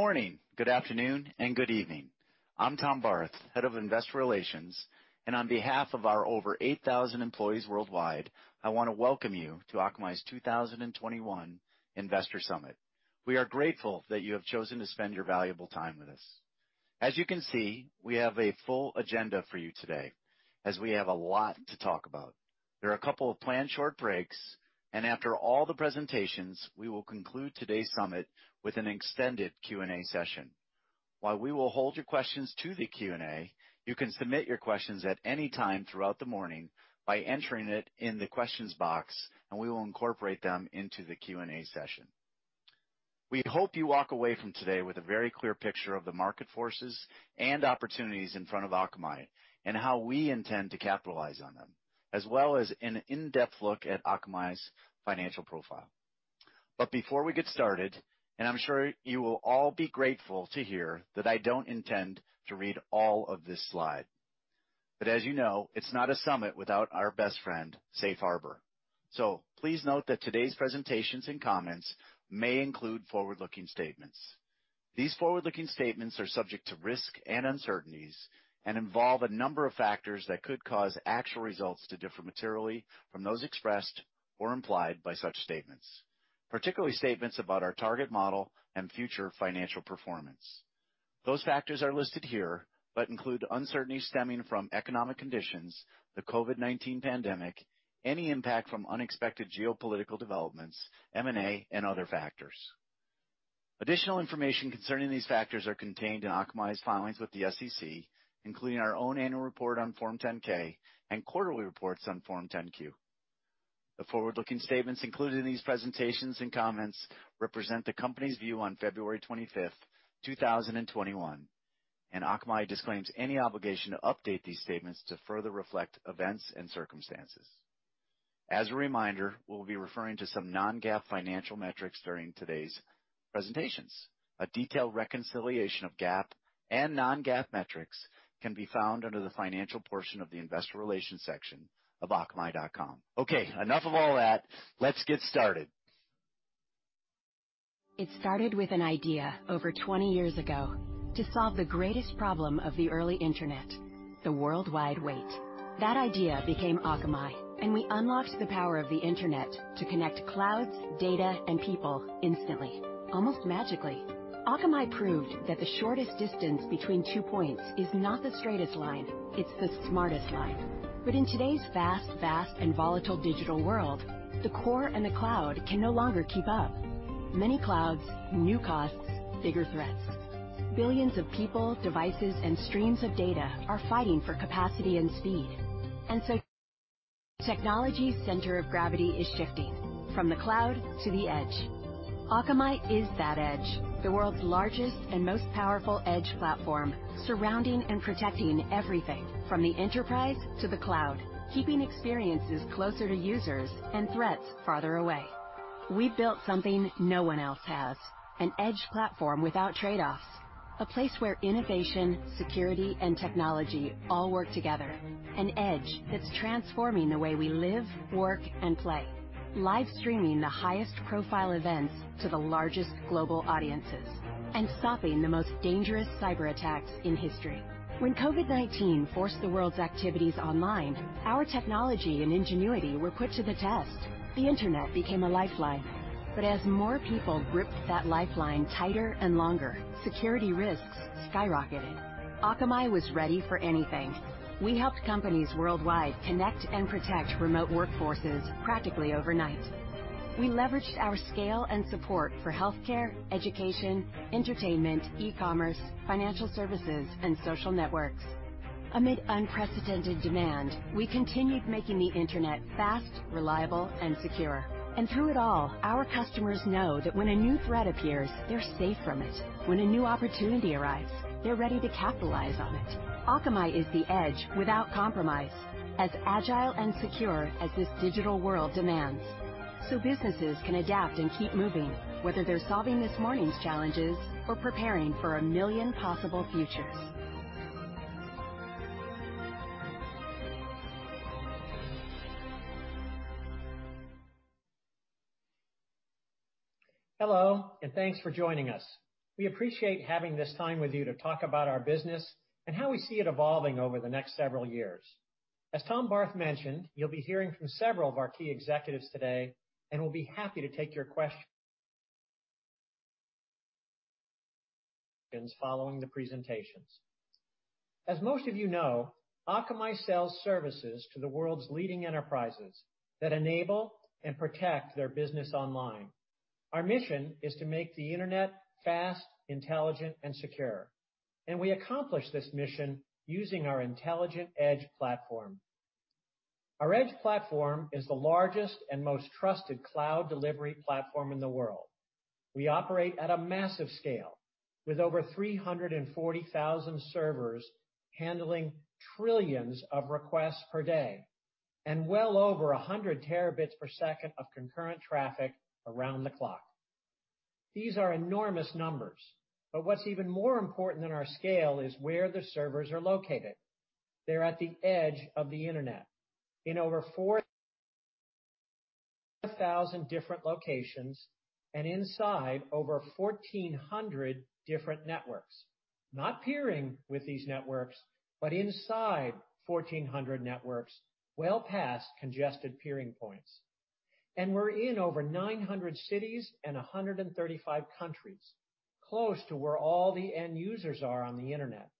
Morning, good afternoon, and good evening. I'm Tom Barth, head of investor relations, and on behalf of our over 8,000 employees worldwide, I want to welcome you to Akamai's 2021 Investor Summit. We are grateful that you have chosen to spend your valuable time with us. As you can see, we have a full agenda for you today, as we have a lot to talk about. There are a couple of planned short breaks, and after all the presentations, we will conclude today's summit with an extended Q&A session. While we will hold your questions to the Q&A, you can submit your questions at any time throughout the morning by entering it in the questions box, and we will incorporate them into the Q&A session. We hope you walk away from today with a very clear picture of the market forces and opportunities in front of Akamai and how we intend to capitalize on them, as well as an in-depth look at Akamai's financial profile. Before we get started, I'm sure you will all be grateful to hear that I don't intend to read all of this slide. As you know, it's not a summit without our best friend, Safe Harbor. Please note that today's presentations and comments may include forward-looking statements. These forward-looking statements are subject to risk and uncertainties and involve a number of factors that could cause actual results to differ materially from those expressed or implied by such statements, particularly statements about our target model and future financial performance. Those factors are listed here, but include uncertainty stemming from economic conditions, the COVID-19 pandemic, any impact from unexpected geopolitical developments, M&A, and other factors. Additional information concerning these factors are contained in Akamai's filings with the SEC, including our own annual report on Form 10-K and quarterly reports on Form 10-Q. The forward-looking statements included in these presentations and comments represent the company's view on February 25th, 2021. Akamai disclaims any obligation to update these statements to further reflect events and circumstances. As a reminder, we'll be referring to some non-GAAP financial metrics during today's presentations. A detailed reconciliation of GAAP and non-GAAP metrics can be found under the financial portion of the investor relations section of akamai.com. Okay, enough of all that. Let's get started. It started with an idea over 20 years ago to solve the greatest problem of the early internet, the World Wide Wait. That idea became Akamai, and we unlocked the power of the internet to connect clouds, data, and people instantly, almost magically. Akamai proved that the shortest distance between two points is not the straightest line. It's the smartest line. In today's fast, vast, and volatile digital world, the core and the cloud can no longer keep up. Many clouds, new costs, bigger threats. Billions of people, devices, and streams of data are fighting for capacity and speed. Technology's center of gravity is shifting from the cloud to the edge. Akamai is that edge, the world's largest and most powerful edge platform, surrounding and protecting everything from the enterprise to the cloud, keeping experiences closer to users and threats farther away. We built something no one else has, an edge platform without trade-offs. A place where innovation, security, and technology all work together. An edge that's transforming the way we live, work, and play. Live streaming the highest profile events to the largest global audiences and stopping the most dangerous cyberattacks in history. When COVID-19 forced the world's activities online, our technology and ingenuity were put to the test. The internet became a lifeline. As more people gripped that lifeline tighter and longer, security risks skyrocketed. Akamai was ready for anything. We helped companies worldwide connect and protect remote workforces practically overnight. We leveraged our scale and support for healthcare, education, entertainment, e-commerce, financial services, and social networks. Amid unprecedented demand, we continued making the internet fast, reliable, and secure. Through it all, our customers know that when a new threat appears, they're safe from it. When a new opportunity arrives, they're ready to capitalize on it. Akamai is the edge without compromise, as agile and secure as this digital world demands, so businesses can adapt and keep moving, whether they're solving this morning's challenges or preparing for a million possible futures. Hello, and thanks for joining us. We appreciate having this time with you to talk about our business and how we see it evolving over the next several years. As Tom Barth mentioned, you'll be hearing from several of our key executives today. We'll be happy to take your questions following the presentations. As most of you know, Akamai sells services to the world's leading enterprises that enable and protect their business online. Our mission is to make the internet fast, intelligent, and secure. We accomplish this mission using our intelligent edge platform. Our edge platform is the largest and most trusted cloud delivery platform in the world. We operate at a massive scale with over 340,000 servers handling trillions of requests per day and well over 100 Tb per second of concurrent traffic around the clock. These are enormous numbers, but what's even more important than our scale is where the servers are located. They're at the edge of the internet in over 4,000 different locations, and inside over 1,400 different networks. Not peering with these networks, but inside 1,400 networks, well past congested peering points. We're in over 900 cities and 135 countries, close to where all the end users are on the internet.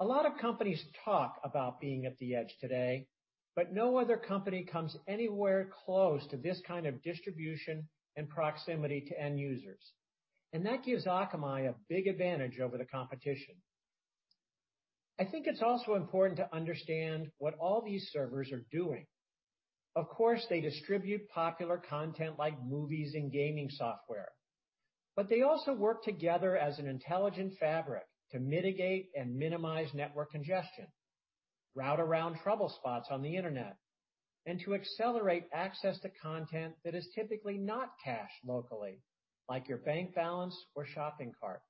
A lot of companies talk about being at the edge today, but no other company comes anywhere close to this kind of distribution and proximity to end users. That gives Akamai a big advantage over the competition. I think it's also important to understand what all these servers are doing. Of course, they distribute popular content like movies and gaming software. They also work together as an intelligent fabric to mitigate and minimize network congestion, route around trouble spots on the internet, and to accelerate access to content that is typically not cached locally, like your bank balance or shopping cart.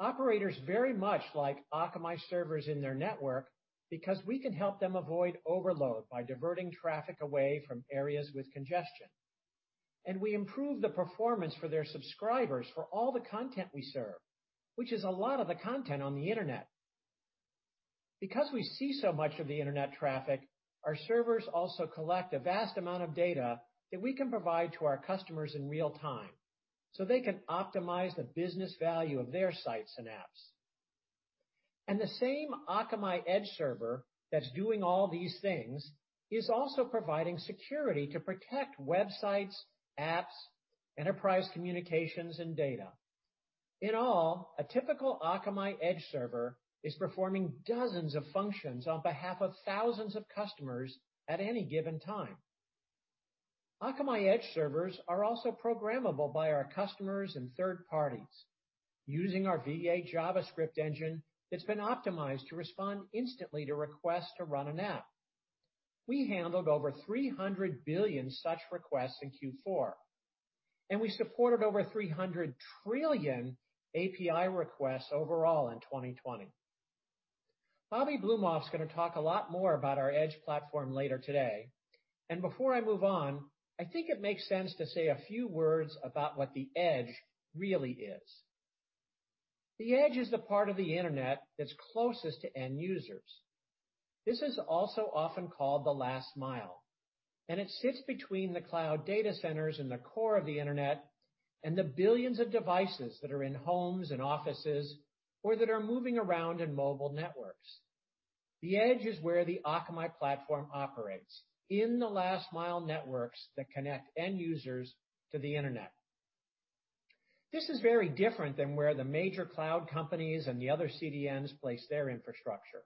Operators very much like Akamai servers in their network because we can help them avoid overload by diverting traffic away from areas with congestion. We improve the performance for their subscribers for all the content we serve, which is a lot of the content on the internet. We see so much of the internet traffic, our servers also collect a vast amount of data that we can provide to our customers in real time, so they can optimize the business value of their sites and apps. The same Akamai Edge server that's doing all these things is also providing security to protect websites, apps, enterprise communications, and data. In all, a typical Akamai Edge server is performing dozens of functions on behalf of thousands of customers at any given time. Akamai Edge servers are also programmable by our customers and third parties using our V8 JavaScript engine that's been optimized to respond instantly to requests to run an app. We handled over 300 billion such requests in Q4, and we supported over 300 trillion API requests overall in 2020. Bobby Blumofe is going to talk a lot more about our Edge platform later today, and before I move on, I think it makes sense to say a few words about what the Edge really is. The Edge is the part of the internet that's closest to end users. This is also often called the last mile, and it sits between the cloud data centers in the core of the internet and the billions of devices that are in homes and offices or that are moving around in mobile networks. The Edge is where the Akamai platform operates, in the last-mile networks that connect end users to the internet. This is very different than where the major cloud companies and the other CDNs place their infrastructure.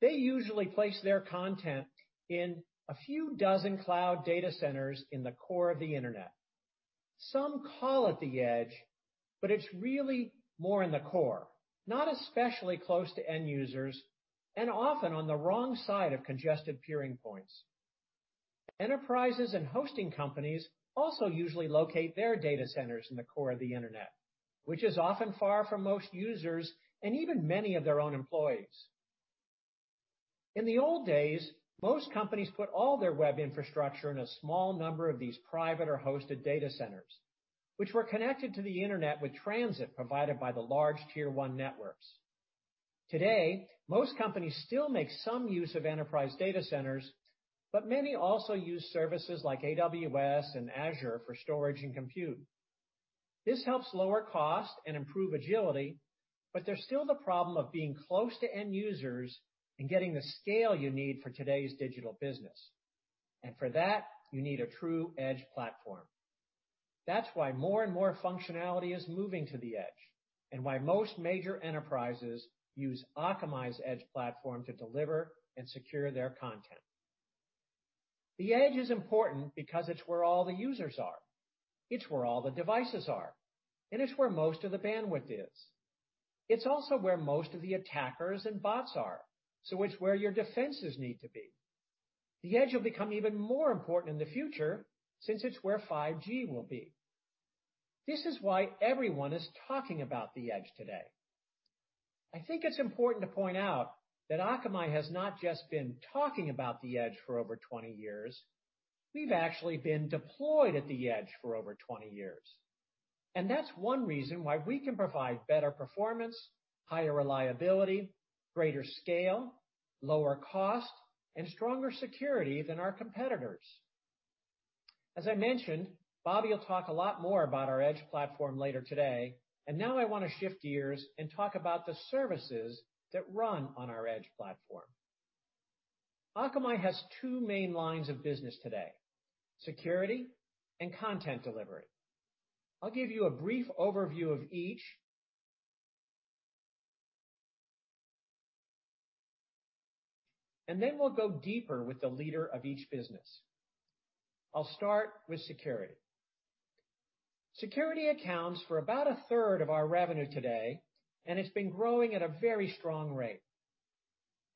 They usually place their content in a few dozen cloud data centers in the core of the internet. Some call it the Edge, but it's really more in the core, not especially close to end users, and often on the wrong side of congested peering points. Enterprises and hosting companies also usually locate their data centers in the core of the internet, which is often far from most users and even many of their own employees. In the old days, most companies put all their web infrastructure in a small number of these private or hosted data centers, which were connected to the internet with transit provided by the large tier one networks. Many also use services like AWS and Azure for storage and compute. This helps lower cost and improve agility, there's still the problem of being close to end users and getting the scale you need for today's digital business. For that, you need a true edge platform. That's why more and more functionality is moving to the Edge, and why most major enterprises use Akamai's Edge platform to deliver and secure their content. The Edge is important because it's where all the users are, it's where all the devices are, and it's where most of the bandwidth is. It's also where most of the attackers and bots are. It's where your defenses need to be. The Edge will become even more important in the future since it's where 5 G will be. This is why everyone is talking about the Edge today. I think it's important to point out that Akamai has not just been talking about the Edge for over 20 years. We've actually been deployed at the Edge for over 20 years. That's one reason why we can provide better performance, higher reliability, greater scale, lower cost, and stronger security than our competitors. As I mentioned, Bobby will talk a lot more about our Edge platform later today, and now I want to shift gears and talk about the services that run on our Edge platform. Akamai has two main lines of business today, security and content delivery. I'll give you a brief overview of each. Then we'll go deeper with the leader of each business. I'll start with security. Security accounts for about a third of our revenue today, and it's been growing at a very strong rate.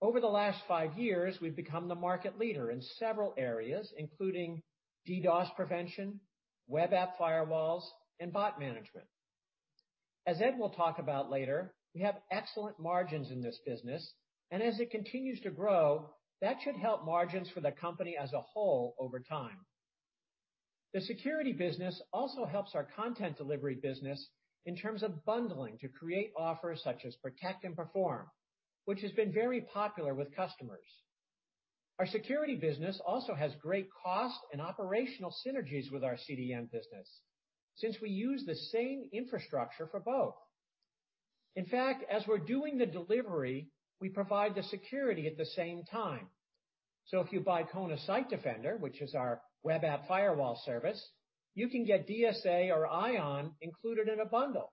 Over the last five years, we've become the market leader in several areas, including DDoS prevention, web app firewalls, and bot management. As Ed will talk about later, we have excellent margins in this business, and as it continues to grow, that should help margins for the company as a whole over time. The security business also helps our content delivery business in terms of bundling to create offers such as Protect and Perform, which has been very popular with customers. Our security business also has great cost and operational synergies with our CDN business, since we use the same infrastructure for both. As we're doing the delivery, we provide the security at the same time. If you buy Kona Site Defender, which is our web app firewall service, you can get DSA or Ion included in a bundle,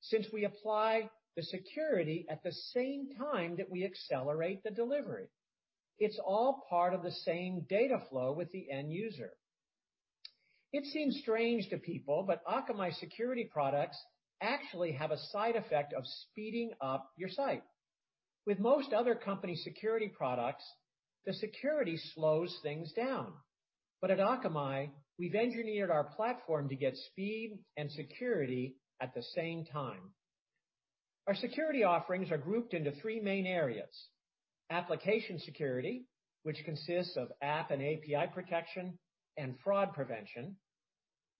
since we apply the security at the same time that we accelerate the delivery. It's all part of the same data flow with the end user. It seems strange to people, Akamai security products actually have a side effect of speeding up your site. With most other company security products, the security slows things down. At Akamai, we've engineered our platform to get speed and security at the same time. Our security offerings are grouped into three main areas. Application security, which consists of app and API protection and fraud prevention.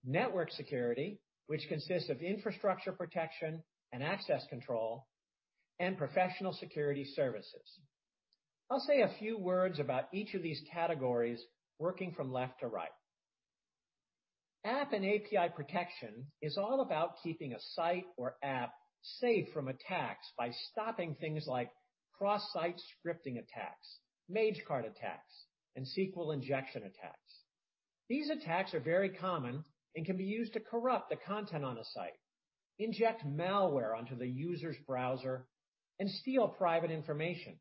Network security, which consists of infrastructure protection and access control. Professional security services. I'll say a few words about each of these categories, working from left to right. App and API protection is all about keeping a site or app safe from attacks by stopping things like cross-site scripting attacks, Magecart attacks, and SQL injection attacks. These attacks are very common and can be used to corrupt the content on a site, inject malware onto the user's browser, and steal private information.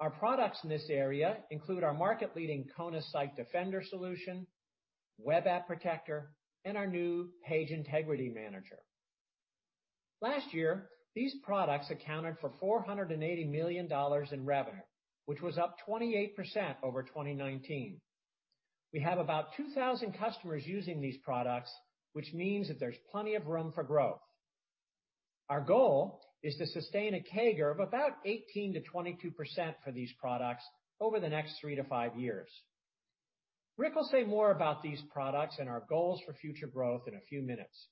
Our products in this area include our market-leading Kona Site Defender solution, Web App Protector, and our new Page Integrity Manager. Last year, these products accounted for $480 million in revenue, which was up 28% over 2019. We have about 2,000 customers using these products, which means that there's plenty of room for growth. Our goal is to sustain a CAGR of about 18%-22% for these products over the next three-five years. Rick will say more about these products and our goals for future growth in a few minutes.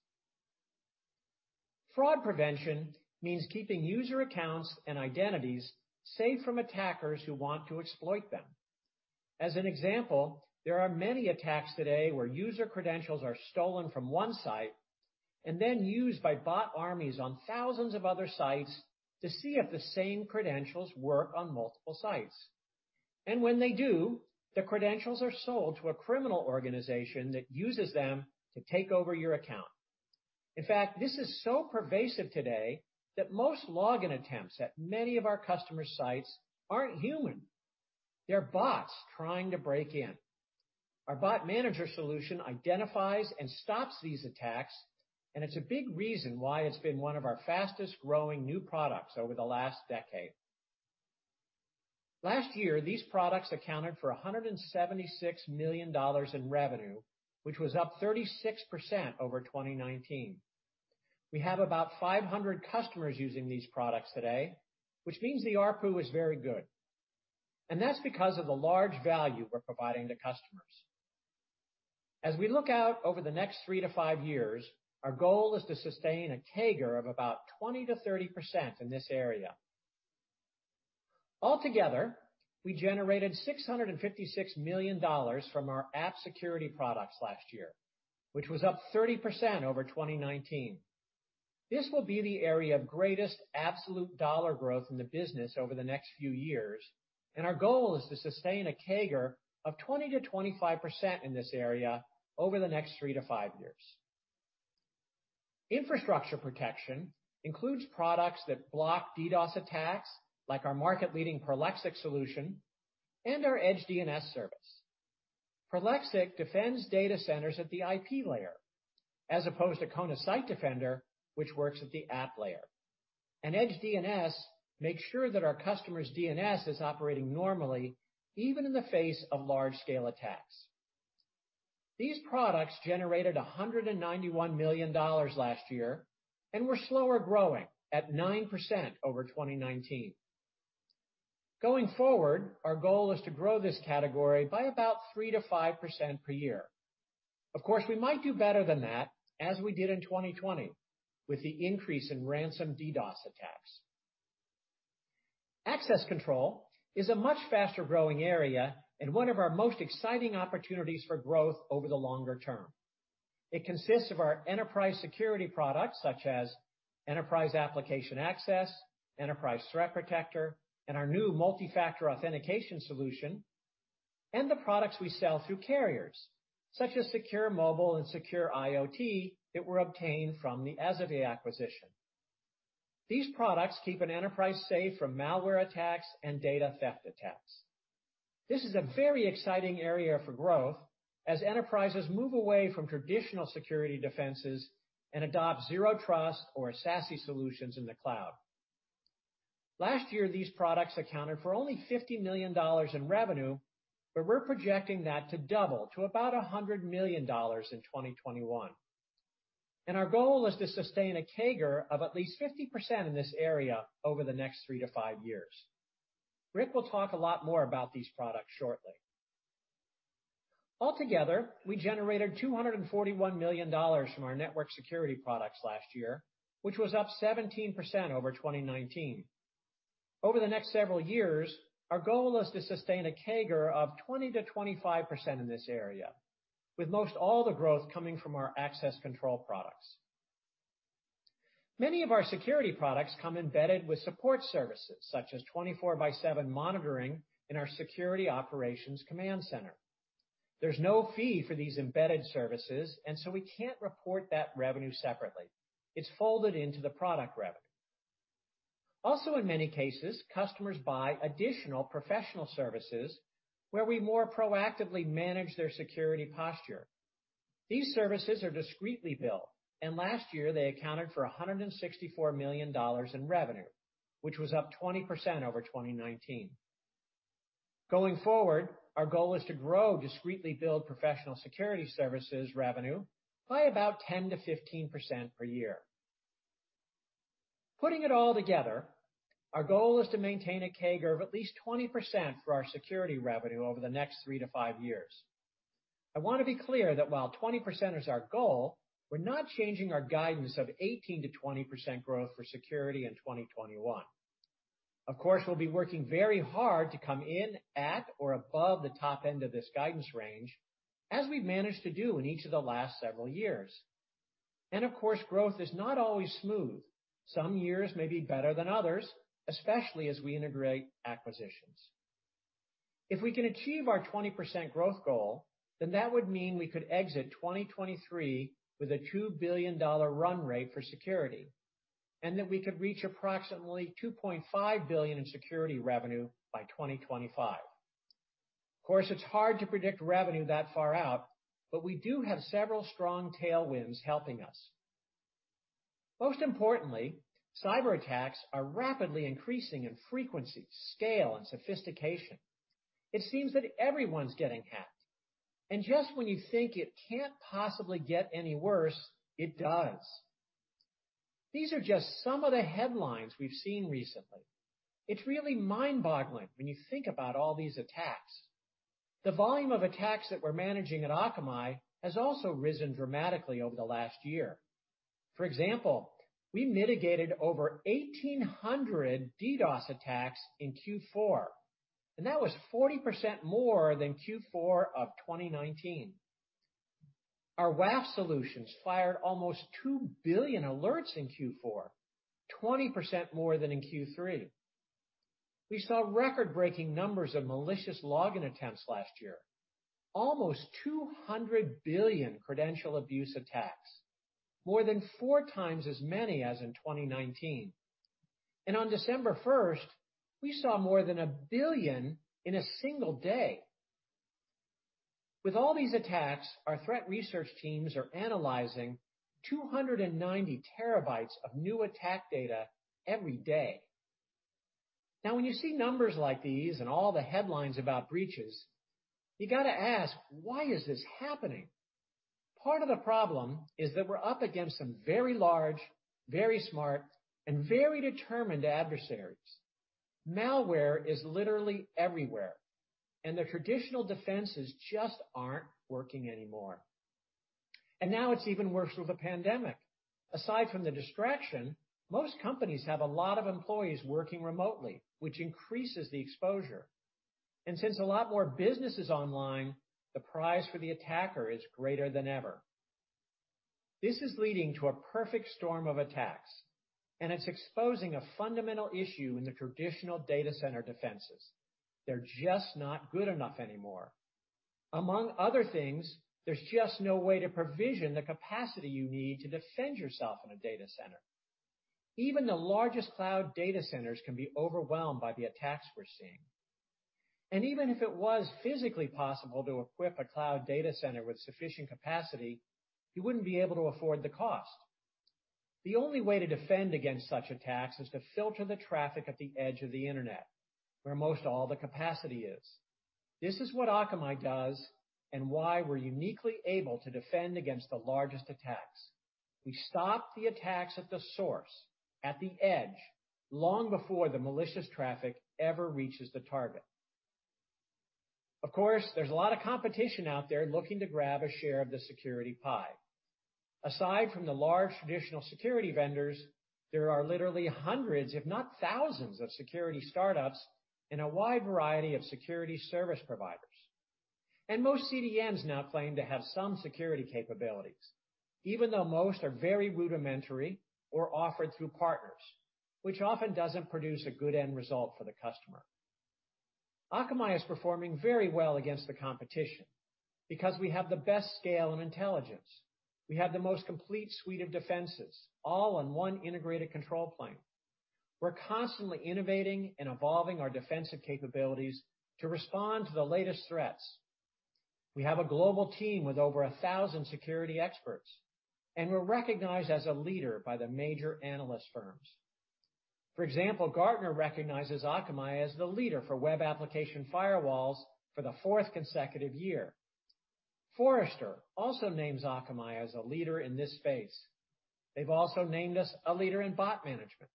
Fraud prevention means keeping user accounts and identities safe from attackers who want to exploit them. As an example, there are many attacks today where user credentials are stolen from one site and then used by bot armies on thousands of other sites to see if the same credentials work on multiple sites. When they do, the credentials are sold to a criminal organization that uses them to take over your account. In fact, this is so pervasive today that most login attempts at many of our customers' sites aren't human. They're bots trying to break in. Our Bot Manager solution identifies and stops these attacks, and it's a big reason why it's been one of our fastest-growing new products over the last decade. Last year, these products accounted for $176 million in revenue, which was up 36% over 2019. We have about 500 customers using these products today, which means the ARPU is very good. That's because of the large value we're providing to customers. As we look out over the next three-five years, our goal is to sustain a CAGR of about 20%-30% in this area. Altogether, we generated $656 million from our app security products last year, which was up 30% over 2019. This will be the area of greatest absolute dollar growth in the business over the next few years, our goal is to sustain a CAGR of 20%-25% in this area over the next three-five years. Infrastructure protection includes products that block DDoS attacks, like our market-leading Prolexic solution and our Edge DNS service. Prolexic defends data centers at the IP layer, as opposed to Kona Site Defender, which works at the app layer. Edge DNS makes sure that our customer's DNS is operating normally, even in the face of large-scale attacks. These products generated $191 million last year and were slower growing, at 9% over 2019. Going forward, our goal is to grow this category by about 3%-5% per year. Of course, we might do better than that, as we did in 2020, with the increase in ransom DDoS attacks. Access control is a much faster-growing area and one of our most exciting opportunities for growth over the longer term. It consists of our enterprise security products such as Enterprise Application Access, Enterprise Threat Protector, and our new multi-factor authentication solution, and the products we sell through carriers, such as Secure Mobile and Secure IoT, that were obtained from the Asavie acquisition. These products keep an enterprise safe from malware attacks and data theft attacks. This is a very exciting area for growth as enterprises move away from traditional security defenses and adopt Zero Trust or SASE solutions in the cloud. Last year, these products accounted for only $50 million in revenue, but we're projecting that to double to about $100 million in 2021. Our goal is to sustain a CAGR of at least 50% in this area over the next three-five years. Rick will talk a lot more about these products shortly. Altogether, we generated $241 million from our network security products last year, which was up 17% over 2019. Over the next several years, our goal is to sustain a CAGR of 20%-25% in this area, with most all the growth coming from our access control products. Many of our security products come embedded with support services, such as 24 by seven monitoring in our Security Operations Command Center. There's no fee for these embedded services, and so we can't report that revenue separately. It's folded into the product revenue. Also, in many cases, customers buy additional professional services where we more proactively manage their security posture. These services are discreetly billed, and last year they accounted for $164 million in revenue, which was up 20% over 2019. Going forward, our goal is to grow discretely billed professional security services revenue by about 10%-15% per year. Putting it all together, our goal is to maintain a CAGR of at least 20% for our security revenue over the next three-five years. I want to be clear that while 20% is our goal, we're not changing our guidance of 18%-20% growth for security in 2021. Of course, we'll be working very hard to come in at or above the top end of this guidance range, as we've managed to do in each of the last several years. Of course, growth is not always smooth. Some years may be better than others, especially as we integrate acquisitions. If we can achieve our 20% growth goal, then that would mean we could exit 2023 with a $2 billion run rate for security, and that we could reach approximately $2.5 billion in security revenue by 2025. Of course, it's hard to predict revenue that far out, but we do have several strong tailwinds helping us. Most importantly, cyberattacks are rapidly increasing in frequency, scale, and sophistication. It seems that everyone's getting hacked. Just when you think it can't possibly get any worse, it does. These are just some of the headlines we've seen recently. It's really mind-boggling when you think about all these attacks. The volume of attacks that we're managing at Akamai has also risen dramatically over the last year. For example, we mitigated over 1,800 DDoS attacks in Q4, and that was 40% more than Q4 of 2019. Our WAF solutions fired almost 2 billion alerts in Q4, 20% more than in Q3. We saw record-breaking numbers of malicious login attempts last year. Almost 200 billion credential abuse attacks, more than four times as many as in 2019. On December 1st, we saw more than a billion in a single day. With all these attacks, our threat research teams are analyzing 290 terabytes of new attack data every day. Now, when you see numbers like these and all the headlines about breaches, you got to ask, why is this happening? Part of the problem is that we're up against some very large, very smart, and very determined adversaries. Malware is literally everywhere, and the traditional defenses just aren't working anymore. Now it's even worse with the pandemic. Aside from the distraction, most companies have a lot of employees working remotely, which increases the exposure. Since a lot more business is online, the prize for the attacker is greater than ever. This is leading to a perfect storm of attacks, and it's exposing a fundamental issue in the traditional data center defenses. They're just not good enough anymore. Among other things, there's just no way to provision the capacity you need to defend yourself in a data center. Even the largest cloud data centers can be overwhelmed by the attacks we're seeing. Even if it was physically possible to equip a cloud data center with sufficient capacity, you wouldn't be able to afford the cost. The only way to defend against such attacks is to filter the traffic at the edge of the Internet, where most all the capacity is. This is what Akamai does and why we're uniquely able to defend against the largest attacks. We stop the attacks at the source, at the edge, long before the malicious traffic ever reaches the target. Of course, there's a lot of competition out there looking to grab a share of the security pie. Aside from the large traditional security vendors, there are literally hundreds, if not thousands of security startups and a wide variety of security service providers. Most CDNs now claim to have some security capabilities, even though most are very rudimentary or offered through partners, which often doesn't produce a good end result for the customer. Akamai is performing very well against the competition, because we have the best scale of intelligence. We have the most complete suite of defenses, all on one integrated control plane. We're constantly innovating and evolving our defensive capabilities to respond to the latest threats. We have a global team with over 1,000 security experts, and we're recognized as a leader by the major analyst firms. For example, Gartner recognizes Akamai as the leader for web application firewalls for the fourth consecutive year. Forrester also names Akamai as a leader in this space. They've also named us a leader in bot management.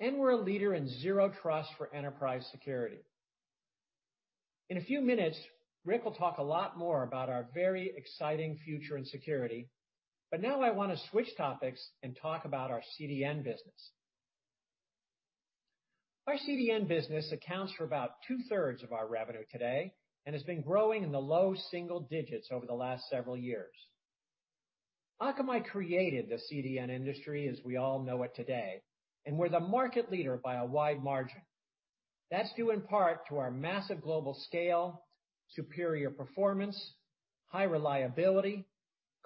We're a leader in zero trust for enterprise security. In a few minutes, Rick will talk a lot more about our very exciting future in security. Now I want to switch topics and talk about our CDN business. Our CDN business accounts for about 2/3 of our revenue today and has been growing in the low single digits over the last several years. Akamai created the CDN industry as we all know it today, and we're the market leader by a wide margin. That's due in part to our massive global scale, superior performance, high reliability,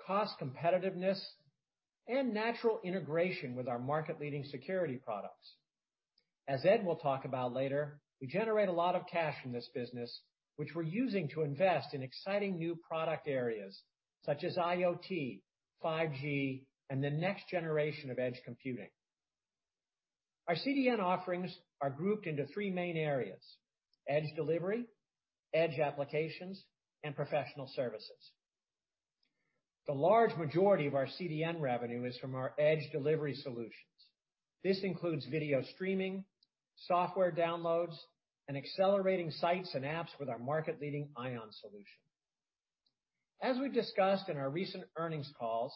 cost competitiveness, and natural integration with our market-leading security products. As Ed will talk about later, we generate a lot of cash from this business, which we're using to invest in exciting new product areas such as IoT, 5 G, and the next generation of edge computing. Our CDN offerings are grouped into three main areas, edge delivery, edge applications, and professional services. The large majority of our CDN revenue is from our edge delivery solutions. This includes video streaming, software downloads, and accelerating sites and apps with our market-leading Ion solution. As we discussed in our recent earnings calls,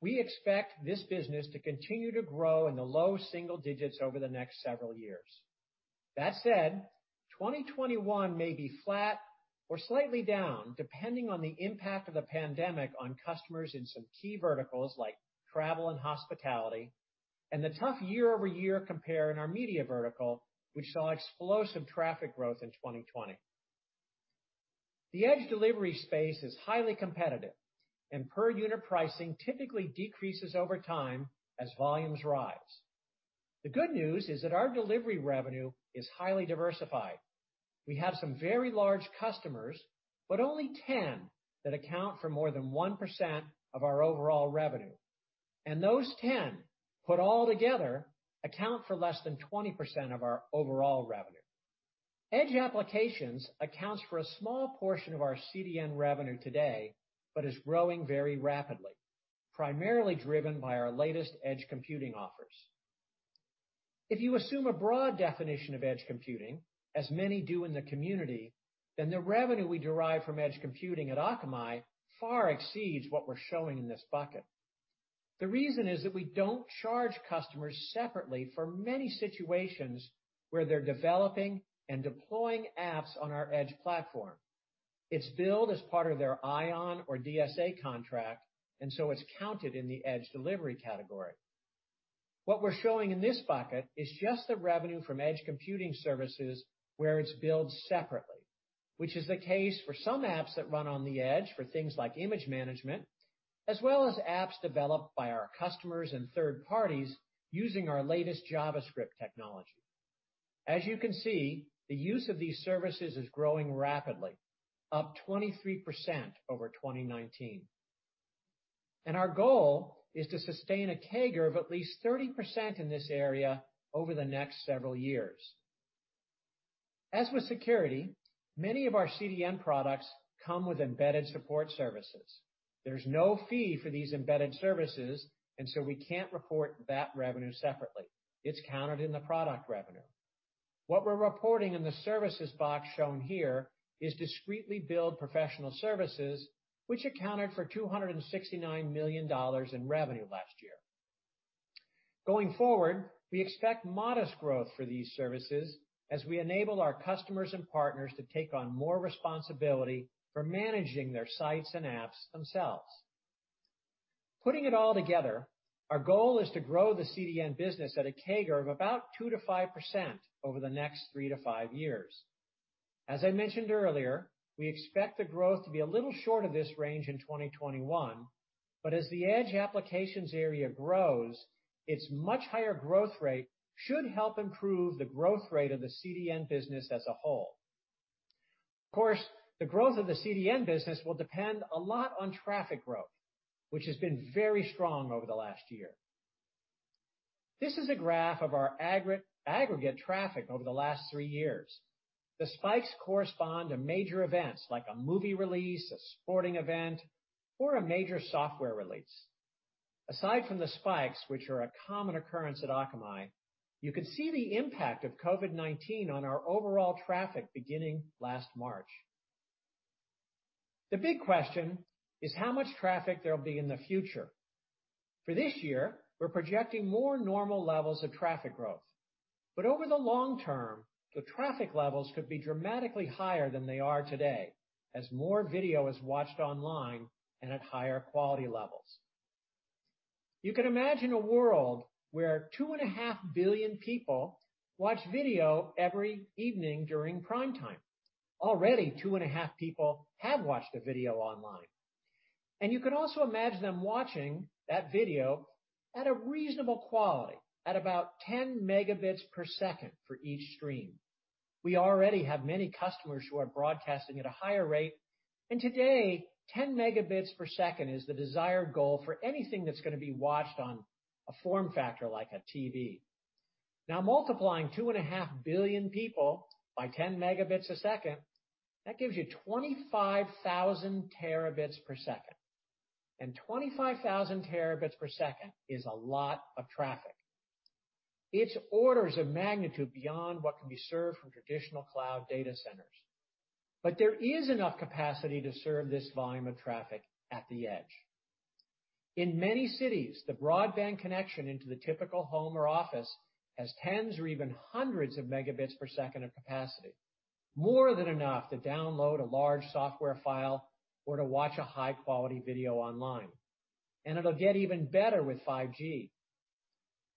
we expect this business to continue to grow in the low single digits over the next several years. 2021 may be flat or slightly down, depending on the impact of the pandemic on customers in some key verticals like travel and hospitality, and the tough year-over-year compare in our media vertical, which saw explosive traffic growth in 2020. The edge delivery space is highly competitive, per unit pricing typically decreases over time as volumes rise. The good news is that our delivery revenue is highly diversified. We have some very large customers, only 10 that account for more than 1% of our overall revenue. Those 10, put all together, account for less than 20% of our overall revenue. Edge applications accounts for a small portion of our CDN revenue today, is growing very rapidly, primarily driven by our latest edge computing offers. If you assume a broad definition of edge computing, as many do in the community, then the revenue we derive from edge computing at Akamai far exceeds what we're showing in this bucket. The reason is that we don't charge customers separately for many situations where they're developing and deploying apps on our edge platform. It's billed as part of their Ion or DSA contract, and so it's counted in the edge delivery category. What we're showing in this bucket is just the revenue from edge computing services where it's billed separately, which is the case for some apps that run on the edge for things like image management, as well as apps developed by our customers and third parties using our latest JavaScript technology. As you can see, the use of these services is growing rapidly, up 23% over 2019. Our goal is to sustain a CAGR of at least 30% in this area over the next several years. As with security, many of our CDN products come with embedded support services. There's no fee for these embedded services, we can't report that revenue separately. It's counted in the product revenue. What we're reporting in the services box shown here is discretely billed professional services, which accounted for $269 million in revenue last year. Going forward, we expect modest growth for these services as we enable our customers and partners to take on more responsibility for managing their sites and apps themselves. Putting it all together, our goal is to grow the CDN business at a CAGR of about 2%-5% over the next three-five years. As I mentioned earlier, we expect the growth to be a little short of this range in 2021, but as the edge applications area grows, its much higher growth rate should help improve the growth rate of the CDN business as a whole. Of course, the growth of the CDN business will depend a lot on traffic growth, which has been very strong over the last year. This is a graph of our aggregate traffic over the last three years. The spikes correspond to major events like a movie release, a sporting event, or a major software release. Aside from the spikes, which are a common occurrence at Akamai, you can see the impact of COVID-19 on our overall traffic beginning last March. The big question is how much traffic there will be in the future. For this year, we are projecting more normal levels of traffic growth. Over the long term, the traffic levels could be dramatically higher than they are today, as more video is watched online and at higher quality levels. You can imagine a world where two and a half billion people watch video every evening during prime time. Already, two and a half people have watched a video online. You can also imagine them watching that video at a reasonable quality at about 10 MB per second for each stream. We already have many customers who are broadcasting at a higher rate, and today, 10 MB per second is the desired goal for anything that's going to be watched on a form factor like a TV. Now multiplying two and a half billion people by 10 MB a second, that gives you 25,000 TB per second. 25,000 TB per second is a lot of traffic. It's orders of magnitude beyond what can be served from traditional cloud data centers. There is enough capacity to serve this volume of traffic at the edge. In many cities, the broadband connection into the typical home or office has tens or even hundreds of megabits per second of capacity, more than enough to download a large software file or to watch a high-quality video online, and it'll get even better with 5 G.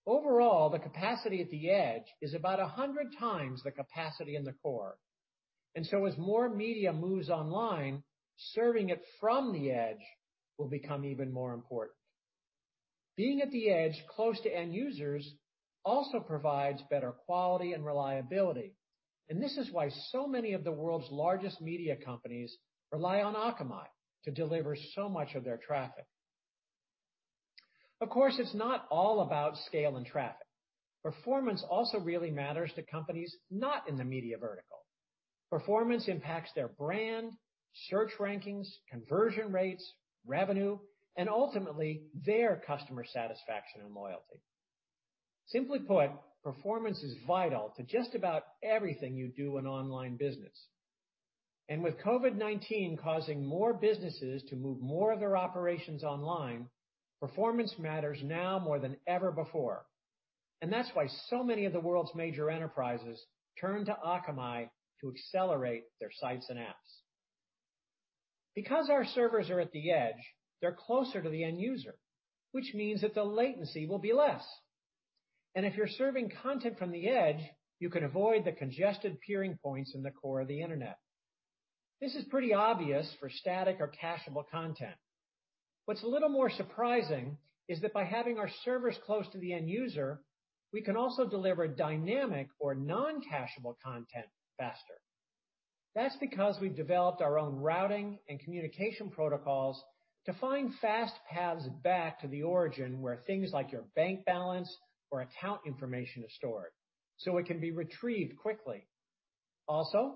Overall, the capacity at the edge is about 100x the capacity in the core. As more media moves online, serving it from the edge will become even more important. Being at the edge close to end users also provides better quality and reliability, and this is why so many of the world's largest media companies rely on Akamai to deliver so much of their traffic. Of course, it's not all about scale and traffic. Performance also really matters to companies not in the media vertical. Performance impacts their brand, search rankings, conversion rates, revenue, and ultimately their customer satisfaction and loyalty. Simply put, performance is vital to just about everything you do in online business. With COVID-19 causing more businesses to move more of their operations online, performance matters now more than ever before. That's why so many of the world's major enterprises turn to Akamai to accelerate their sites and apps. Because our servers are at the edge, they're closer to the end user, which means that the latency will be less. If you're serving content from the edge, you can avoid the congested peering points in the core of the Internet. This is pretty obvious for static or cacheable content. What's a little more surprising is that by having our servers close to the end user, we can also deliver dynamic or non-cacheable content faster. That's because we've developed our own routing and communication protocols to find fast paths back to the origin where things like your bank balance or account information is stored, so it can be retrieved quickly. Also,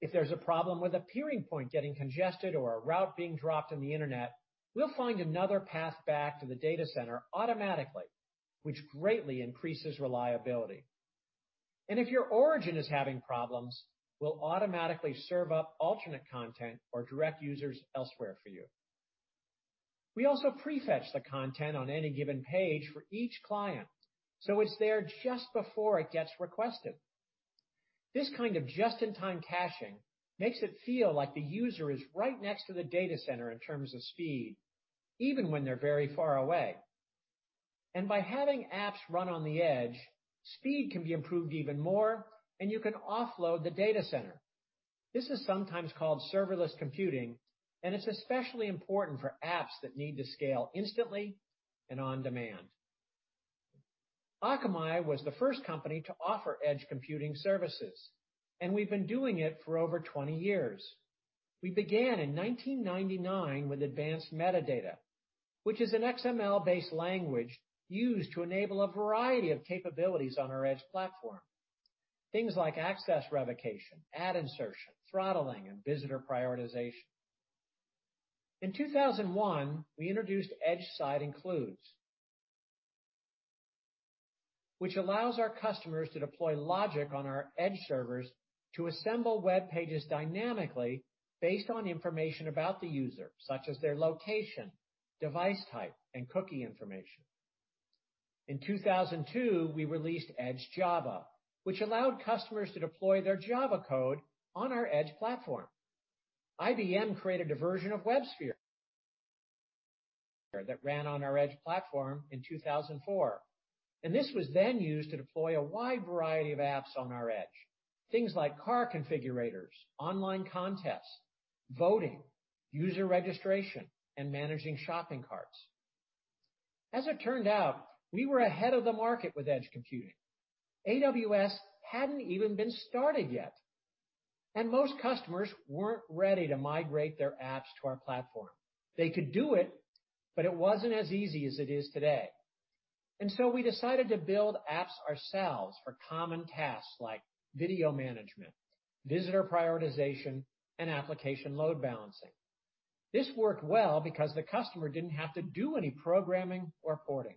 if there's a problem with a peering point getting congested or a route being dropped on the Internet, we'll find another path back to the data center automatically, which greatly increases reliability. If your origin is having problems, we'll automatically serve up alternate content or direct users elsewhere for you. We also prefetch the content on any given page for each client, so it's there just before it gets requested. This kind of just-in-time caching makes it feel like the user is right next to the data center in terms of speed, even when they're very far away. By having apps run on the edge, speed can be improved even more, and you can offload the data center. This is sometimes called serverless computing, and it's especially important for apps that need to scale instantly and on demand. Akamai was the first company to offer edge computing services, and we've been doing it for over 20 years. We began in 1999 with advanced metadata, which is an XML-based language used to enable a variety of capabilities on our edge platform. Things like access revocation, ad insertion, throttling, and visitor prioritization. In 2001, we introduced Edge Side Includes, which allows our customers to deploy logic on our edge servers to assemble web pages dynamically based on information about the user, such as their location, device type, and cookie information. In 2002, we released EdgeJava, which allowed customers to deploy their Java code on our edge platform. IBM created a version of WebSphere that ran on our edge platform in 2004. This was then used to deploy a wide variety of apps on our edge, things like car configurators, online contests, voting, user registration, and managing shopping carts. As it turned out, we were ahead of the market with edge computing. AWS hadn't even been started yet. Most customers weren't ready to migrate their apps to our platform. They could do it, but it wasn't as easy as it is today. We decided to build apps ourselves for common tasks like video management, visitor prioritization, and application load balancing. This worked well because the customer didn't have to do any programming or porting.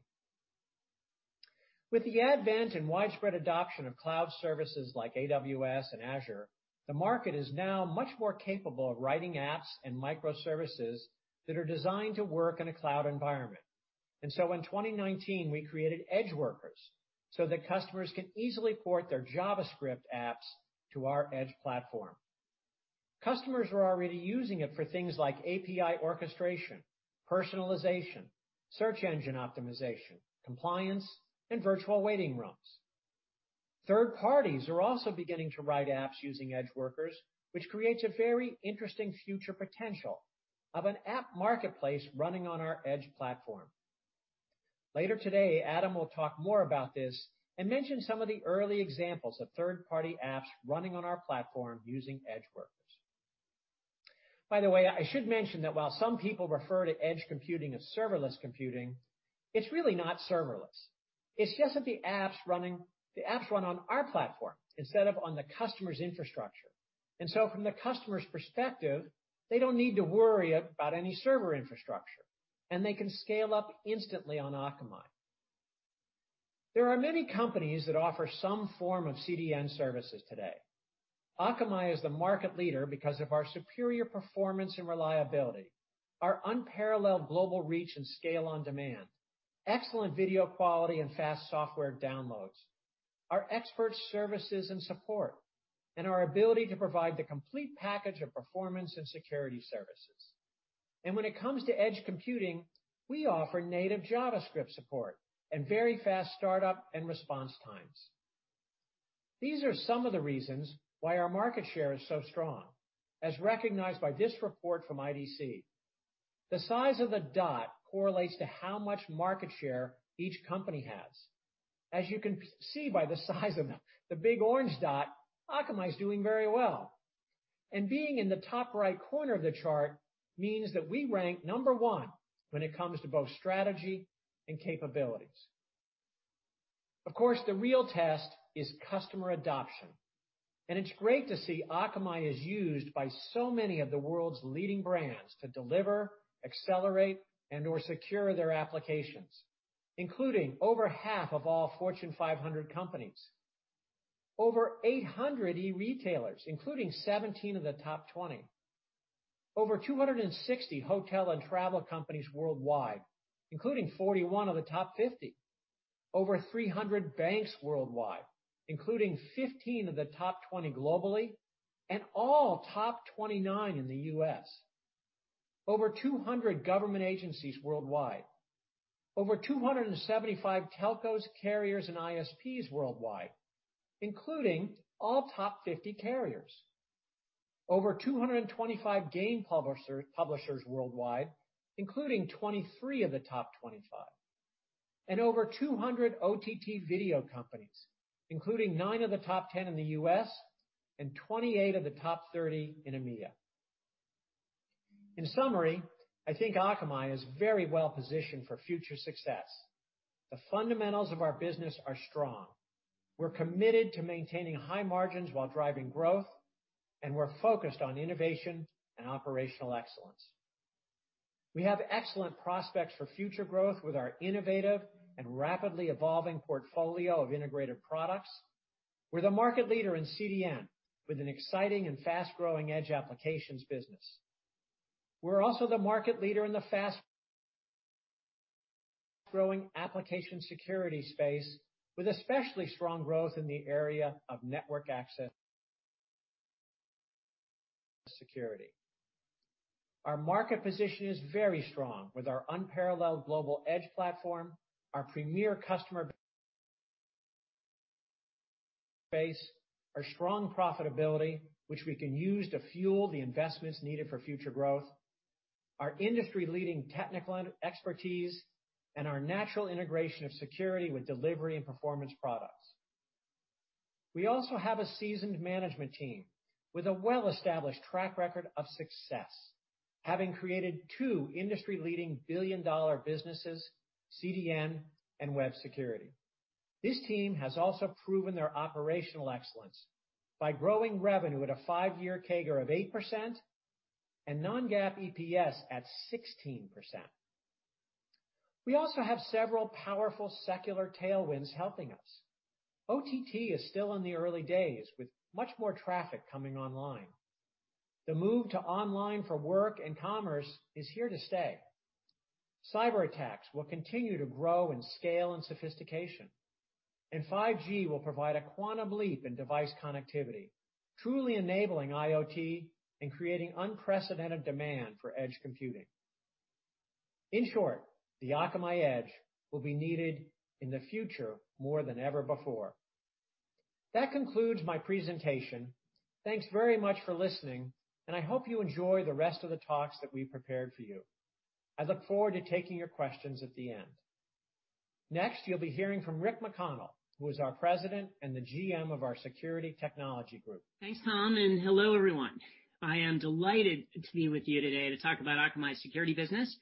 With the advent and widespread adoption of cloud services like AWS and Azure, the market is now much more capable of writing apps and microservices that are designed to work in a cloud environment. In 2019, we created EdgeWorkers so that customers can easily port their JavaScript apps to our Edge platform. Customers were already using it for things like API orchestration, personalization, search engine optimization, compliance, and virtual waiting rooms. Third parties are also beginning to write apps using EdgeWorkers, which creates a very interesting future potential of an app marketplace running on our Edge platform. Later today, Adam will talk more about this and mention some of the early examples of third-party apps running on our platform using EdgeWorkers. By the way, I should mention that while some people refer to edge computing as serverless computing, it's really not serverless. It's just that the apps run on our platform instead of on the customer's infrastructure. From the customer's perspective, they don't need to worry about any server infrastructure, and they can scale up instantly on Akamai. There are many companies that offer some form of CDN services today. Akamai is the market leader because of our superior performance and reliability, our unparalleled global reach and scale on demand, excellent video quality and fast software downloads, our expert services and support, and our ability to provide the complete package of performance and security services. When it comes to edge computing, we offer native JavaScript support and very fast startup and response times. These are some of the reasons why our market share is so strong, as recognized by this report from IDC. The size of the dot correlates to how much market share each company has. As you can see by the size of the big orange dot, Akamai is doing very well. Being in the top right corner of the chart means that we rank number one when it comes to both strategy and capabilities. Of course, the real test is customer adoption, and it's great to see Akamai is used by so many of the world's leading brands to deliver, accelerate, and or secure their applications, including over half of all Fortune 500 companies, over 800 e-retailers, including 17 of the top 20, over 260 hotel and travel companies worldwide, including 41 of the top 50, over 300 banks worldwide, including 15 of the top 20 globally and all top 29 in the U.S. Over 200 government agencies worldwide, over 275 telcos, carriers, and ISPs worldwide, including all top 50 carriers, over 225 game publishers worldwide, including 23 of the top 25. Over 200 OTT video companies, including nine of the top 10 in the U.S. and 28 of the top 30 in EMEA. In summary, I think Akamai is very well-positioned for future success. The fundamentals of our business are strong. We're committed to maintaining high margins while driving growth, and we're focused on innovation and operational excellence. We have excellent prospects for future growth with our innovative and rapidly evolving portfolio of integrated products. We're the market leader in CDN with an exciting and fast-growing Edge applications business. We're also the market leader in the fast-growing application security space, with especially strong growth in the area of network access security. Our market position is very strong with our unparalleled global Edge platform, our premier customer base, our strong profitability, which we can use to fuel the investments needed for future growth, our industry-leading technical expertise, and our natural integration of security with delivery and performance products. We also have a seasoned management team with a well-established track record of success, having created two industry-leading billion-dollar businesses, CDN and web security. This team has also proven their operational excellence by growing revenue at a five year CAGR of 8% and non-GAAP EPS at 16%. We also have several powerful secular tailwinds helping us. OTT is still in the early days with much more traffic coming online. The move to online for work and commerce is here to stay. Cyber attacks will continue to grow in scale and sophistication, and 5 G will provide a quantum leap in device connectivity, truly enabling IoT and creating unprecedented demand for edge computing. In short, the Akamai Edge will be needed in the future more than ever before. That concludes my presentation. Thanks very much for listening, and I hope you enjoy the rest of the talks that we prepared for you. I look forward to taking your questions at the end. Next, you'll be hearing from Rick McConnell, who is our president and the GM of our Security Technology Group. Thanks, Tom. Hello, everyone. I am delighted to be with you today to talk about Akamai's security business.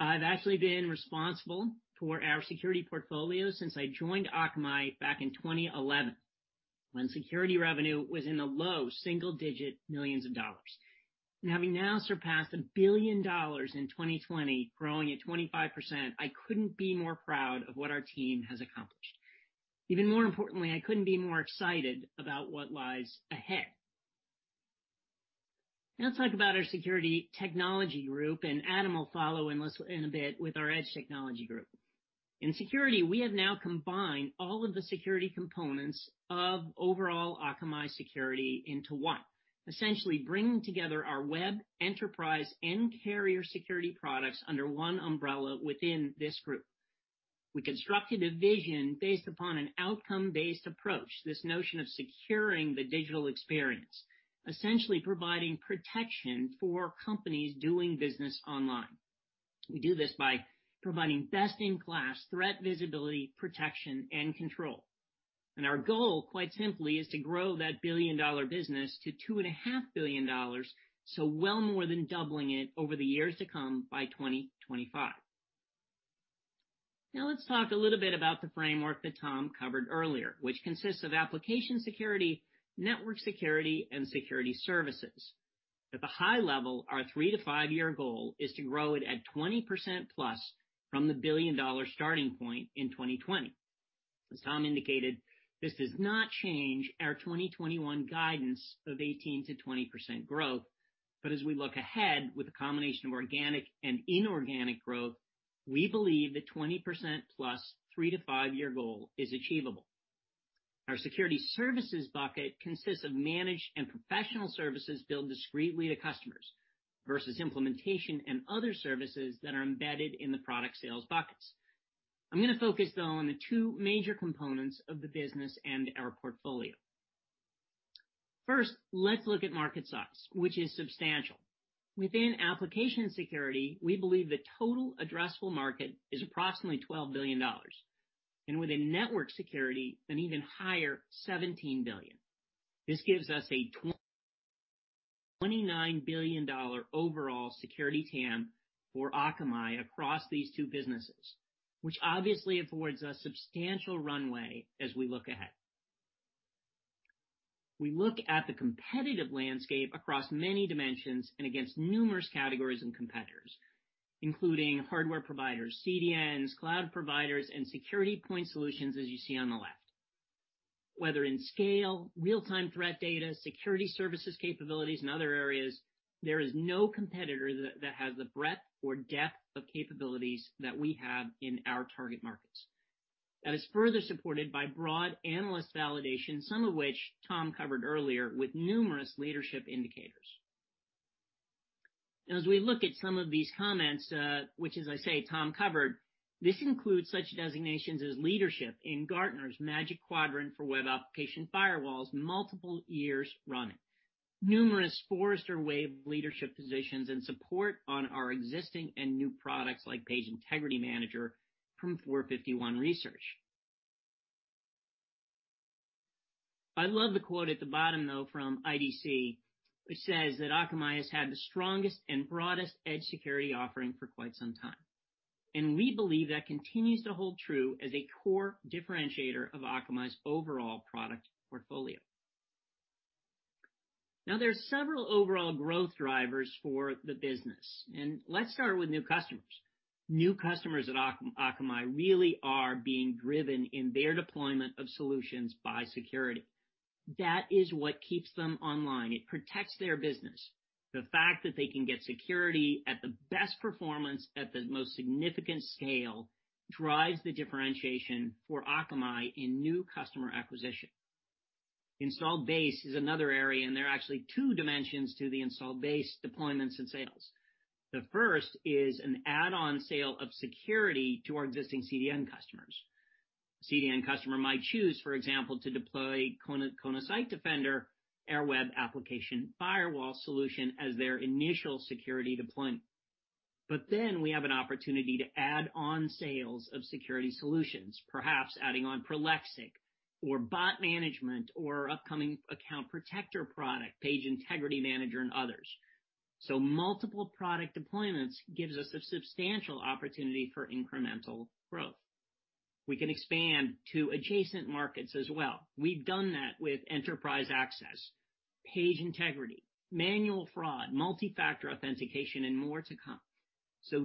I've actually been responsible for our security portfolio since I joined Akamai back in 2011, when security revenue was in the low single-digit millions of dollars. Having now surpassed $1 billion in 2020, growing at 25%, I couldn't be more proud of what our team has accomplished. Even more importantly, I couldn't be more excited about what lies ahead. Now let's talk about our Security Technology Group, and Adam will follow in a bit with our Edge Technology Group. In security, we have now combined all of the security components of overall Akamai Security into one. Essentially bringing together our web enterprise and carrier security products under one umbrella within this group. Our goal, quite simply, is to grow that billion-dollar business to $2.5 billion, so well more than doubling it over the years to come by 2025. Let's talk a little bit about the framework that Tom covered earlier, which consists of application security, network security, and security services. At the high level, our three-five-year goal is to grow it at 20%+ from the billion-dollar starting point in 2020. As Tom indicated, this does not change our 2021 guidance of 18%-20% growth, but as we look ahead with a combination of organic and inorganic growth, we believe the 20%+ three-five-year goal is achievable. Our security services bucket consists of managed and professional services billed discreetly to customers versus implementation and other services that are embedded in the product sales buckets. I'm going to focus, though, on the two major components of the business and our portfolio. First, let's look at market size, which is substantial. Within application security, we believe the total addressable market is approximately $12 billion. Within network security, an even higher $17 billion. This gives us a $29 billion overall security TAM for Akamai across these two businesses, which obviously affords us substantial runway as we look ahead. We look at the competitive landscape across many dimensions and against numerous categories and competitors, including hardware providers, CDNs, cloud providers, and security point solutions as you see on the left. Whether in scale, real-time threat data, security services capabilities, and other areas, there is no competitor that has the breadth or depth of capabilities that we have in our target markets. That is further supported by broad analyst validation, some of which Tom covered earlier with numerous leadership indicators. As we look at some of these comments, which as I say, Tom covered, this includes such designations as leadership in Gartner's Magic Quadrant for Web Application Firewalls multiple years running. Numerous Forrester Wave leadership positions and support on our existing and new products like Page Integrity Manager from 451 Research. I love the quote at the bottom, though, from IDC, which says that Akamai has had the strongest and broadest edge security offering for quite some time, and we believe that continues to hold true as a core differentiator of Akamai's overall product portfolio. There are several overall growth drivers for the business. Let's start with new customers. New customers at Akamai really are being driven in their deployment of solutions by security. That is what keeps them online. It protects their business. The fact that they can get security at the best performance at the most significant scale drives the differentiation for Akamai in new customer acquisition. Installed base is another area. There are actually two dimensions to the installed base deployments and sales. The first is an add-on sale of security to our existing CDN customers. CDN customer might choose, for example, to deploy Kona Site Defender, our web application firewall solution, as their initial security deployment. We have an opportunity to add on sales of security solutions, perhaps adding on Prolexic or Bot Manager or upcoming Account Protector product, Page Integrity Manager, and others. Multiple product deployments gives us a substantial opportunity for incremental growth. We can expand to adjacent markets as well. We've done that with Enterprise Access, Page Integrity, manual fraud, multi-factor authentication, and more to come.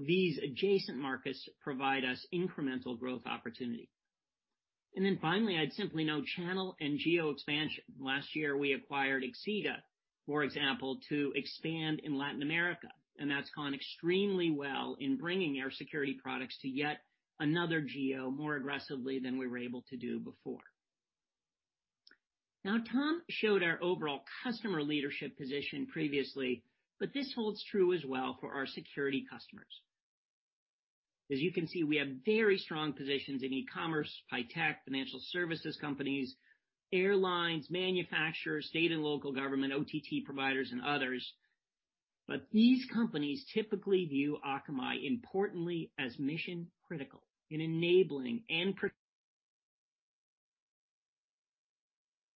These adjacent markets provide us incremental growth opportunity. Finally, I'd simply note channel and geo expansion. Last year, we acquired Exceda, for example, to expand in Latin America, and that's gone extremely well in bringing our security products to yet another geo more aggressively than we were able to do before. Tom showed our overall customer leadership position previously, but this holds true as well for our security customers. As you can see, we have very strong positions in e-commerce, high tech, financial services companies, airlines, manufacturers, state and local government, OTT providers, and others. These companies typically view Akamai importantly as mission critical in enabling and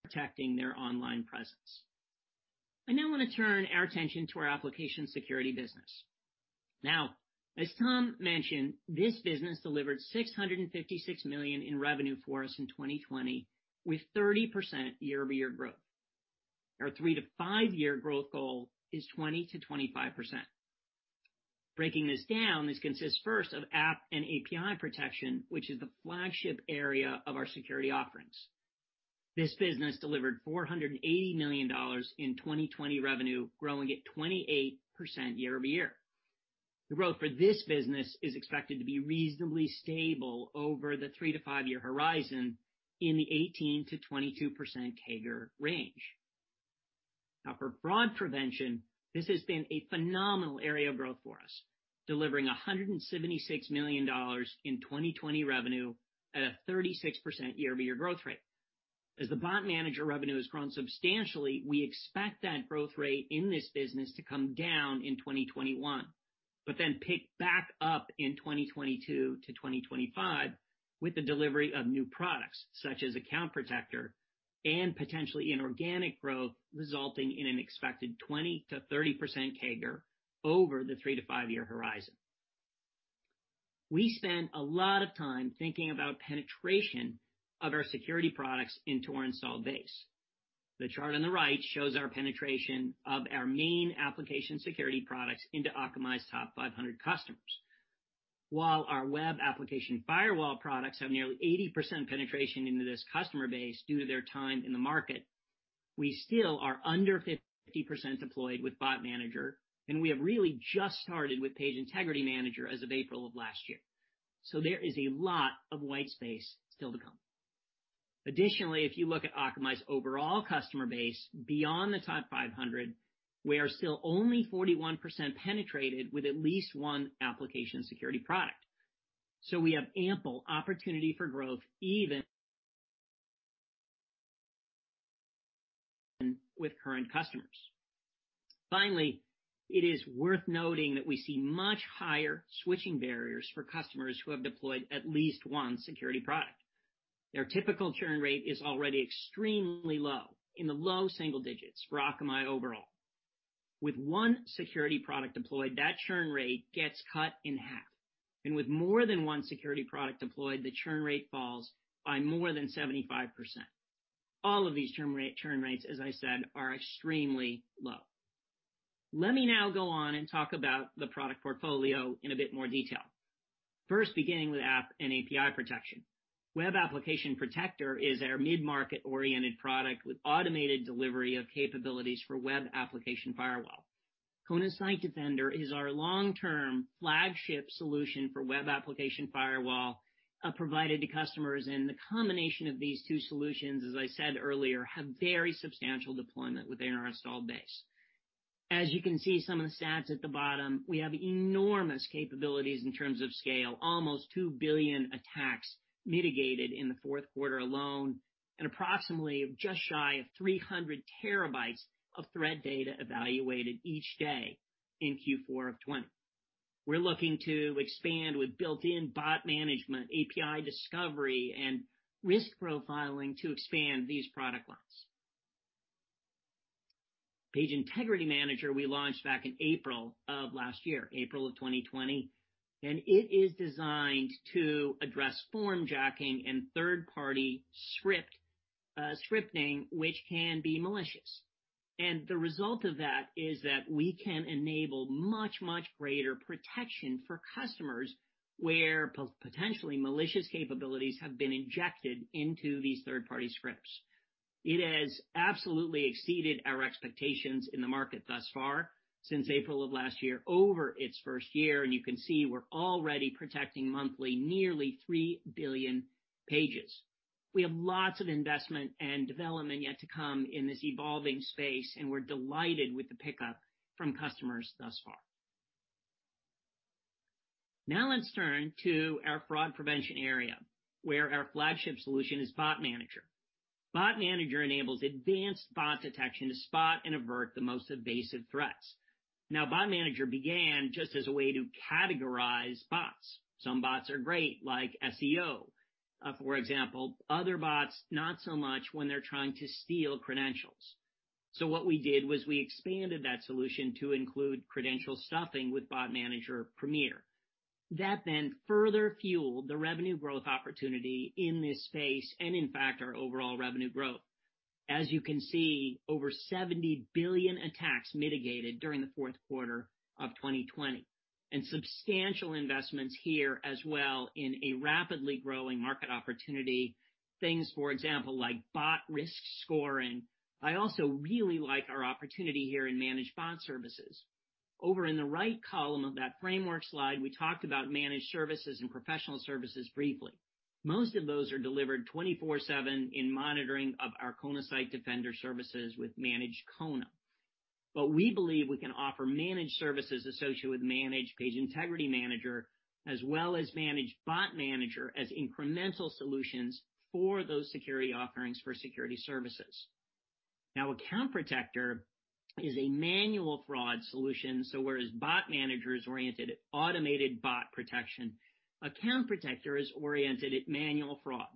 protecting their online presence. I now want to turn our attention to our application security business. As Tom mentioned, this business delivered $656 million in revenue for us in 2020 with 30% year-over-year growth. Our three-five-year growth goal is 20%-25%. Breaking this down, this consists first of App & API Protector, which is the flagship area of our security offerings. This business delivered $480 million in 2020 revenue, growing at 28% year-over-year. The growth for this business is expected to be reasonably stable over the three-five-year horizon in the 18%-22% CAGR range. For fraud prevention, this has been a phenomenal area of growth for us, delivering $176 million in 2020 revenue at a 36% year-over-year growth rate. As the Bot Manager revenue has grown substantially, we expect that growth rate in this business to come down in 2021, but then pick back up in 2022 to 2025 with the delivery of new products such as Account Protector and potentially inorganic growth, resulting in an expected 20%-30% CAGR over the three-five-year horizon. We spend a lot of time thinking about penetration of our security products into our installed base. The chart on the right shows our penetration of our main application security products into Akamai's top 500 customers. While our web application firewall products have nearly 80% penetration into this customer base due to their time in the market, we still are under 50% deployed with Bot Manager, and we have really just started with Page Integrity Manager as of April of last year. There is a lot of white space still to come. Additionally, if you look at Akamai's overall customer base beyond the top 500, we are still only 41% penetrated with at least one application security product. We have ample opportunity for growth even with current customers. Finally, it is worth noting that we see much higher switching barriers for customers who have deployed at least one security product. Their typical churn rate is already extremely low, in the low single digits for Akamai overall. With one security product deployed, that churn rate gets cut in half, and with more than one security product deployed, the churn rate falls by more than 75%. All of these churn rates, as I said, are extremely low. Let me now go on and talk about the product portfolio in a bit more detail. First, beginning with app and API protection. Web Application Protector is our mid-market-oriented product with automated delivery of capabilities for web application firewall. Kona Site Defender is our long-term flagship solution for web application firewall, provided to customers, and the combination of these two solutions, as I said earlier, have very substantial deployment within our installed base. As you can see some of the stats at the bottom, we have enormous capabilities in terms of scale. Almost 2 billion attacks mitigated in the fourth quarter alone, and approximately just shy of 300 TB of threat data evaluated each day in Q4 of 2020. We're looking to expand with built-in bot management, API discovery, and risk profiling to expand these product lines. Page Integrity Manager we launched back in April of last year, April of 2020, and it is designed to address formjacking and third-party scripting, which can be malicious. The result of that is that we can enable much, much greater protection for customers where potentially malicious capabilities have been injected into these third-party scripts. It has absolutely exceeded our expectations in the market thus far since April of last year over its first year, and you can see we're already protecting monthly nearly 3 billion pages. We have lots of investment and development yet to come in this evolving space, and we're delighted with the pickup from customers thus far. Now let's turn to our fraud prevention area, where our flagship solution is Bot Manager. Bot Manager enables advanced bot detection to spot and avert the most evasive threats. Now, Bot Manager began just as a way to categorize bots. Some bots are great, like SEO, for example. Other bots, not so much when they're trying to steal credentials. What we did was we expanded that solution to include credential stuffing with Bot Manager Premier. That then further fueled the revenue growth opportunity in this space and in fact, our overall revenue growth. As you can see, over 70 billion attacks mitigated during the fourth quarter of 2020, and substantial investments here as well in a rapidly growing market opportunity. Things, for example, like bot risk scoring. I also really like our opportunity here in managed bot services. Over in the right column of that framework slide, we talked about managed services and professional services briefly. Most of those are delivered 24/7 in monitoring of our Kona Site Defender services with Managed Kona. We believe we can offer managed services associated with Managed Page Integrity Manager as well as Managed Bot Manager as incremental solutions for those security offerings for security services. Account Protector is a manual fraud solution. Whereas Bot Manager is oriented at automated bot protection, Account Protector is oriented at manual fraud.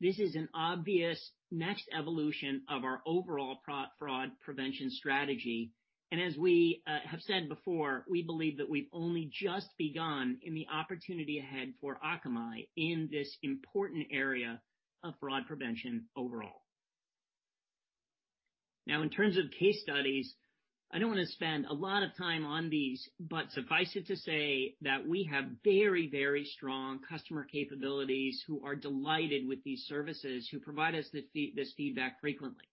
This is an obvious next evolution of our overall fraud prevention strategy. As we have said before, we believe that we've only just begun in the opportunity ahead for Akamai in this important area of fraud prevention overall. In terms of case studies, I don't want to spend a lot of time on these, but suffice it to say that we have very, very strong customer capabilities who are delighted with these services, who provide us this feedback frequently.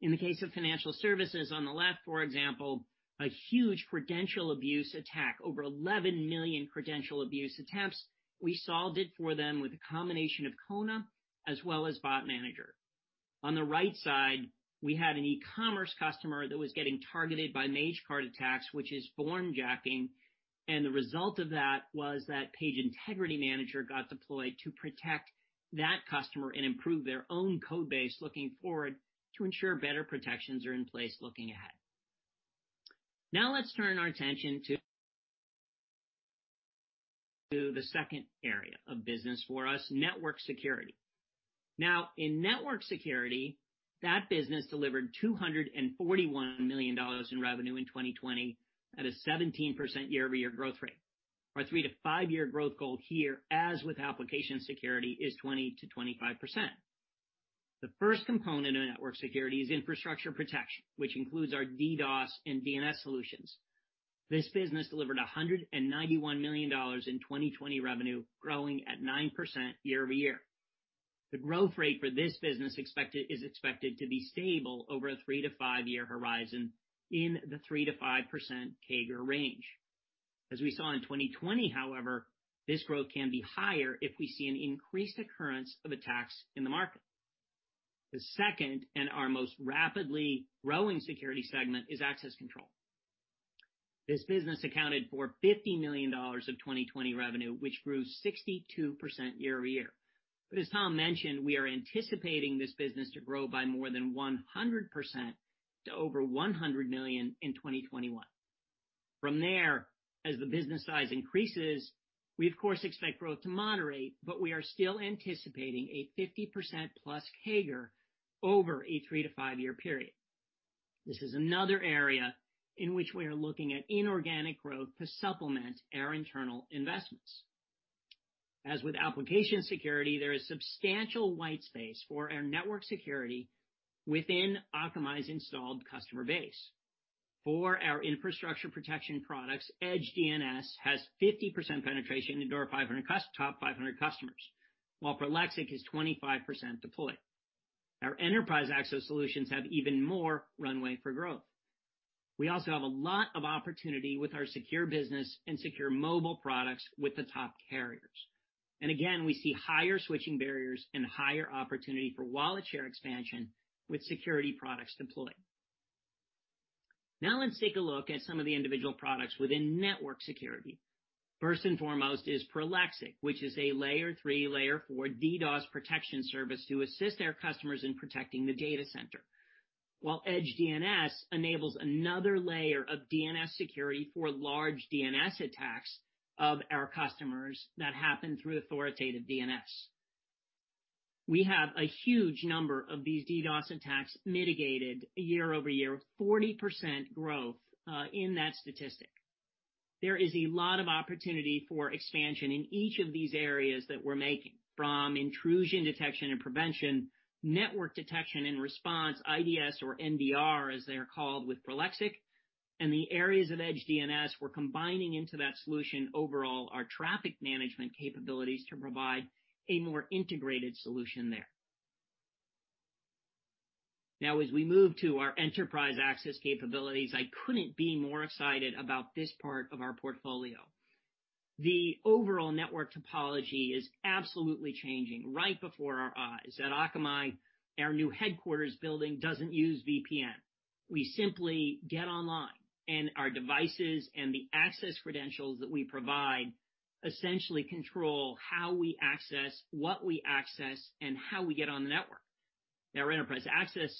In the case of financial services on the left, for example, a huge credential abuse attack, over 11 million credential abuse attempts. We solved it for them with a combination of Kona as well as Bot Manager. On the right side, we had an e-commerce customer that was getting targeted by Magecart attacks, which is formjacking, and the result of that was that Page Integrity Manager got deployed to protect that customer and improve their own code base looking forward to ensure better protections are in place looking ahead. Let's turn our attention to the second area of business for us, network security. In network security, that business delivered $241 million in revenue in 2020 at a 17% year-over-year growth rate. Our three-five-year growth goal here, as with application security, is 20%-25%. The first component of network security is infrastructure protection, which includes our DDoS and DNS solutions. This business delivered $191 million in 2020 revenue, growing at 9% year-over-year. The growth rate for this business is expected to be stable over a three-five-year horizon in the 3%-5% CAGR range. As we saw in 2020, however, this growth can be higher if we see an increased occurrence of attacks in the market. The second, and our most rapidly growing security segment is access control. This business accounted for $50 million of 2020 revenue, which grew 62% year-over-year. But as Tom mentioned, we are anticipating this business to grow by more than 100% to over $100 million in 2021. From there, as the business size increases, we of course expect growth to moderate, but we are still anticipating a 50%+ CAGR over a three-five-year period. This is another area in which we are looking at inorganic growth to supplement our internal investments. As with application security, there is substantial white space for our network security within Akamai's installed customer base. For our infrastructure protection products, Edge DNS has 50% penetration into our top 500 customers, while Prolexic is 25% deployed. Our enterprise access solutions have even more runway for growth. We also have a lot of opportunity with our secure business and secure mobile products with the top carriers. Again, we see higher switching barriers and higher opportunity for wallet share expansion with security products deployed. Now let's take a look at some of the individual products within network security. First and foremost is Prolexic, which is a layer three, layer four DDoS protection service to assist our customers in protecting the data center. While Edge DNS enables another layer of DNS security for large DNS attacks of our customers that happen through authoritative DNS. We have a huge number of these DDoS attacks mitigated year-over-year, 40% growth, in that statistic. There is a lot of opportunity for expansion in each of these areas that we're making, from intrusion detection and prevention, network detection and response, IDS or NDR as they are called with Prolexic, and the areas of Edge DNS we're combining into that solution overall our traffic management capabilities to provide a more integrated solution there. As we move to our enterprise access capabilities, I couldn't be more excited about this part of our portfolio. The overall network topology is absolutely changing right before our eyes. At Akamai, our new headquarters building doesn't use VPN. We simply get online, and our devices and the access credentials that we provide essentially control how we access what we access and how we get on the network. Our enterprise access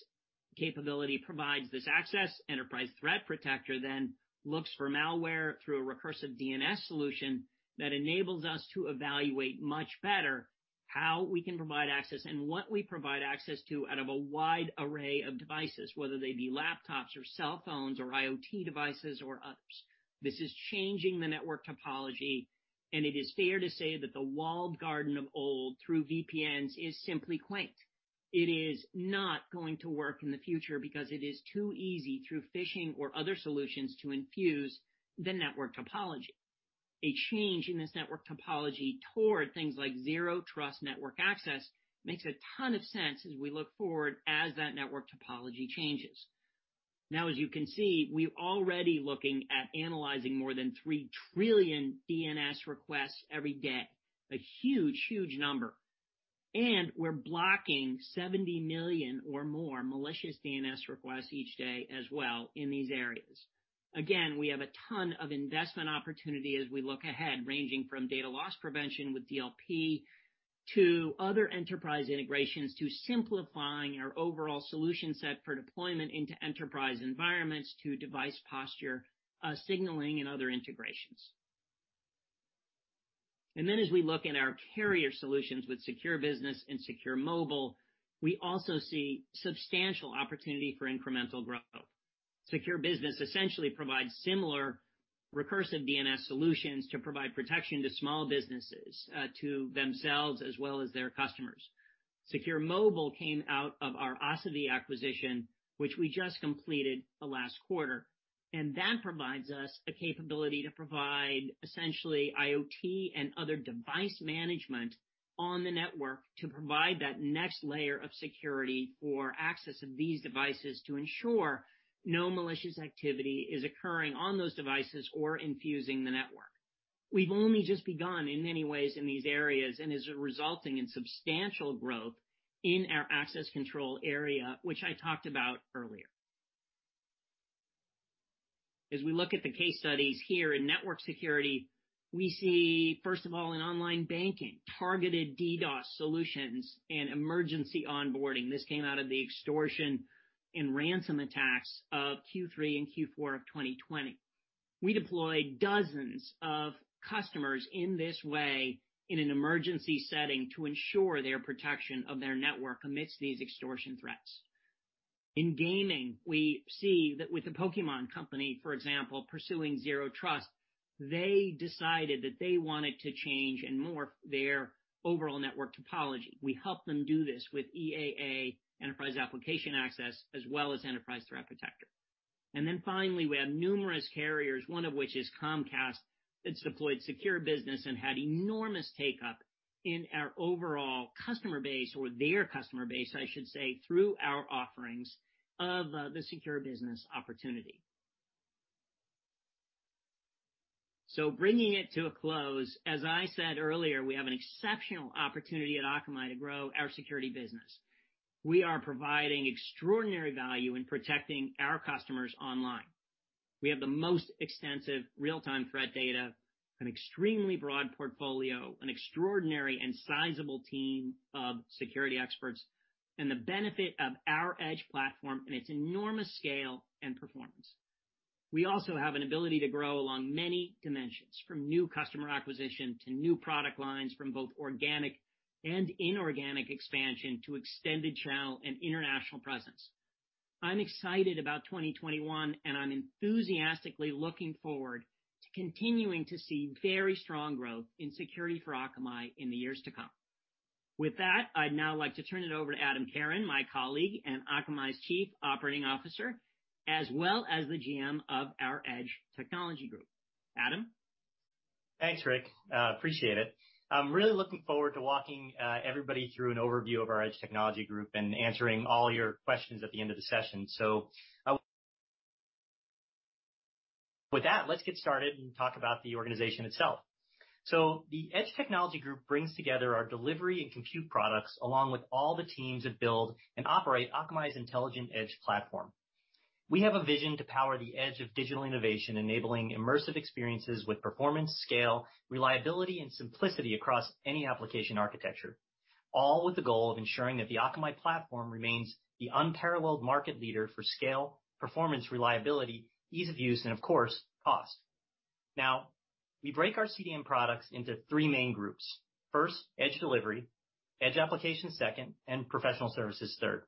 capability provides this access. Enterprise Threat Protector then looks for malware through a recursive DNS solution that enables us to evaluate much better how we can provide access and what we provide access to out of a wide array of devices, whether they be laptops or cell phones or IoT devices or others. This is changing the network topology, and it is fair to say that the walled garden of old through VPNs is simply quaint. It is not going to work in the future because it is too easy through phishing or other solutions to infuse the network topology. A change in this network topology toward things like Zero Trust Network Access makes a ton of sense as we look forward as that network topology changes. As you can see, we're already looking at analyzing more than 3 trillion DNS requests every day. A huge number. We're blocking 70 million or more malicious DNS requests each day as well in these areas. Again, we have a ton of investment opportunity as we look ahead, ranging from data loss prevention with DLP to other enterprise integrations to simplifying our overall solution set for deployment into enterprise environments to device posture, signaling and other integrations. As we look in our carrier solutions with secure business and secure mobile, we also see substantial opportunity for incremental growth. Secure business essentially provides similar recursive DNS solutions to provide protection to small businesses, to themselves as well as their customers. Secure mobile came out of our Asavie acquisition, which we just completed last quarter. That provides us a capability to provide essentially IoT and other device management on the network to provide that next layer of security for access of these devices to ensure no malicious activity is occurring on those devices or infusing the network. We've only just begun in many ways in these areas, and it's resulting in substantial growth in our access control area, which I talked about earlier. As we look at the case studies here in network security, we see, first of all, in online banking, targeted DDoS solutions and emergency onboarding. This came out of the extortion and ransom attacks of Q3 and Q4 of 2020. We deployed dozens of customers in this way in an emergency setting to ensure their protection of their network amidst these extortion threats. In gaming, we see that with The Pokemon Company, for example, pursuing zero trust, they decided that they wanted to change and morph their overall network topology. We helped them do this with EAA, Enterprise Application Access, as well as Enterprise Threat Protector. Finally, we have numerous carriers, one of which is Comcast, that deployed secure business and had enormous take-up in our overall customer base, or their customer base, I should say, through our offerings of the secure business opportunity. Bringing it to a close, as I said earlier, we have an exceptional opportunity at Akamai to grow our security business. We are providing extraordinary value in protecting our customers online. We have the most extensive real-time threat data, an extremely broad portfolio, an extraordinary and sizable team of security experts, and the benefit of our Edge platform and its enormous scale and performance. We also have an ability to grow along many dimensions, from new customer acquisition to new product lines from both organic and inorganic expansion to extended channel and international presence. I'm excited about 2021, and I'm enthusiastically looking forward to continuing to see very strong growth in security for Akamai in the years to come. With that, I'd now like to turn it over to Adam Karon, my colleague and Akamai's Chief Operating Officer, as well as the GM of our Edge Technology Group. Adam? Thanks, Rick. Appreciate it. I'm really looking forward to walking everybody through an overview of our Edge Technology Group and answering all your questions at the end of the session. With that, let's get started and talk about the organization itself. The Edge Technology Group brings together our delivery and compute products, along with all the teams that build and operate Akamai's Intelligent Edge platform. We have a vision to power the edge of digital innovation, enabling immersive experiences with performance, scale, reliability, and simplicity across any application architecture, all with the goal of ensuring that the Akamai platform remains the unparalleled market leader for scale, performance, reliability, ease of use, and of course, cost. Now, we break our CDN products into three main groups. First, edge delivery, edge application second, and professional services third.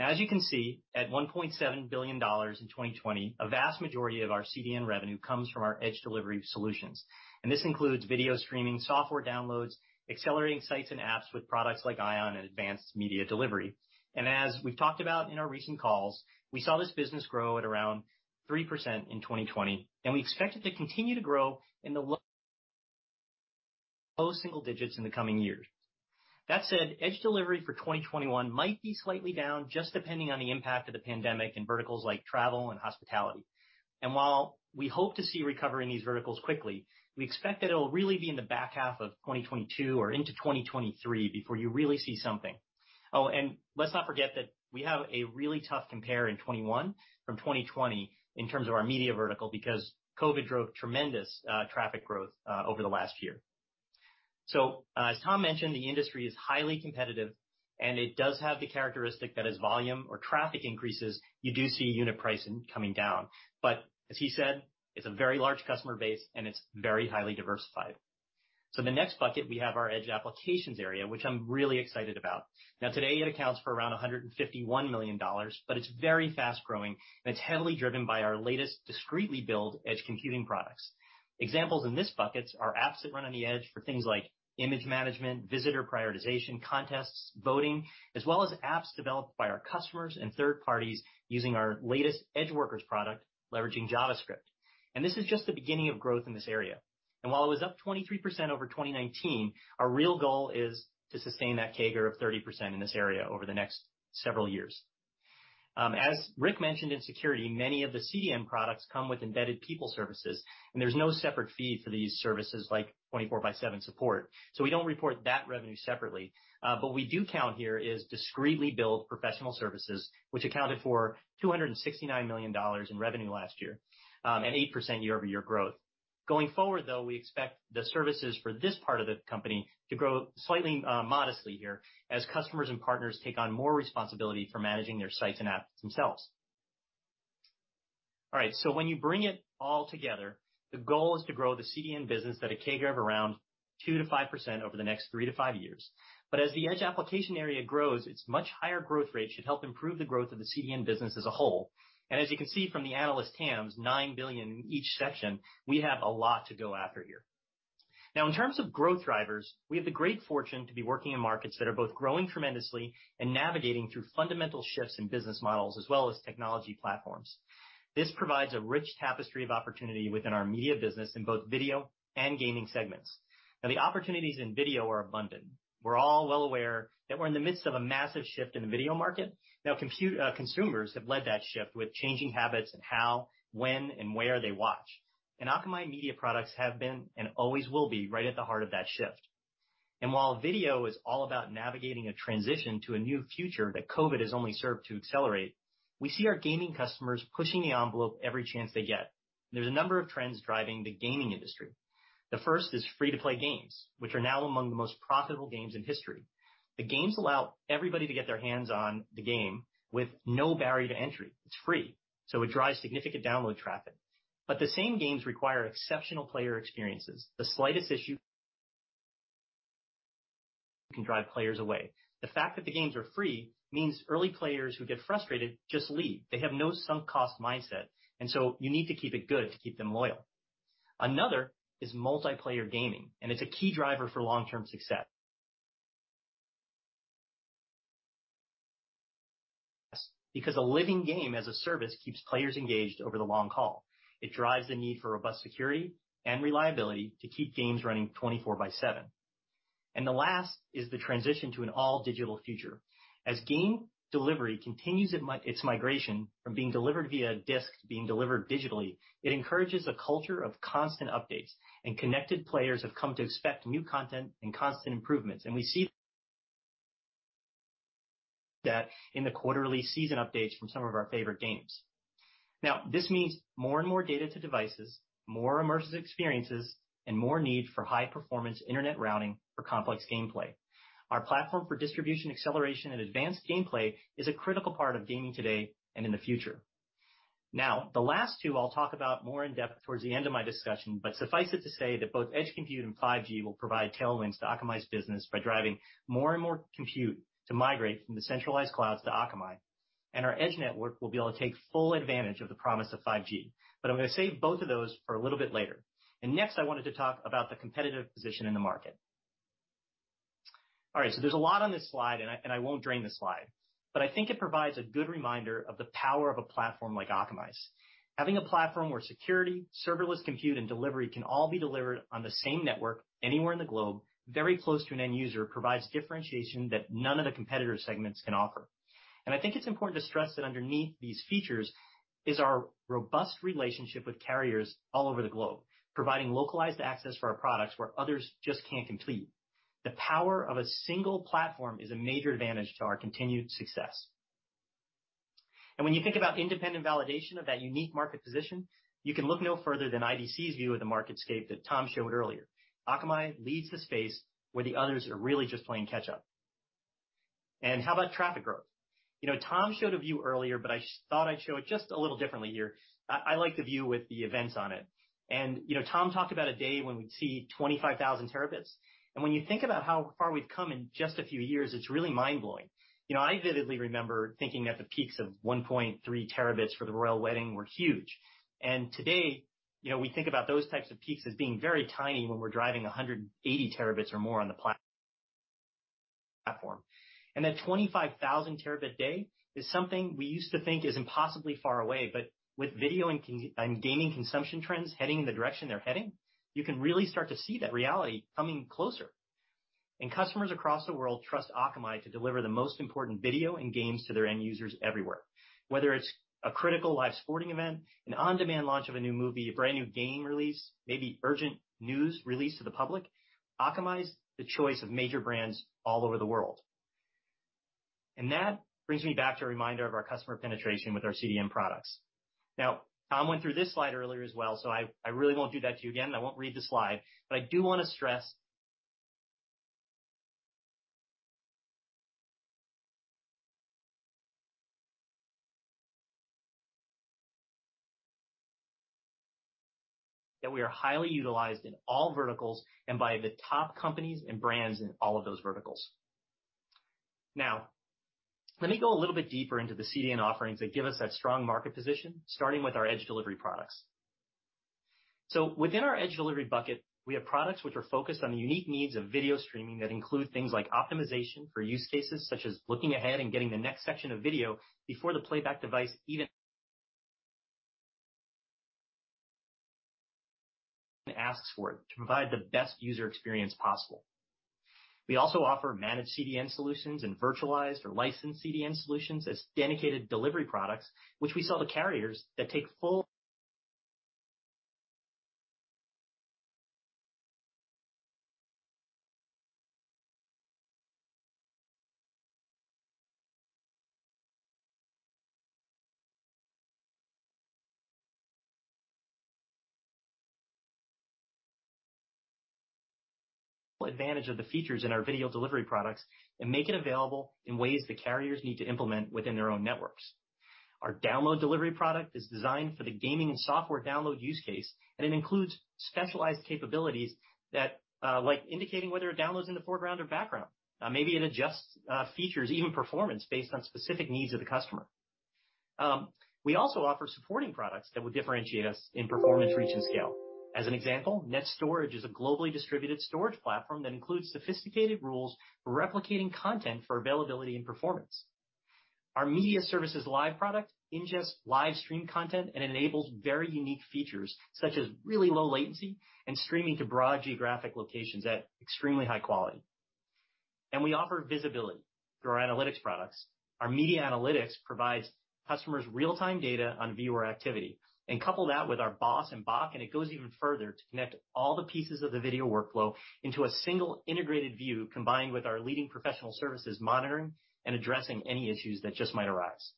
As you can see, at $1.7 billion in 2020, a vast majority of our CDN revenue comes from our edge delivery solutions. This includes video streaming, software downloads, accelerating sites and apps with products like Ion and Adaptive Media Delivery. As we've talked about in our recent calls, we saw this business grow at around 3% in 2020, and we expect it to continue to grow in the low single digits in the coming years. That said, edge delivery for 2021 might be slightly down, just depending on the impact of the pandemic in verticals like travel and hospitality. While we hope to see recovery in these verticals quickly, we expect that it'll really be in the back half of 2022 or into 2023 before you really see something. Let's not forget that we have a really tough compare in 2021 from 2020 in terms of our media vertical, because COVID drove tremendous traffic growth over the last year. As Tom mentioned, the industry is highly competitive, and it does have the characteristic that as volume or traffic increases, you do see unit pricing coming down. As he said, it's a very large customer base, and it's very highly diversified. The next bucket, we have our edge applications area, which I'm really excited about. Today, it accounts for around $151 million, but it's very fast-growing, and it's heavily driven by our latest discreetly billed edge computing products. Examples in this bucket are apps that run on the edge for things like image management, visitor prioritization, contests, voting, as well as apps developed by our customers and third parties using our latest EdgeWorkers product, leveraging JavaScript. This is just the beginning of growth in this area. While it was up 23% over 2019, our real goal is to sustain that CAGR of 30% in this area over the next several years. As Rick mentioned in security, many of the CDN products come with embedded people services, and there's no separate fee for these services, like 24 by seven support. We don't report that revenue separately. We do count here is discreetly billed professional services, which accounted for $269 million in revenue last year, and 8% year-over-year growth. Going forward, though, we expect the services for this part of the company to grow slightly modestly here as customers and partners take on more responsibility for managing their sites and apps themselves. All right. When you bring it all together, the goal is to grow the CDN business at a CAGR of around 2%-5% over the next three-five years. As the edge application area grows, its much higher growth rate should help improve the growth of the CDN business as a whole. As you can see from the analyst TAMs, $9 billion in each section, we have a lot to go after here. In terms of growth drivers, we have the great fortune to be working in markets that are both growing tremendously and navigating through fundamental shifts in business models as well as technology platforms. This provides a rich tapestry of opportunity within our media business in both video and gaming segments. The opportunities in video are abundant. We're all well aware that we're in the midst of a massive shift in the video market. Consumers have led that shift with changing habits in how, when, and where they watch. Akamai media products have been, and always will be, right at the heart of that shift. While video is all about navigating a transition to a new future that COVID has only served to accelerate, we see our gaming customers pushing the envelope every chance they get. There's a number of trends driving the gaming industry. The first is free-to-play games, which are now among the most profitable games in history. The games allow everybody to get their hands on the game with no barrier to entry. It's free, it drives significant download traffic. The same games require exceptional player experiences. The slightest issue can drive players away. The fact that the games are free means early players who get frustrated just leave. They have no sunk cost mindset, you need to keep it good to keep them loyal. Another is multiplayer gaming, it's a key driver for long-term success. A living game as a service keeps players engaged over the long haul. It drives the need for robust security and reliability to keep games running 24 by seven. The last is the transition to an all digital future. As game delivery continues its migration from being delivered via disc to being delivered digitally, it encourages a culture of constant updates, connected players have come to expect new content and constant improvements. We see that in the quarterly season updates from some of our favorite games. This means more and more data to devices, more immersive experiences, and more need for high performance internet routing for complex gameplay. Our platform for distribution acceleration and advanced gameplay is a critical part of gaming today and in the future. The last two I'll talk about more in depth towards the end of my discussion, but suffice it to say that both Edge Compute and 5 G will provide tailwinds to Akamai's business by driving more and more compute to migrate from the centralized clouds to Akamai. Our Edge network will be able to take full advantage of the promise of 5 G. I'm going to save both of those for a little bit later. Next, I wanted to talk about the competitive position in the market. There's a lot on this slide, and I won't drain the slide. I think it provides a good reminder of the power of a platform like Akamai's. Having a platform where security, serverless compute, and delivery can all be delivered on the same network anywhere in the globe, very close to an end user, provides differentiation that none of the competitor segments can offer. I think it's important to stress that underneath these features is our robust relationship with carriers all over the globe, providing localized access for our products where others just can't compete. The power of a single platform is a major advantage to our continued success. When you think about independent validation of that unique market position, you can look no further than IDC's view of the marketscape that Tom showed earlier. Akamai leads the space where the others are really just playing catch up. How about traffic growth? Tom showed a view earlier, I thought I'd show it just a little differently here. I like the view with the events on it. Tom talked about a day when we'd see 25,000 TB. When you think about how far we've come in just a few years, it's really mind-blowing. I vividly remember thinking that the peaks of 1.3 TB for the royal wedding were huge. Today, we think about those types of peaks as being very tiny when we're driving 180 TB or more on the platform. That 25,000 TB day is something we used to think is impossibly far away, but with video and gaming consumption trends heading in the direction they're heading, you can really start to see that reality coming closer. Customers across the world trust Akamai to deliver the most important video and games to their end users everywhere. Whether it's a critical live sporting event, an on-demand launch of a new movie, a brand new game release, maybe urgent news release to the public, Akamai is the choice of major brands all over the world. That brings me back to a reminder of our customer penetration with our CDN products. Now, Tom went through this slide earlier as well, so I really won't do that to you again. I won't read the slide, but I do want to stress that we are highly utilized in all verticals and by the top companies and brands in all of those verticals. Now, let me go a little bit deeper into the CDN offerings that give us that strong market position, starting with our Edge delivery products. Within our Edge delivery bucket, we have products which are focused on the unique needs of video streaming that include things like optimization for use cases such as looking ahead and getting the next section of video before the playback device even asks for it to provide the best user experience possible. We also offer managed CDN solutions and virtualized or licensed CDN solutions as dedicated delivery products, which we sell to carriers that take full advantage of the features in our video delivery products and make it available in ways that carriers need to implement within their own networks. Our download delivery product is designed for the gaming and software download use case, and it includes specialized capabilities like indicating whether a download is in the foreground or background. Maybe it adjusts features, even performance, based on specific needs of the customer. We also offer supporting products that will differentiate us in performance, reach, and scale. As an example, NetStorage is a globally distributed storage platform that includes sophisticated rules for replicating content for availability and performance. Our media services live product ingests live stream content and enables very unique features such as really low latency and streaming to broad geographic locations at extremely high quality. We offer visibility through our analytics products. Our media analytics provides customers real-time data on viewer activity and couple that with our BOSS and BOCC, and it goes even further to connect all the pieces of the video workflow into a single integrated view, combined with our leading professional services monitoring and addressing any issues that just might arise.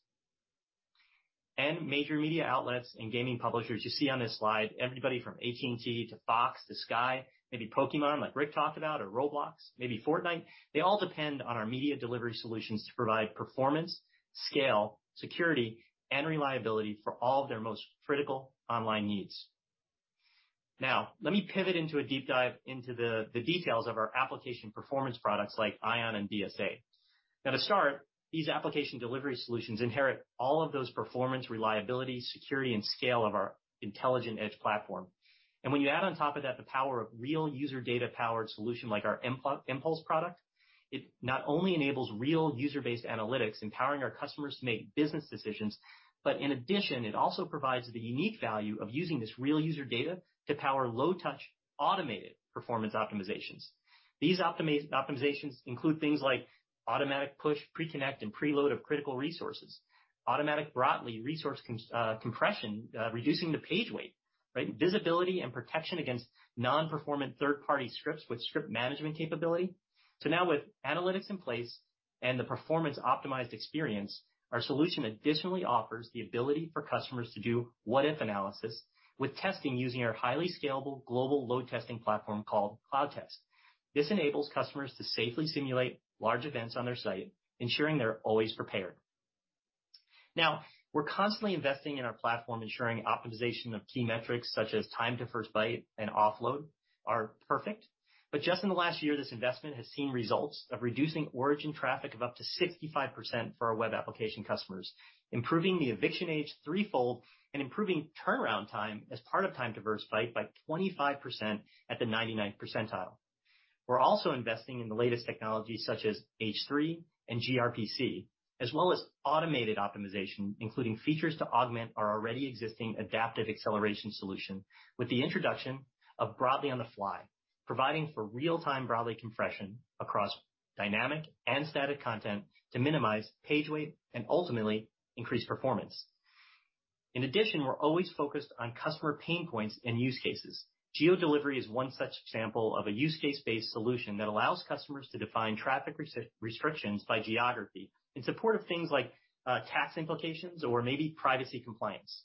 Major media outlets and gaming publishers you see on this slide, everybody from AT&T to Fox to Sky, maybe Pokémon like Rick talked about, or Roblox, maybe Fortnite. They all depend on our media delivery solutions to provide performance, scale, security, and reliability for all of their most critical online needs. Let me pivot into a deep dive into the details of our application performance products like Ion and DSA. To start, these application delivery solutions inherit all of those performance, reliability, security, and scale of our Intelligent Edge platform. When you add on top of that the power of real user data powered solution like our mPulse product, it not only enables real user-based analytics, empowering our customers to make business decisions, but in addition, it also provides the unique value of using this real user data to power low touch, automated performance optimizations. These optimizations include things like automatic push, pre-connect, and preload of critical resources, automatic Brotli resource compression, reducing the page weight. Visibility and protection against non-performant third-party scripts with script management capability. Now with analytics in place and the performance optimized experience, our solution additionally offers the ability for customers to do what if analysis with testing using our highly scalable global load testing platform called CloudTest. This enables customers to safely simulate large events on their site, ensuring they're always prepared. Now, we're constantly investing in our platform, ensuring optimization of key metrics such as time to first byte and offload are perfect. Just in the last year, this investment has seen results of reducing origin traffic of up to 65% for our web application customers, improving the eviction age threefold and improving turnaround time as part of time to first byte by 25% at the 99th percentile. We're also investing in the latest technologies such as H3 and gRPC, as well as automated optimization, including features to augment our already existing adaptive acceleration solution with the introduction of Brotli on the fly, providing for real-time Brotli compression across dynamic and static content to minimize page weight and ultimately increase performance. We're always focused on customer pain points and use cases. Geo Delivery is one such example of a use case-based solution that allows customers to define traffic restrictions by geography in support of things like, tax implications or maybe privacy compliance.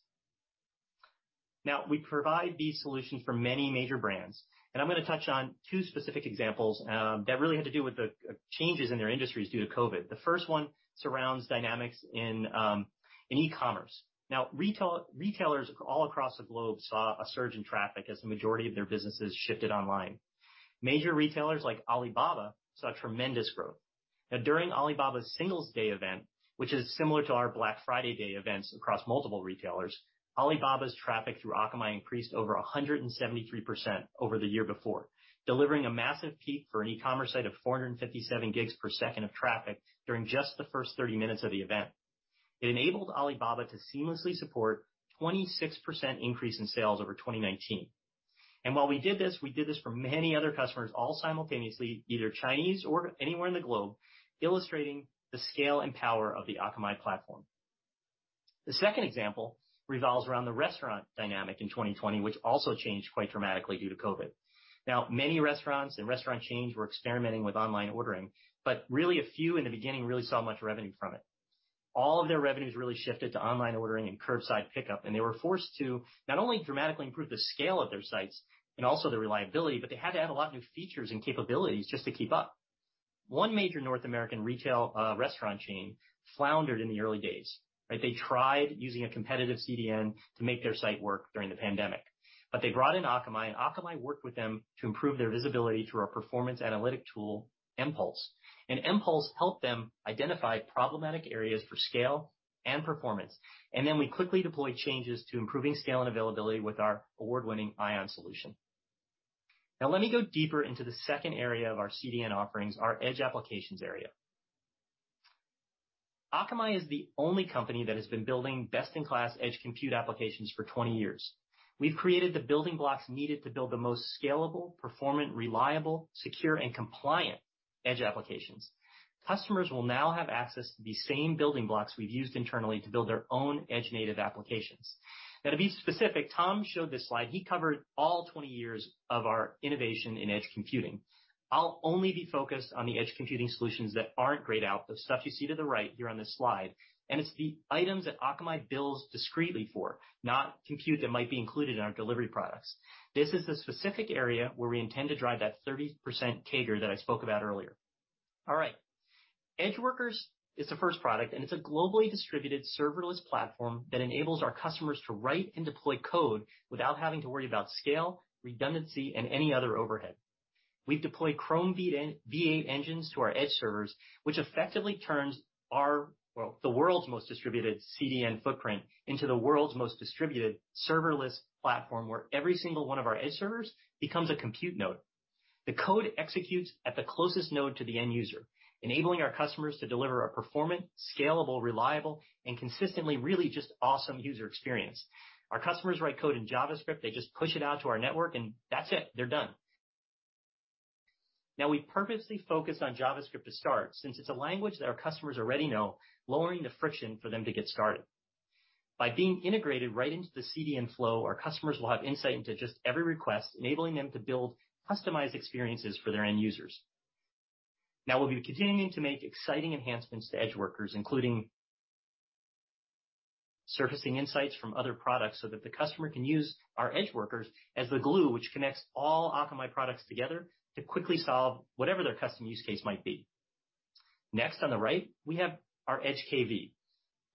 We provide these solutions for many major brands, and I'm going to touch on two specific examples that really had to do with the changes in their industries due to COVID. The first one surrounds dynamics in e-commerce. Retailers all across the globe saw a surge in traffic as the majority of their businesses shifted online. Major retailers like Alibaba saw tremendous growth. During Alibaba's Singles' Day event, which is similar to our Black Friday day events across multiple retailers, Alibaba's traffic through Akamai increased over 173% over the year before, delivering a massive peak for an e-commerce site of 457 gigs per second of traffic during just the first 30 minutes of the event. It enabled Alibaba to seamlessly support 26% increase in sales over 2019. While we did this, we did this for many other customers, all simultaneously, either Chinese or anywhere in the globe, illustrating the scale and power of the Akamai platform. The second example revolves around the restaurant dynamic in 2020, which also changed quite dramatically due to COVID. Many restaurants and restaurant chains were experimenting with online ordering, but really a few in the beginning saw much revenue from it. All of their revenues really shifted to online ordering and curbside pickup, they were forced to not only dramatically improve the scale of their sites and also their reliability, but they had to add a lot of new features and capabilities just to keep up. One major North American retail restaurant chain floundered in the early days, right? They tried using a competitive CDN to make their site work during the pandemic. They brought in Akamai worked with them to improve their visibility through our performance analytic tool, mPulse. mPulse helped them identify problematic areas for scale and performance. We quickly deployed changes to improving scale and availability with our award-winning Ion solution. Let me go deeper into the second area of our CDN offerings, our edge applications area. Akamai is the only company that has been building best-in-class edge compute applications for 20 years. We've created the building blocks needed to build the most scalable, performant, reliable, secure, and compliant edge applications. Customers will now have access to the same building blocks we've used internally to build their own edge-native applications. To be specific, Tom showed this slide. He covered all 20 years of our innovation in edge computing. I'll only be focused on the edge computing solutions that aren't grayed out, the stuff you see to the right here on this slide, it's the items that Akamai bills discreetly for, not compute that might be included in our delivery products. This is the specific area where we intend to drive that 30% CAGR that I spoke about earlier. All right. EdgeWorkers is the first product. It's a globally distributed serverless platform that enables our customers to write and deploy code without having to worry about scale, redundancy, and any other overhead. We've deployed Chrome V8 engines to our edge servers, which effectively turns our, well, the world's most distributed CDN footprint into the world's most distributed serverless platform, where every single one of our edge servers becomes a compute node. The code executes at the closest node to the end user, enabling our customers to deliver a performant, scalable, reliable, and consistently, really just awesome user experience. Our customers write code in JavaScript. They just push it out to our network. That's it. They're done. We purposely focused on JavaScript to start, since it's a language that our customers already know, lowering the friction for them to get started. By being integrated right into the CDN flow, our customers will have insight into just every request, enabling them to build customized experiences for their end users. We'll be continuing to make exciting enhancements to EdgeWorkers, including surfacing insights from other products so that the customer can use our EdgeWorkers as the glue which connects all Akamai products together to quickly solve whatever their custom use case might be. On the right, we have our EdgeKV.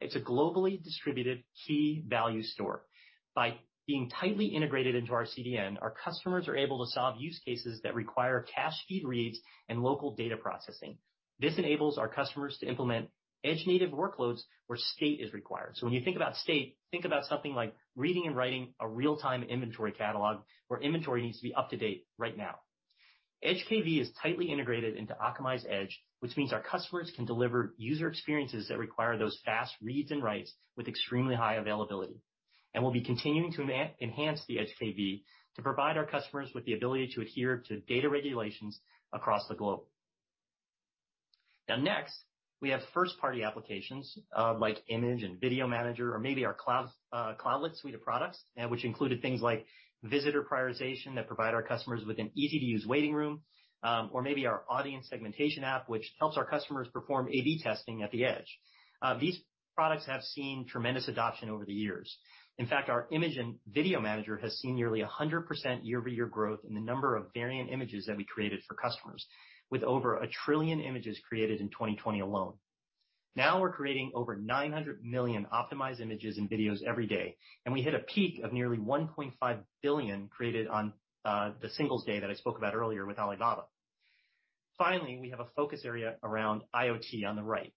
It's a globally distributed key value store. By being tightly integrated into our CDN, our customers are able to solve use cases that require cache feed reads and local data processing. This enables our customers to implement edge native workloads where state is required. When you think about state, think about something like reading and writing a real-time inventory catalog where inventory needs to be up to date right now. EdgeKV is tightly integrated into Akamai's Edge, which means our customers can deliver user experiences that require those fast reads and writes with extremely high availability. We'll be continuing to enhance the Edge KV to provide our customers with the ability to adhere to data regulations across the globe. Next, we have first-party applications, like Image and Video Manager or maybe our Cloudlets suite of products, which included things like Visitor Prioritization that provide our customers with an easy-to-use waiting room, or maybe our audience segmentation app, which helps our customers perform A/B testing at the edge. These products have seen tremendous adoption over the years. In fact, our Image & Video Manager has seen nearly 100% year-over-year growth in the number of variant images that we created for customers, with over a trillion images created in 2020 alone. Now we're creating over 900 million optimized images and videos every day, and we hit a peak of nearly 1.5 billion created on the Singles' Day that I spoke about earlier with Alibaba. Finally, we have a focus area around IoT on the right.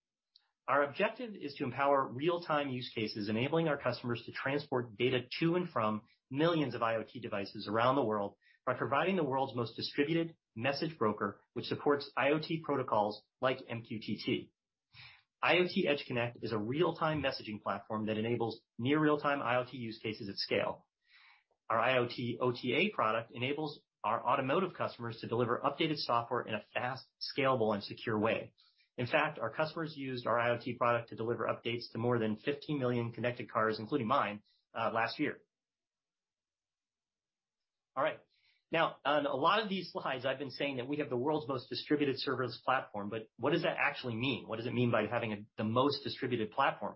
Our objective is to empower real-time use cases, enabling our customers to transport data to and from millions of IoT devices around the world by providing the world's most distributed message broker, which supports IoT protocols like MQTT. IoT Edge Connect is a real-time messaging platform that enables near real-time IoT use cases at scale. Our IoT OTA Updates enables our automotive customers to deliver updated software in a fast, scalable, and secure way. In fact, our customers used our IoT OTA Updates to deliver updates to more than 15 million connected cars, including mine, last year. All right. Now, on a lot of these slides, I've been saying that we have the world's most distributed serverless platform, what does that actually mean? What does it mean by having the most distributed platform?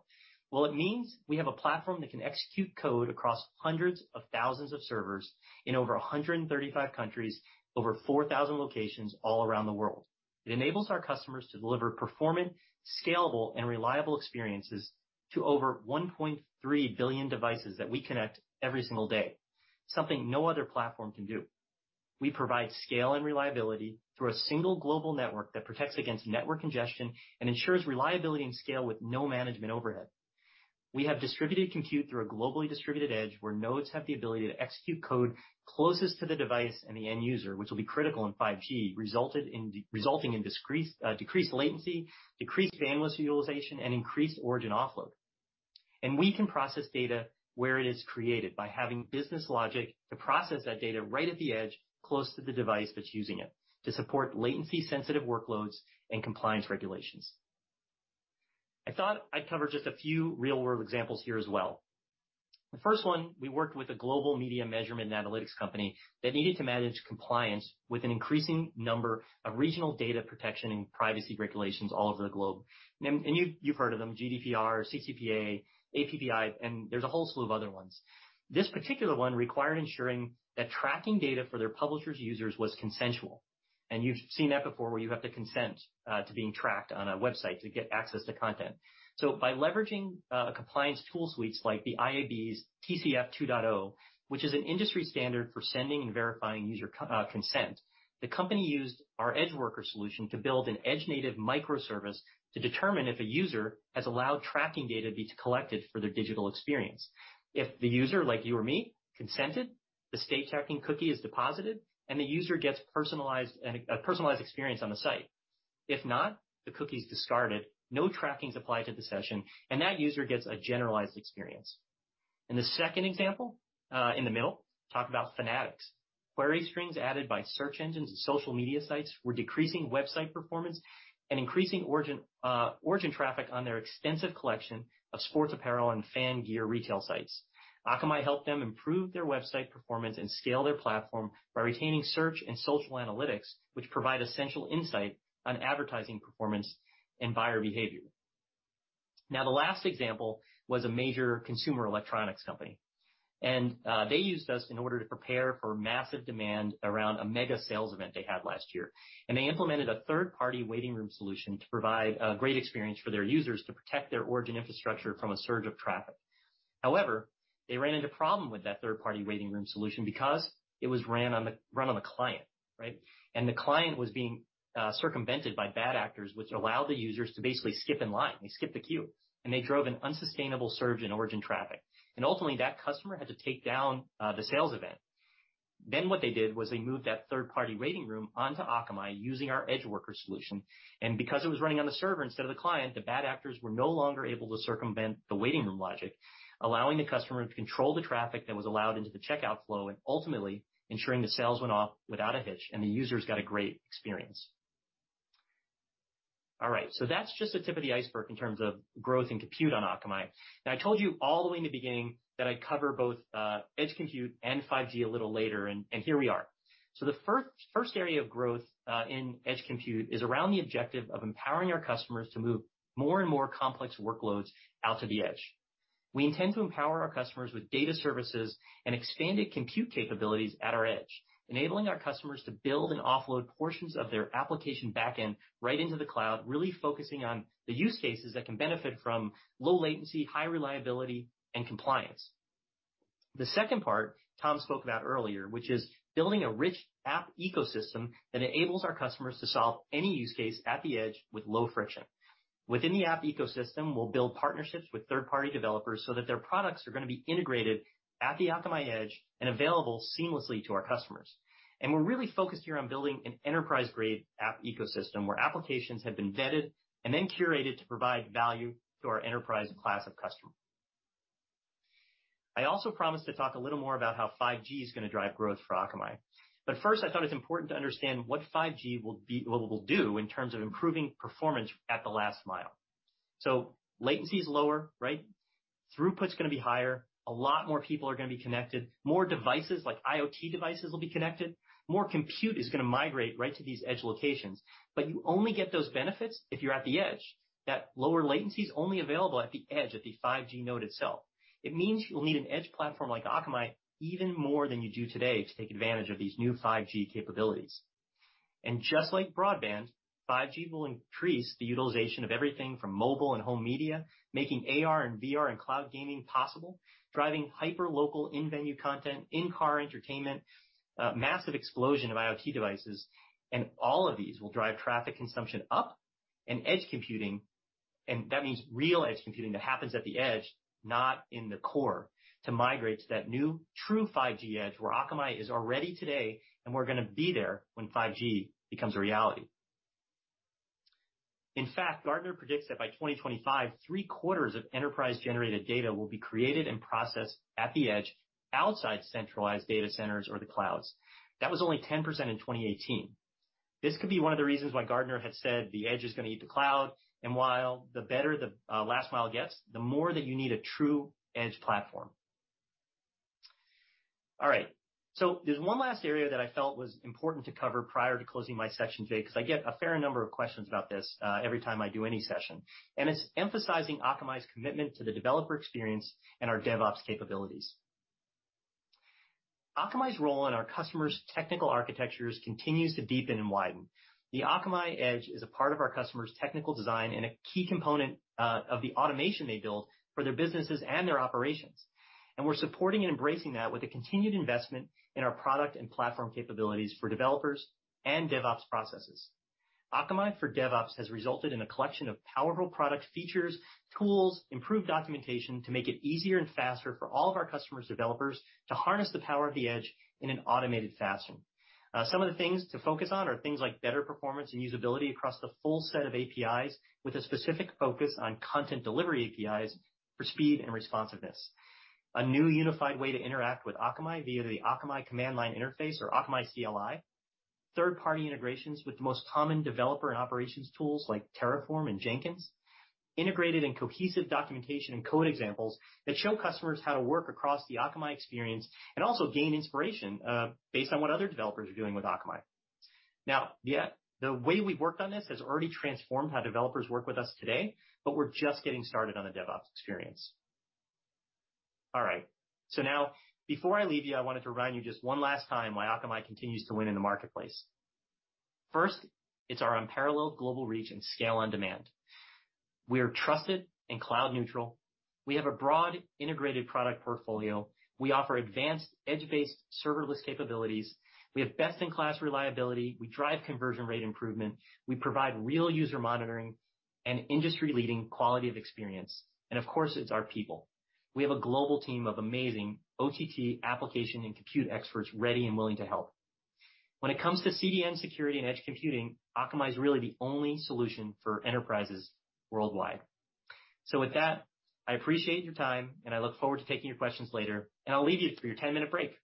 Well, it means we have a platform that can execute code across hundreds of thousands of servers in over 135 countries, over 4,000 locations all around the world. It enables our customers to deliver performant, scalable, and reliable experiences to over 1.3 billion devices that we connect every single day. Something no other platform can do. We provide scale and reliability through a single global network that protects against network congestion and ensures reliability and scale with no management overhead. We have distributed compute through a globally distributed edge, where nodes have the ability to execute code closest to the device and the end user, which will be critical in 5G, resulting in decreased latency, decreased bandwidth utilization, and increased origin offload. We can process data where it is created by having business logic to process that data right at the edge, close to the device that's using it, to support latency-sensitive workloads and compliance regulations. I thought I'd cover just a few real-world examples here as well. The first one, we worked with a global media measurement and analytics company that needed to manage compliance with an increasing number of regional data protection and privacy regulations all over the globe. You've heard of them, GDPr, CCPA, APPI, and there's a whole slew of other ones. This particular one required ensuring that tracking data for their publishers' users was consensual. You've seen that before, where you have to consent to being tracked on a website to get access to content. By leveraging compliance tool suites like the IAB's TCF 2.0, which is an industry standard for sending and verifying user consent, the company used our EdgeWorkers solution to build an edge native microservice to determine if a user has allowed tracking data to be collected for their digital experience. If the user, like you or me, consented, the state tracking cookie is deposited, and the user gets a personalized experience on the site. If not, the cookie's discarded, no tracking is applied to the session, and that user gets a generalized experience. In the second example, in the middle, talk about Fanatics. Query strings added by search engines and social media sites were decreasing website performance and increasing origin traffic on their extensive collection of sports apparel and fan gear retail sites. Akamai helped them improve their website performance and scale their platform by retaining search and social analytics, which provide essential insight on advertising performance and buyer behavior. Now, the last example was a major consumer electronics company, and they used us in order to prepare for massive demand around a mega sales event they had last year. They implemented a third-party waiting room solution to provide a great experience for their users to protect their origin infrastructure from a surge of traffic. They ran into problem with that third-party waiting room solution because it was run on the client, right? The client was being circumvented by bad actors, which allowed the users to basically skip in line. They skipped the queue. They drove an unsustainable surge in origin traffic. Ultimately, that customer had to take down the sales event. What they did was they moved that third-party waiting room onto Akamai using our EdgeWorkers solution. Because it was running on the server instead of the client, the bad actors were no longer able to circumvent the waiting room logic, allowing the customer to control the traffic that was allowed into the checkout flow, and ultimately ensuring the sales went off without a hitch and the users got a great experience. All right. That's just the tip of the iceberg in terms of growth and compute on Akamai. I told you all the way in the beginning that I'd cover both edge compute and 5G a little later, and here we are. The first area of growth in edge compute is around the objective of empowering our customers to move more and more complex workloads out to the edge. We intend to empower our customers with data services and expanded compute capabilities at our edge, enabling our customers to build and offload portions of their application back-end right into the cloud, really focusing on the use cases that can benefit from low latency, high reliability, and compliance. The second part Tom spoke about earlier, which is building a rich app ecosystem that enables our customers to solve any use case at the edge with low friction. Within the app ecosystem, we'll build partnerships with third-party developers so that their products are going to be integrated at the Akamai edge and available seamlessly to our customers. We're really focused here on building an enterprise-grade app ecosystem where applications have been vetted and then curated to provide value to our enterprise class of customer. I also promised to talk a little more about how 5G is going to drive growth for Akamai. First, I thought it's important to understand what 5G will do in terms of improving performance at the last mile. So latency is lower, right? Throughput's going to be higher. A lot more people are going to be connected. More devices like IoT devices will be connected. More compute is going to migrate right to these edge locations. But you only get those benefits if you're at the edge. That lower latency is only available at the edge at the 5G node itself. It means you'll need an edge platform like Akamai even more than you do today to take advantage of these new 5G capabilities. Just like broadband, 5G will increase the utilization of everything from mobile and home media, making AR and VR and cloud gaming possible, driving hyper-local in-venue content, in-car entertainment, massive explosion of IoT devices. All of these will drive traffic consumption up and edge computing, and that means real edge computing that happens at the edge, not in the core, to migrate to that new true 5G edge where Akamai is already today, and we're going to be there when 5G becomes a reality. In fact, Gartner predicts that by 2025, three-quarters of enterprise-generated data will be created and processed at the edge outside centralized data centers or the clouds. That was only 10% in 2018. This could be one of the reasons why Gartner had said the edge is going to eat the cloud. While the better the last mile gets, the more that you need a true Edge platform. There's one last area that I felt was important to cover prior to closing my section today, because I get a fair number of questions about this every time I do any session. It's emphasizing Akamai's commitment to the developer experience and our DevOps capabilities. Akamai's role in our customers' technical architectures continues to deepen and widen. The Akamai Edge is a part of our customers' technical design and a key component of the automation they build for their businesses and their operations. We're supporting and embracing that with a continued investment in our product and platform capabilities for developers and DevOps processes. Akamai for DevOps has resulted in a collection of powerful product features, tools, improved documentation to make it easier and faster for all of our customers' developers to harness the power of the edge in an automated fashion. Some of the things to focus on are things like better performance and usability across the full set of APIs, with a specific focus on content delivery APIs for speed and responsiveness. A new unified way to interact with Akamai via the Akamai command line interface or Akamai CLI. Third-party integrations with the most common developer and operations tools like Terraform and Jenkins. Integrated and cohesive documentation and code examples that show customers how to work across the Akamai experience and also gain inspiration based on what other developers are doing with Akamai. The way we've worked on this has already transformed how developers work with us today, but we're just getting started on the DevOps experience. All right. Before I leave you, I wanted to remind you just one last time why Akamai continues to win in the marketplace. First, it's our unparalleled global reach and scale on demand. We are trusted and cloud neutral. We have a broad integrated product portfolio. We offer advanced edge-based serverless capabilities. We have best-in-class reliability. We drive conversion rate improvement. We provide real user monitoring and industry-leading quality of experience. Of course, it's our people. We have a global team of amazing OTT application and compute experts ready and willing to help. When it comes to CDN security and edge computing, Akamai is really the only solution for enterprises worldwide. With that, I appreciate your time, and I look forward to taking your questions later. I'll leave you for your 10-minute break.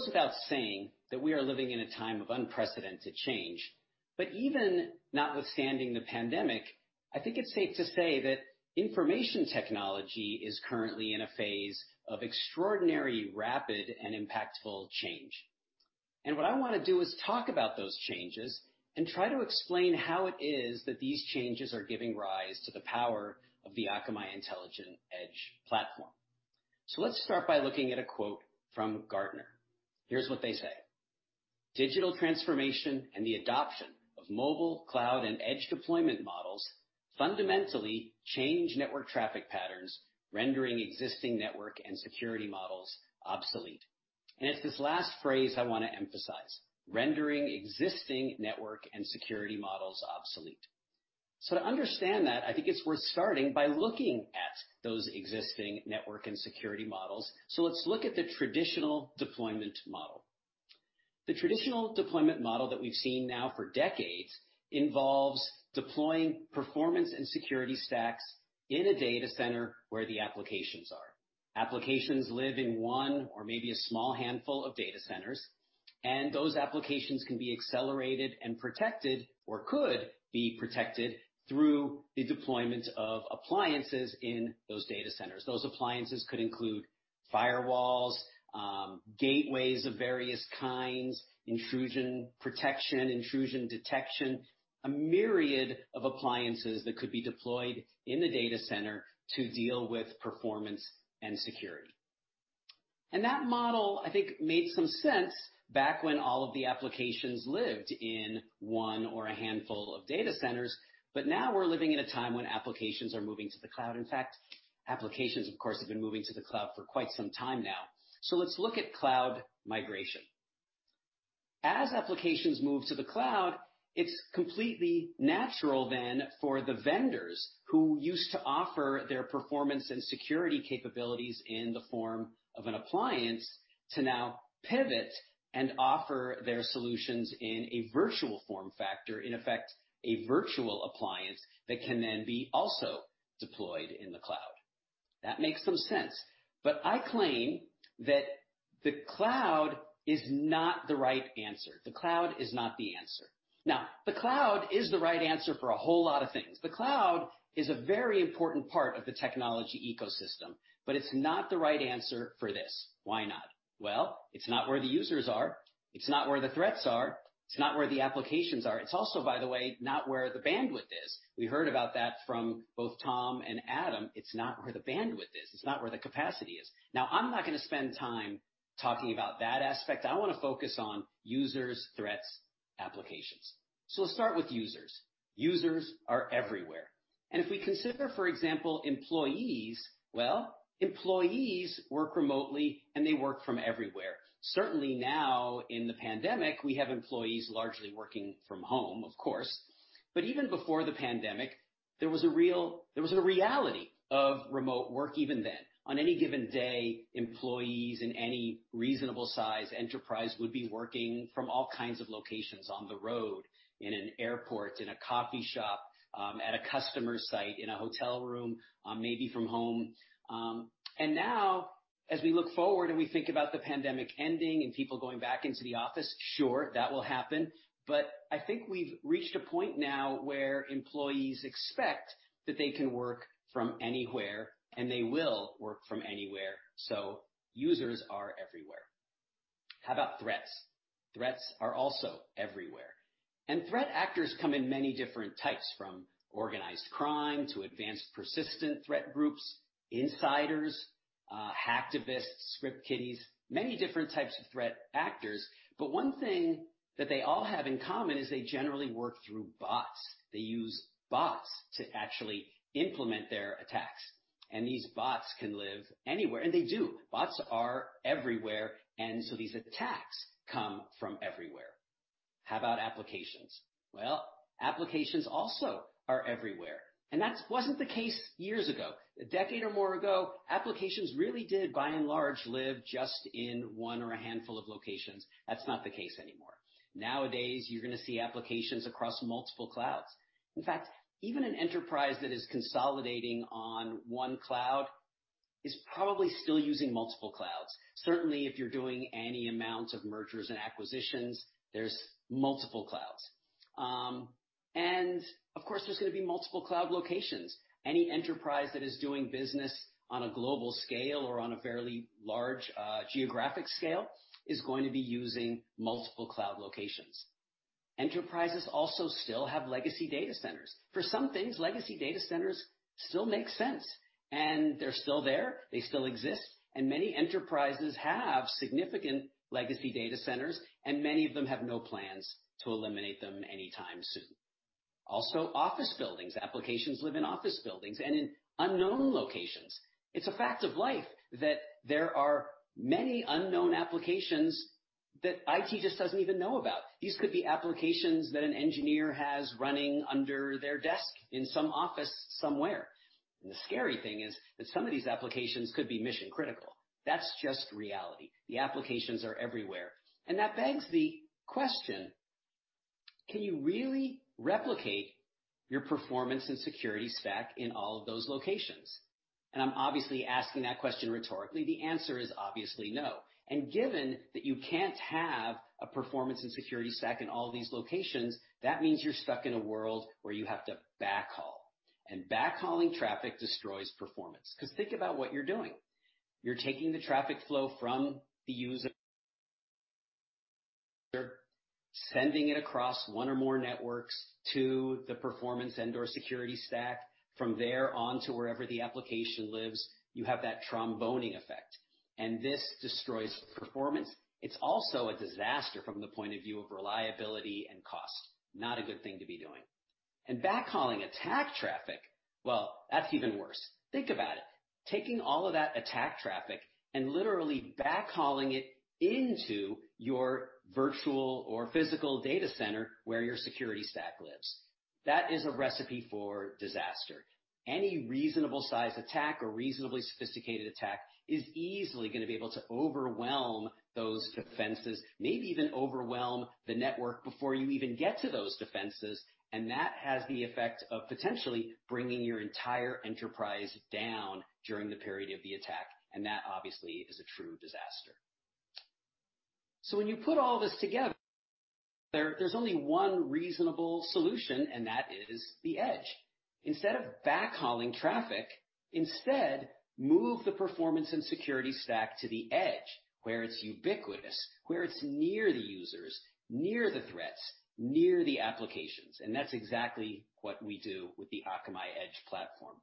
Hi, everybody. It goes without saying that we are living in a time of unprecedented change, but even notwithstanding the pandemic, I think it's safe to say that information technology is currently in a phase of extraordinary rapid and impactful change. What I want to do is talk about those changes and try to explain how it is that these changes are giving rise to the power of the Akamai Intelligent Edge platform. Let's start by looking at a quote from Gartner. Here's what they say, "Digital transformation and the adoption of mobile, cloud, and edge deployment models fundamentally change network traffic patterns, rendering existing network and security models obsolete." It's this last phrase I want to emphasize, "Rendering existing network and security models obsolete." To understand that, I think it's worth starting by looking at those existing network and security models. Let's look at the traditional deployment model. The traditional deployment model that we've seen now for decades involves deploying performance and security stacks in a data center where the applications are. Applications live in one or maybe a small handful of data centers, and those applications can be accelerated and protected, or could be protected through the deployment of appliances in those data centers. Those appliances could include firewalls, gateways of various kinds, intrusion protection, intrusion detection, a myriad of appliances that could be deployed in the data center to deal with performance and security. That model, I think, made some sense back when all of the applications lived in one or a handful of data centers, but now we're living in a time when applications are moving to the cloud. In fact, applications, of course, have been moving to the cloud for quite some time now. Let's look at cloud migration. As applications move to the cloud, it's completely natural then for the vendors who used to offer their performance and security capabilities in the form of an appliance to now pivot and offer their solutions in a virtual form factor, in effect, a virtual appliance that can then be also deployed in the cloud. That makes some sense. I claim that the cloud is not the right answer. Now, the cloud is the right answer for a whole lot of things. The cloud is a very important part of the technology ecosystem, but it's not the right answer for this. Why not? Well, it's not where the users are. It's not where the threats are. It's not where the applications are. It's also, by the way, not where the bandwidth is. We heard about that from both Tom and Adam. It's not where the bandwidth is. It's not where the capacity is. I'm not going to spend time talking about that aspect. I want to focus on users, threats, applications. Let's start with users. Users are everywhere. If we consider, for example, employees, well, employees work remotely, and they work from everywhere. Certainly now in the pandemic, we have employees largely working from home, of course. Even before the pandemic, there was a reality of remote work even then. On any given day, employees in any reasonable size enterprise would be working from all kinds of locations, on the road, in an airport, in a coffee shop, at a customer site, in a hotel room, maybe from home. Now as we look forward and we think about the pandemic ending and people going back into the office, sure, that will happen. I think we've reached a point now where employees expect that they can work from anywhere, and they will work from anywhere. Users are everywhere. How about threats? Threats are also everywhere. Threat actors come in many different types, from organized crime to advanced persistent threat groups, insiders, hacktivists, script kiddies, many different types of threat actors. One thing that they all have in common is they generally work through bots. They use bots to actually implement their attacks, and these bots can live anywhere, and they do. Bots are everywhere, and so these attacks come from everywhere. How about applications? Well, applications also are everywhere, and that wasn't the case years ago. A decade or more ago, applications really did, by and large, live just in one or a handful of locations. That's not the case anymore. Nowadays, you're going to see applications across multiple clouds. In fact, even an enterprise that is consolidating on one cloud is probably still using multiple clouds. Certainly, if you're doing any amount of mergers and acquisitions, there's multiple clouds. Of course, there's going to be multiple cloud locations. Any enterprise that is doing business on a global scale or on a fairly large geographic scale is going to be using multiple cloud locations. Enterprises also still have legacy data centers. For some things, legacy data centers still make sense, and they're still there. They still exist, and many enterprises have significant legacy data centers, and many of them have no plans to eliminate them anytime soon. Also, office buildings. Applications live in office buildings and in unknown locations. It's a fact of life that there are many unknown applications that IT just doesn't even know about. These could be applications that an engineer has running under their desk in some office somewhere. The scary thing is that some of these applications could be mission-critical. That's just reality. The applications are everywhere. That begs the question, can you really replicate your performance and security stack in all of those locations? I'm obviously asking that question rhetorically. The answer is obviously no. Given that you can't have a performance and security stack in all these locations, that means you're stuck in a world where you have to backhaul, and backhauling traffic destroys performance. Because think about what you're doing. You're taking the traffic flow from the user, sending it across one or more networks to the performance and or security stack. From there on to wherever the application lives, you have that tromboning effect, and this destroys performance. It's also a disaster from the point of view of reliability and cost. Not a good thing to be doing. Backhauling attack traffic, well, that's even worse. Think about it. Taking all of that attack traffic and literally backhauling it into your virtual or physical data center where your security stack lives. That is a recipe for disaster. Any reasonable-sized attack or reasonably sophisticated attack is easily going to be able to overwhelm those defenses, maybe even overwhelm the network before you even get to those defenses. That has the effect of potentially bringing your entire enterprise down during the period of the attack. That obviously is a true disaster. When you put all this together, there's only one reasonable solution, and that is the edge. Instead of backhauling traffic, instead move the performance and security stack to the edge, where it's ubiquitous, where it's near the users, near the threats, near the applications. That's exactly what we do with the Akamai Edge platform.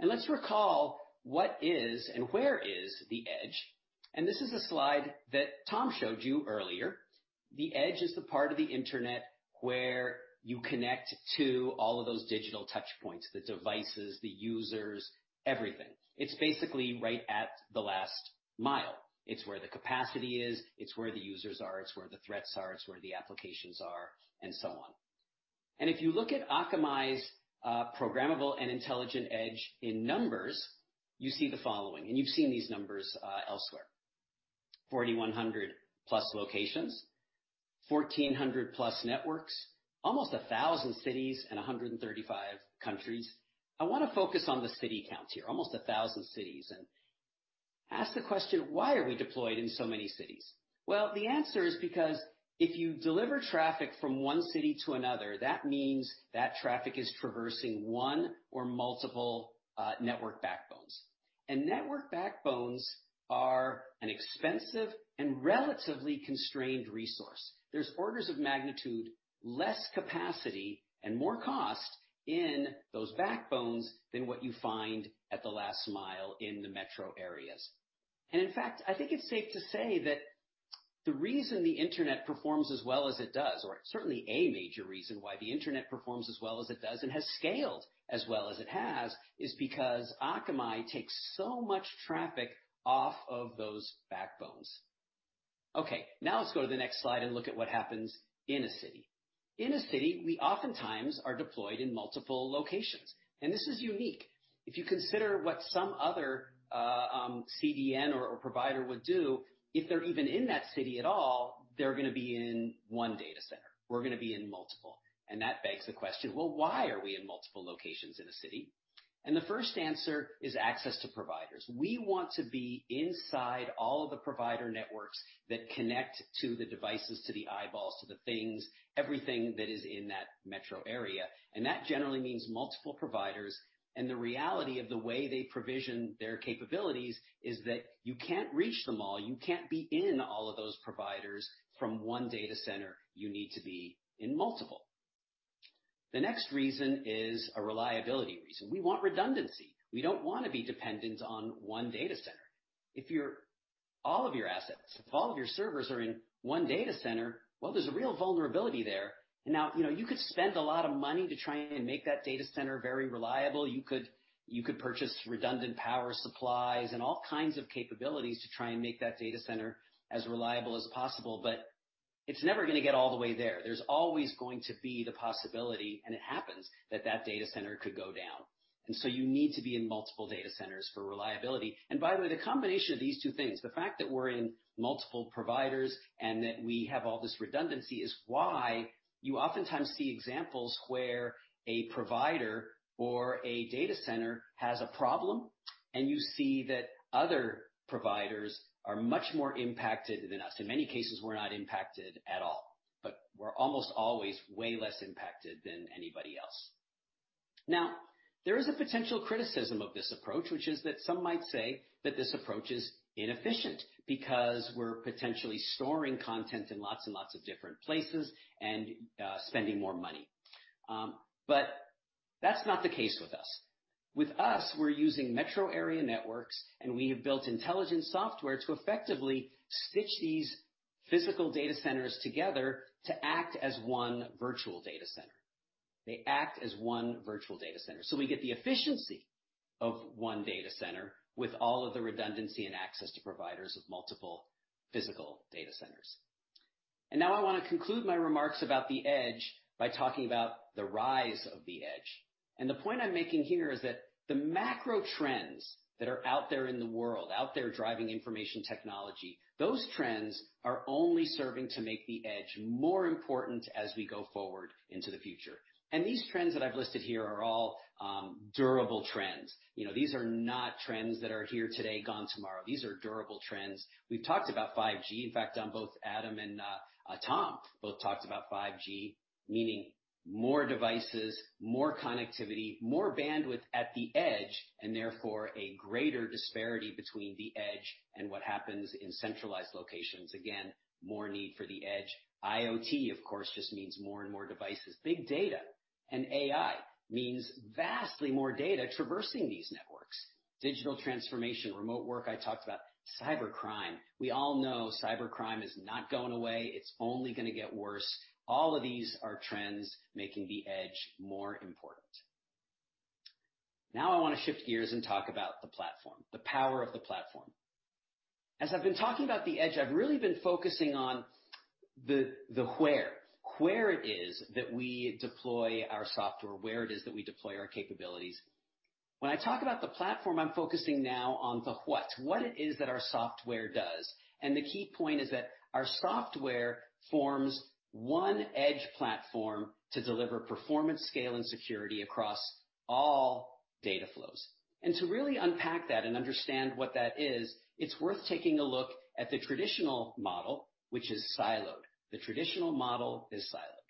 Let's recall what is and where is the edge. This is a slide that Tom showed you earlier. The edge is the part of the Internet where you connect to all of those digital touchpoints, the devices, the users, everything. It's basically right at the last mile. It's where the capacity is, it's where the users are, it's where the threats are, it's where the applications are, and so on. If you look at Akamai's programmable and Intelligent Edge in numbers, you see the following, and you've seen these numbers elsewhere. 4,100+ locations, 1,400+ networks, almost 1,000 cities and 135 countries. I want to focus on the city counts here, almost 1,000 cities. Ask the question, why are we deployed in so many cities? Well, the answer is because if you deliver traffic from one city to another, that means that traffic is traversing one or multiple network backbones. Network backbones are an expensive and relatively constrained resource. There's orders of magnitude, less capacity and more cost in those backbones than what you find at the last mile in the metro areas. In fact, I think it's safe to say that the reason the internet performs as well as it does, or certainly a major reason why the internet performs as well as it does and has scaled as well as it has, is because Akamai takes so much traffic off of those backbones. Let's go to the next slide and look at what happens in a city. In a city, we oftentimes are deployed in multiple locations, and this is unique. If you consider what some other CDN or provider would do, if they're even in that city at all, they're going to be in one data center. We're going to be in multiple. That begs the question, well, why are we in multiple locations in a city? The first answer is access to providers. We want to be inside all of the provider networks that connect to the devices, to the eyeballs, to the things, everything that is in that metro area. That generally means multiple providers. The reality of the way they provision their capabilities is that you can't reach them all. You can't be in all of those providers from one data center. You need to be in multiple. The next reason is a reliability reason. We want redundancy. We don't want to be dependent on one data center. If all of your assets, if all of your servers are in one data center, well, there's a real vulnerability there. You could spend a lot of money to try and make that data center very reliable. You could purchase redundant power supplies and all kinds of capabilities to try and make that data center as reliable as possible, but it's never going to get all the way there. There's always going to be the possibility, and it happens, that that data center could go down. You need to be in multiple data centers for reliability. By the way, the combination of these two things, the fact that we're in multiple providers and that we have all this redundancy, is why you oftentimes see examples where a provider or a data center has a problem, and you see that other providers are much more impacted than us. In many cases, we're not impacted at all. We're almost always way less impacted than anybody else. Now, there is a potential criticism of this approach, which is that some might say that this approach is inefficient because we're potentially storing content in lots and lots of different places and spending more money. That's not the case with us. With us, we're using metro area networks, and we have built intelligent software to effectively stitch these physical data centers together to act as one virtual data center. They act as one virtual data center. We get the efficiency of one data center with all of the redundancy and access to providers of multiple physical data centers. Now I want to conclude my remarks about the edge by talking about the rise of the edge. The point I'm making here is that the macro trends that are out there in the world, out there driving information technology, those trends are only serving to make the edge more important as we go forward into the future. These trends that I've listed here are all durable trends. These are not trends that are here today, gone tomorrow. These are durable trends. We've talked about 5G. In fact, both Adam and Tom both talked about 5G, meaning more devices, more connectivity, more bandwidth at the edge, and therefore a greater disparity between the edge and what happens in centralized locations. Again, more need for the edge. IoT, of course, just means more and more devices. Big data and AI means vastly more data traversing these networks. Digital transformation, remote work I talked about. Cybercrime. We all know cybercrime is not going away. It's only going to get worse. All of these are trends making the edge more important. I want to shift gears and talk about the platform, the power of the platform. As I've been talking about the edge, I've really been focusing on the where it is that we deploy our software, where it is that we deploy our capabilities. When I talk about the platform, I'm focusing now on the what it is that our software does. The key point is that our software forms one edge platform to deliver performance, scale, and security across all data flows. To really unpack that and understand what that is, it's worth taking a look at the traditional model, which is siloed. The traditional model is siloed.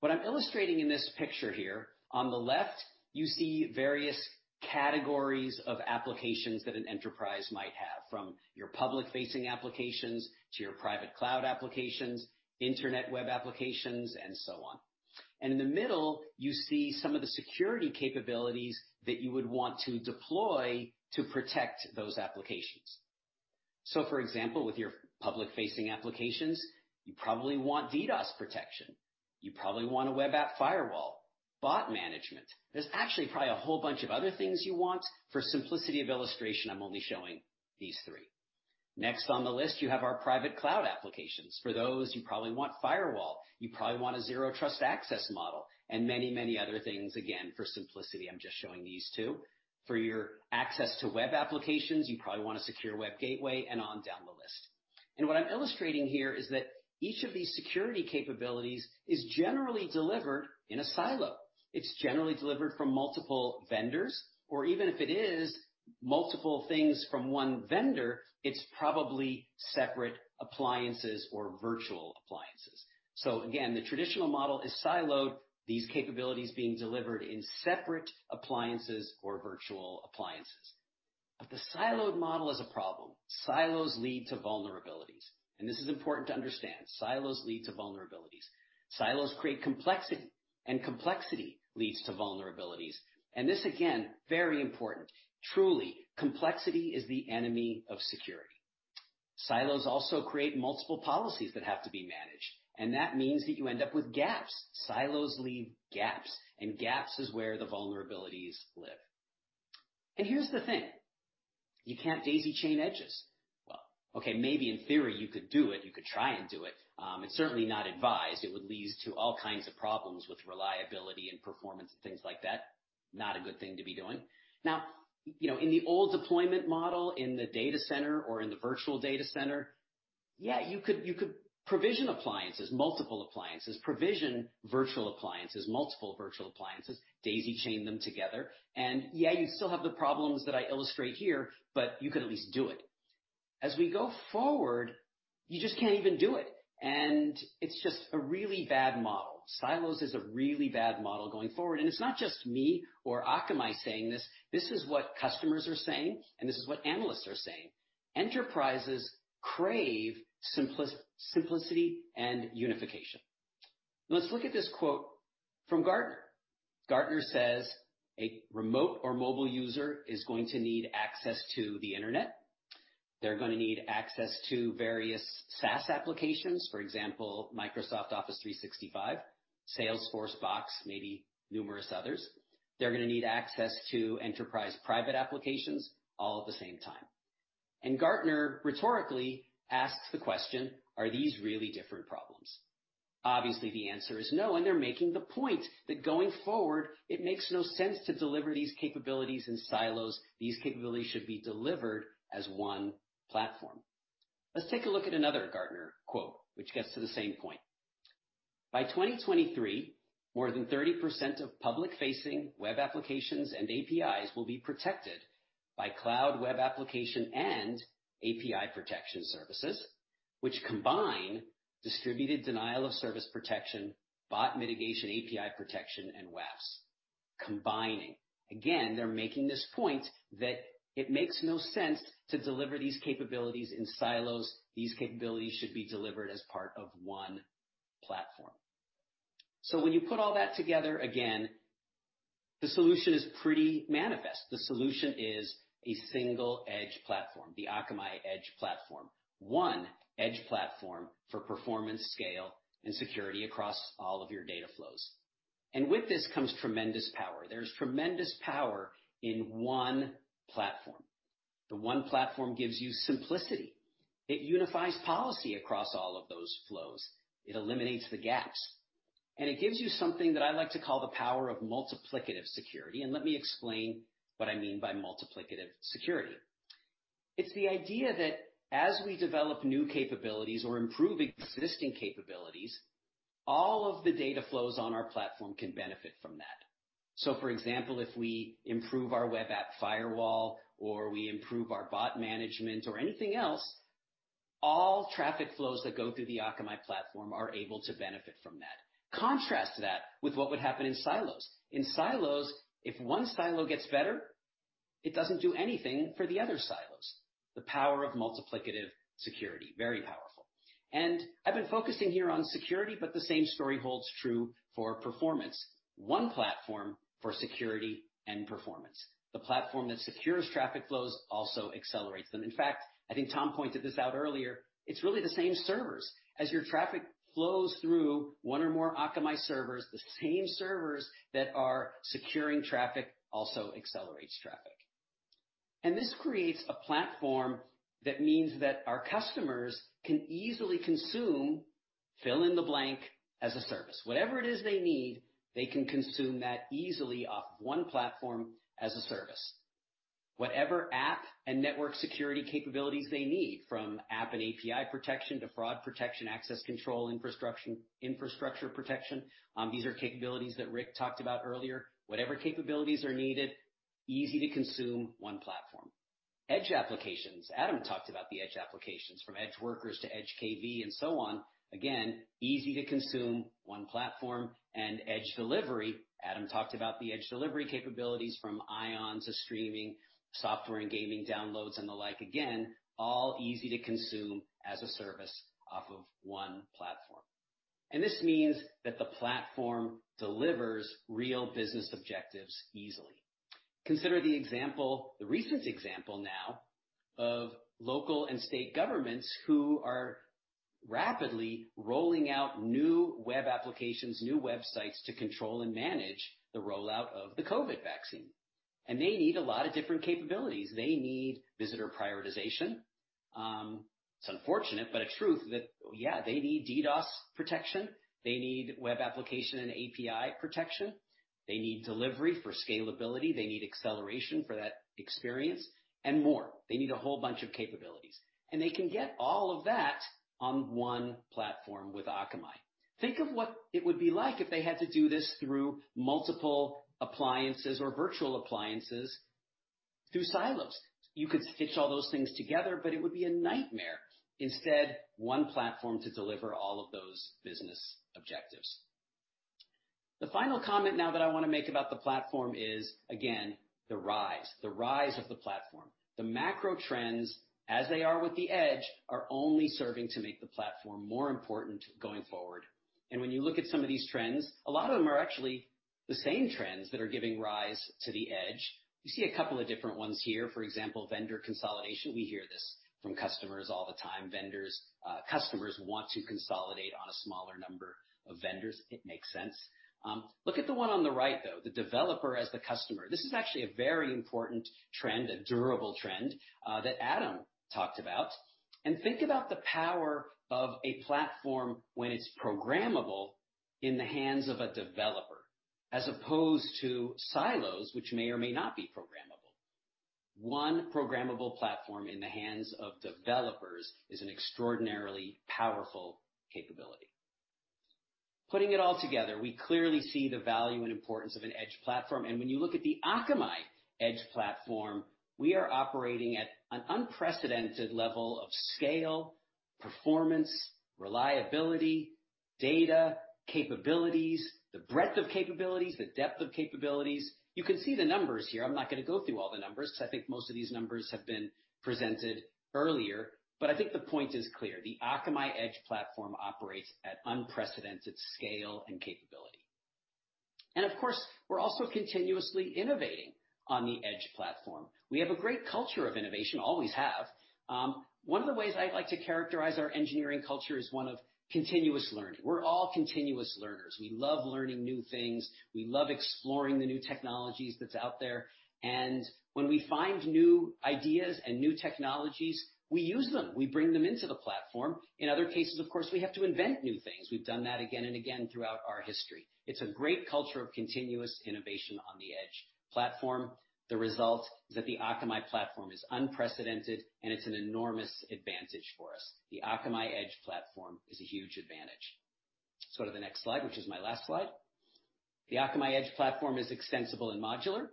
What I'm illustrating in this picture here, on the left, you see various categories of applications that an enterprise might have, from your public-facing applications to your private cloud applications, internet web applications, and so on. In the middle, you see some of the security capabilities that you would want to deploy to protect those applications. For example, with your public-facing applications, you probably want DDoS protection. You probably want a web app firewall, bot management. There's actually probably a whole bunch of other things you want. For simplicity of illustration, I'm only showing these three. Next on the list, you have our private cloud applications. For those, you probably want firewall. You probably want a zero-trust access model and many, many other things. Again, for simplicity, I'm just showing these two. For your access to web applications, you probably want a secure web gateway and on down the list. What I'm illustrating here is that each of these security capabilities is generally delivered in a silo. It's generally delivered from multiple vendors. Even if it is multiple things from one vendor, it's probably separate appliances or virtual appliances. Again, the traditional model is siloed, these capabilities being delivered in separate appliances or virtual appliances. The siloed model is a problem. Silos lead to vulnerabilities. This is important to understand. Silos lead to vulnerabilities. Silos create complexity, and complexity leads to vulnerabilities. This, again, very important. Truly, complexity is the enemy of security. Silos also create multiple policies that have to be managed. That means that you end up with gaps. Silos leave gaps, and gaps is where the vulnerabilities live. Here's the thing, you can't daisy chain edges. Well, okay, maybe in theory you could do it. You could try and do it. It's certainly not advised. It would lead to all kinds of problems with reliability and performance and things like that. Not a good thing to be doing. Now, in the old deployment model, in the data center or in the virtual data center, yeah, you could provision appliances, multiple appliances. Provision virtual appliances, multiple virtual appliances, daisy chain them together. Yeah, you still have the problems that I illustrate here, but you could at least do it. As we go forward, you just can't even do it, and it's just a really bad model. Silos is a really bad model going forward. It's not just me or Akamai saying this is what customers are saying, and this is what analysts are saying. Enterprises crave simplicity and unification. Let's look at this quote from Gartner. Gartner says a remote or mobile user is going to need access to the internet. They're going to need access to various SaaS applications, for example, Microsoft Office 365, Salesforce, Box, maybe numerous others. They're going to need access to enterprise private applications all at the same time. Gartner rhetorically asks the question, are these really different problems? Obviously, the answer is no, and they're making the point that going forward, it makes no sense to deliver these capabilities in silos. These capabilities should be delivered as one platform. Let's take a look at another Gartner quote, which gets to the same point. By 2023, more than 30% of public-facing web applications and APIs will be protected by cloud web application and API protection services, which combine distributed denial of service protection, bot mitigation, API protection, and WAFs. Combining. They're making this point that it makes no sense to deliver these capabilities in silos. These capabilities should be delivered as part of one platform. When you put all that together, again, the solution is pretty manifest. The solution is a single edge platform, the Akamai Edge Platform. One edge platform for performance, scale, and security across all of your data flows. With this comes tremendous power. There's tremendous power in one platform. The one platform gives you simplicity. It unifies policy across all of those flows. It eliminates the gaps. It gives you something that I like to call the power of multiplicative security. Let me explain what I mean by multiplicative security. It's the idea that as we develop new capabilities or improve existing capabilities, all of the data flows on our platform can benefit from that. For example, if we improve our web app firewall, or we improve our bot management or anything else, all traffic flows that go through the Akamai platform are able to benefit from that. Contrast that with what would happen in silos. In silos, if one silo gets better, it doesn't do anything for the other silos. The power of multiplicative security, very powerful. I've been focusing here on security, but the same story holds true for performance. One platform for security and performance. The platform that secures traffic flows also accelerates them. In fact, I think Tom pointed this out earlier, it's really the same servers. As your traffic flows through one or more Akamai servers, the same servers that are securing traffic also accelerates traffic. This creates a platform that means that our customers can easily consume, fill in the blank, as a service. Whatever it is they need, they can consume that easily off of one platform as a service. Whatever app and network security capabilities they need, from app and API protection to fraud protection, access control, infrastructure protection. These are capabilities that Rick talked about earlier. Whatever capabilities are needed, easy to consume, one platform. Edge applications. Adam talked about the edge applications. From EdgeWorkers to EdgeKV and so on. Again, easy to consume, one platform. Edge delivery. Adam talked about the edge delivery capabilities from Ion to streaming, software and gaming downloads, and the like. Again, all easy to consume as a service off of one platform. This means that the platform delivers real business objectives easily. Consider the recent example now of local and state governments who are rapidly rolling out new web applications, new websites to control and manage the rollout of the COVID vaccine. They need a lot of different capabilities. They need visitor prioritization. It's unfortunate, but a truth that, yeah, they need DDoS protection. They need web application and API protection. They need delivery for scalability. They need acceleration for that experience, and more. They need a whole bunch of capabilities. They can get all of that on one platform with Akamai. Think of what it would be like if they had to do this through multiple appliances or virtual appliances through silos. You could stitch all those things together, but it would be a nightmare. Instead, one platform to deliver all of those business objectives. The final comment now that I want to make about the platform is, again, the rise, the rise of the platform. The macro trends, as they are with the edge, are only serving to make the platform more important going forward. When you look at some of these trends, a lot of them are actually the same trends that are giving rise to the edge. You see a couple of different ones here. For example, vendor consolidation. We hear this from customers all the time. Customers want to consolidate on a smaller number of vendors. It makes sense. Look at the one on the right, though. The developer as the customer. This is actually a very important trend, a durable trend, that Adam talked about. Think about the power of a platform when it's programmable in the hands of a developer, as opposed to silos, which may or may not be programmable. One programmable platform in the hands of developers is an extraordinarily powerful capability. Putting it all together, we clearly see the value and importance of an Edge platform. When you look at the Akamai Edge platform, we are operating at an unprecedented level of scale, performance, reliability, data, capabilities, the breadth of capabilities, the depth of capabilities. You can see the numbers here. I'm not going to go through all the numbers, because I think most of these numbers have been presented earlier. I think the point is clear, the Akamai Edge platform operates at unprecedented scale and capability. Of course, we're also continuously innovating on the Edge platform. We have a great culture of innovation, always have. One of the ways I like to characterize our engineering culture is one of continuous learning. We're all continuous learners. We love learning new things. We love exploring the new technologies that's out there. When we find new ideas and new technologies, we use them. We bring them into the platform. In other cases, of course, we have to invent new things. We've done that again and again throughout our history. It's a great culture of continuous innovation on the Edge Platform. The result is that the Akamai platform is unprecedented, and it's an enormous advantage for us. The Akamai Edge platform is a huge advantage. Let's go to the next slide, which is my last slide. The Akamai Edge platform is extensible and modular.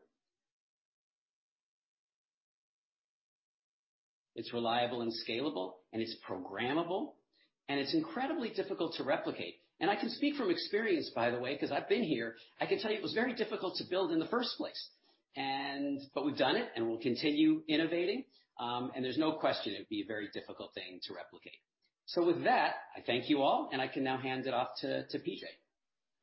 It's reliable and scalable, and it's programmable, and it's incredibly difficult to replicate. I can speak from experience, by the way, because I've been here. I can tell you it was very difficult to build in the first place. We've done it, and we'll continue innovating. There's no question it would be a very difficult thing to replicate. With that, I thank you all, and I can now hand it off to PJ.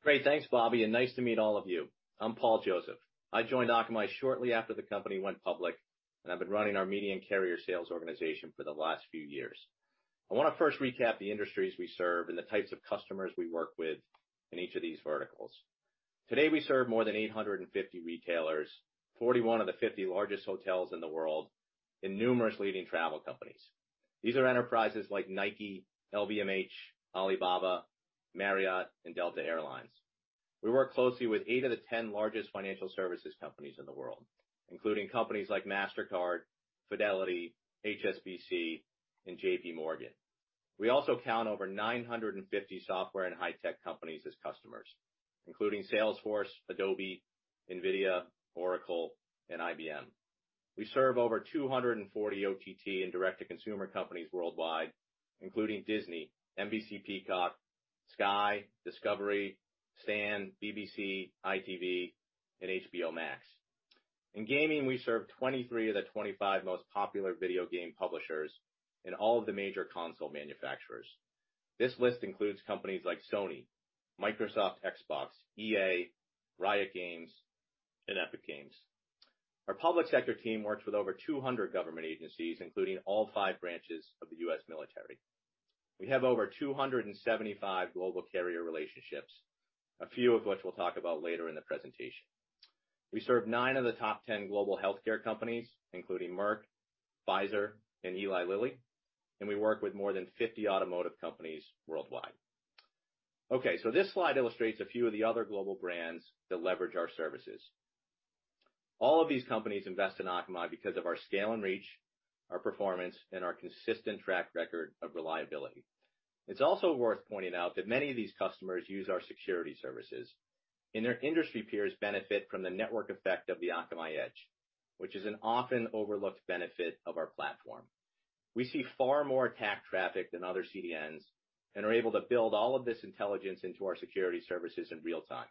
Great. Thanks, Bobby, and nice to meet all of you. I'm Paul Joseph. I joined Akamai shortly after the company went public, and I've been running our media and carrier sales organization for the last few years. I want to first recap the industries we serve and the types of customers we work with in each of these verticals. Today, we serve more than 850 retailers, 41 of the 50 largest hotels in the world, and numerous leading travel companies. These are enterprises like NIKE, LVMH, Alibaba, Marriott, and Delta Air Lines. We work closely with eight of the 10 largest financial services companies in the world, including companies like Mastercard, Fidelity, HSBC, and JP Morgan. We also count over 950 software and high-tech companies as customers, including Salesforce, Adobe, Nvidia, Oracle, and IBM. We serve over 240 OTT and direct-to-consumer companies worldwide, including Disney, NBC Peacock, Sky, Discovery, Stan, BBC, ITV, and HBO Max. In gaming, we serve 23 of the 25 most popular video game publishers and all of the major console manufacturers. This list includes companies like Sony, Microsoft Xbox, EA, Riot Games, and Epic Games. Our public sector team works with over 200 government agencies, including all five branches of the U.S. military. We have over 275 global carrier relationships, a few of which we'll talk about later in the presentation. We serve nine of the 10 global healthcare companies, including Merck, Pfizer, and Eli Lilly, and we work with more than 50 automotive companies worldwide. Okay, this slide illustrates a few of the other global brands that leverage our services. All of these companies invest in Akamai because of our scale and reach, our performance, and our consistent track record of reliability. It's also worth pointing out that many of these customers use our security services, and their industry peers benefit from the network effect of the Akamai Edge, which is an often-overlooked benefit of our platform. We see far more attack traffic than other CDNs and are able to build all of this intelligence into our security services in real time,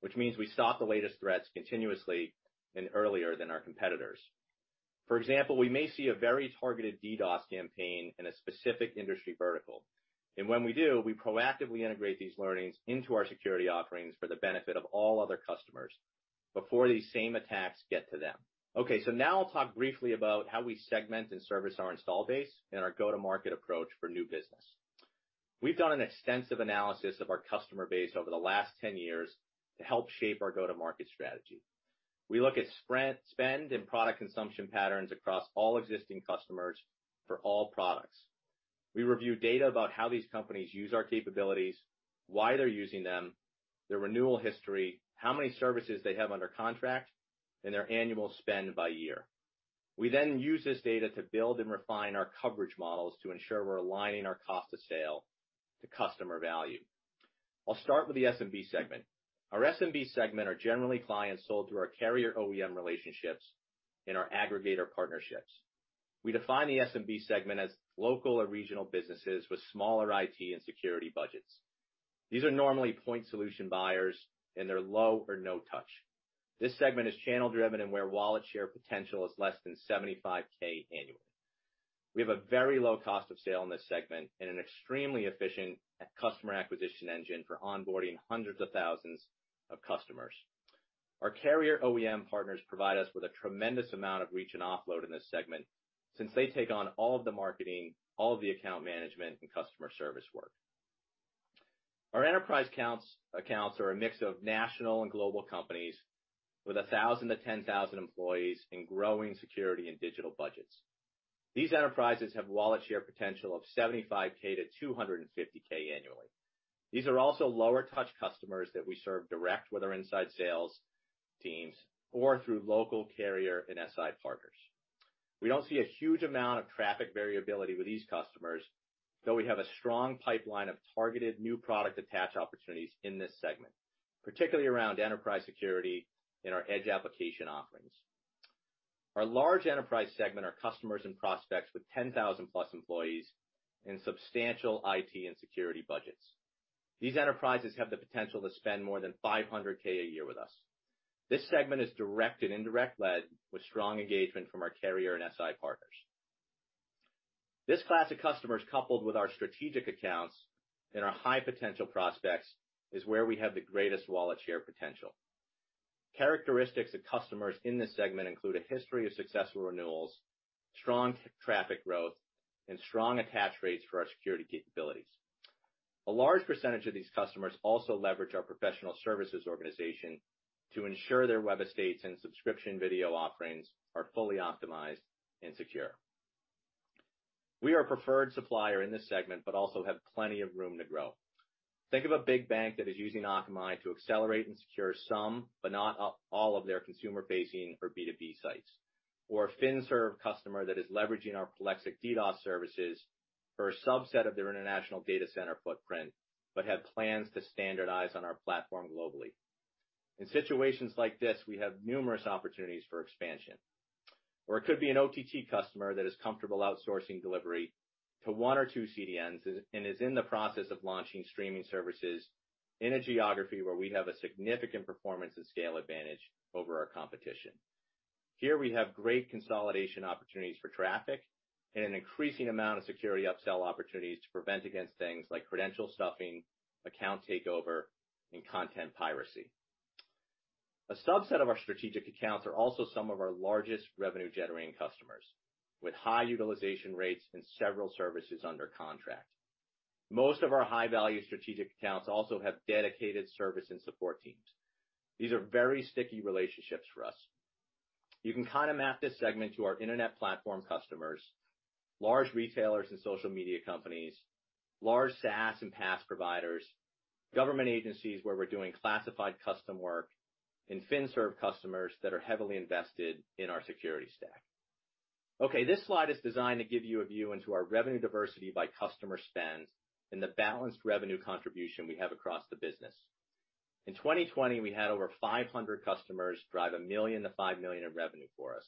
which means we stop the latest threats continuously and earlier than our competitors. For example, we may see a very targeted DDoS campaign in a specific industry vertical, and when we do, we proactively integrate these learnings into our security offerings for the benefit of all other customers before these same attacks get to them. Okay, now I'll talk briefly about how we segment and service our install base and our go-to-market approach for new business. We've done an extensive analysis of our customer base over the last 10 years to help shape our go-to-market strategy. We look at spend and product consumption patterns across all existing customers for all products. We review data about how these companies use our capabilities, why they're using them, their renewal history, how many services they have under contract, and their annual spend by year. We use this data to build and refine our coverage models to ensure we're aligning our cost of sale to customer value. I'll start with the SMB segment. Our SMB segment are generally clients sold through our carrier OEM relationships and our aggregator partnerships. We define the SMB segment as local or regional businesses with smaller IT and security budgets. These are normally point solution buyers. They're low or no touch. This segment is channel-driven and where wallet share potential is less than $75K annually. We have a very low cost of sale in this segment and an extremely efficient customer acquisition engine for onboarding hundreds of thousands of customers. Our carrier OEM partners provide us with a tremendous amount of reach and offload in this segment, since they take on all of the marketing, all of the account management, and customer service work. Our enterprise accounts are a mix of national and global companies with 1,000-10,000 employees and growing security and digital budgets. These enterprises have wallet share potential of $75K-$250K annually. These are also lower touch customers that we serve direct with our inside sales teams or through local carrier and SI partners. We don't see a huge amount of traffic variability with these customers, though we have a strong pipeline of targeted new product attach opportunities in this segment, particularly around enterprise security and our edge application offerings. Our large enterprise segment are customers and prospects with 10,000+ employees and substantial IT and security budgets. These enterprises have the potential to spend more than $500K a year with us. This segment is direct and indirect led, with strong engagement from our carrier and SI partners. This class of customers, coupled with our strategic accounts and our high-potential prospects, is where we have the greatest wallet share potential. Characteristics of customers in this segment include a history of successful renewals, strong traffic growth, and strong attach rates for our security capabilities. A large percentage of these customers also leverage our professional services organization to ensure their web estates and subscription video offerings are fully optimized and secure. We are a preferred supplier in this segment but also have plenty of room to grow. Think of a big bank that is using Akamai to accelerate and secure some but not all of their consumer-facing or B2B sites, or a finserve customer that is leveraging our Prolexic DDoS services for a subset of their international data center footprint, but have plans to standardize on our platform globally. In situations like this, we have numerous opportunities for expansion. It could be an OTT customer that is comfortable outsourcing delivery to one or two CDNs and is in the process of launching streaming services in a geography where we have a significant performance and scale advantage over our competition. Here we have great consolidation opportunities for traffic and an increasing amount of security upsell opportunities to prevent against things like credential stuffing, account takeover, and content piracy. A subset of our strategic accounts are also some of our largest revenue-generating customers with high utilization rates and several services under contract. Most of our high-value strategic accounts also have dedicated service and support teams. These are very sticky relationships for us. You can kind of map this segment to our internet platform customers, large retailers and social media companies, large SaaS and PaaS providers, government agencies where we're doing classified custom work, and finserve customers that are heavily invested in our security stack. Okay. This slide is designed to give you a view into our revenue diversity by customer spend and the balanced revenue contribution we have across the business. In 2020, we had over 500 customers drive $1 million-$5 million in revenue for us.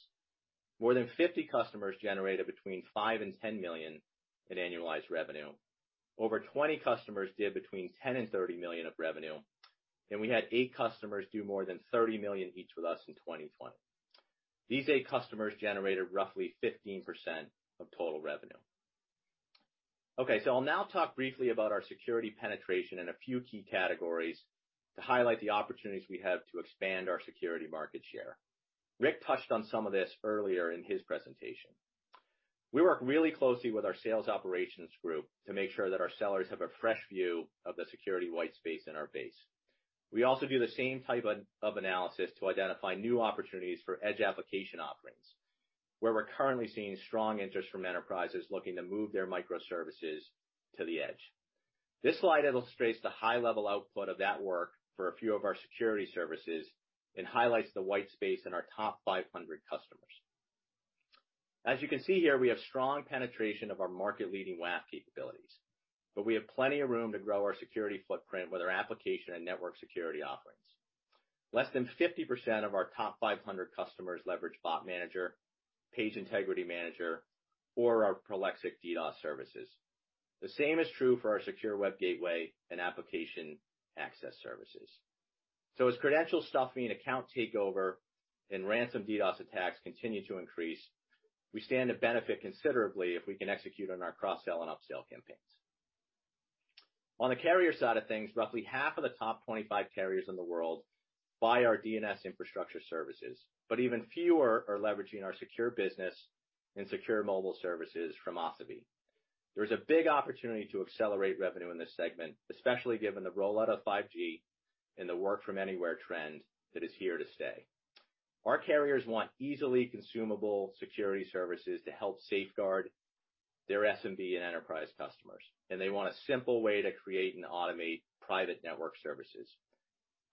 More than 50 customers generated between $5 million and $10 million in annualized revenue. Over 20 customers did between $10 million and $30 million of revenue, and we had eight customers do more than $30 million each with us in 2020. These eight customers generated roughly 15% of total revenue. Okay, I'll now talk briefly about our security penetration in a few key categories to highlight the opportunities we have to expand our security market share. Rick touched on some of this earlier in his presentation. We work really closely with our sales operations group to make sure that our sellers have a fresh view of the security white space in our base. We also do the same type of analysis to identify new opportunities for edge application offerings, where we're currently seeing strong interest from enterprises looking to move their microservices to the edge. This slide illustrates the high-level output of that work for a few of our security services and highlights the white space in our top 500 customers. As you can see here, we have strong penetration of our market-leading WAF capabilities, we have plenty of room to grow our security footprint with our application and network security offerings. Less than 50% of our top 500 customers leverage Bot Manager, Page Integrity Manager, or our Prolexic DDoS services. The same is true for our secure web gateway and application access services. As credential stuffing, account takeover, and ransom DDoS attacks continue to increase, we stand to benefit considerably if we can execute on our cross-sell and upsell campaigns. On the carrier side of things, roughly half of the top 25 carriers in the world buy our DNS infrastructure services, but even fewer are leveraging our secure business and secure mobile services from Asavie. There is a big opportunity to accelerate revenue in this segment, especially given the rollout of 5G and the work-from-anywhere trend that is here to stay. Our carriers want easily consumable security services to help safeguard their SMB and enterprise customers, and they want a simple way to create and automate private network services.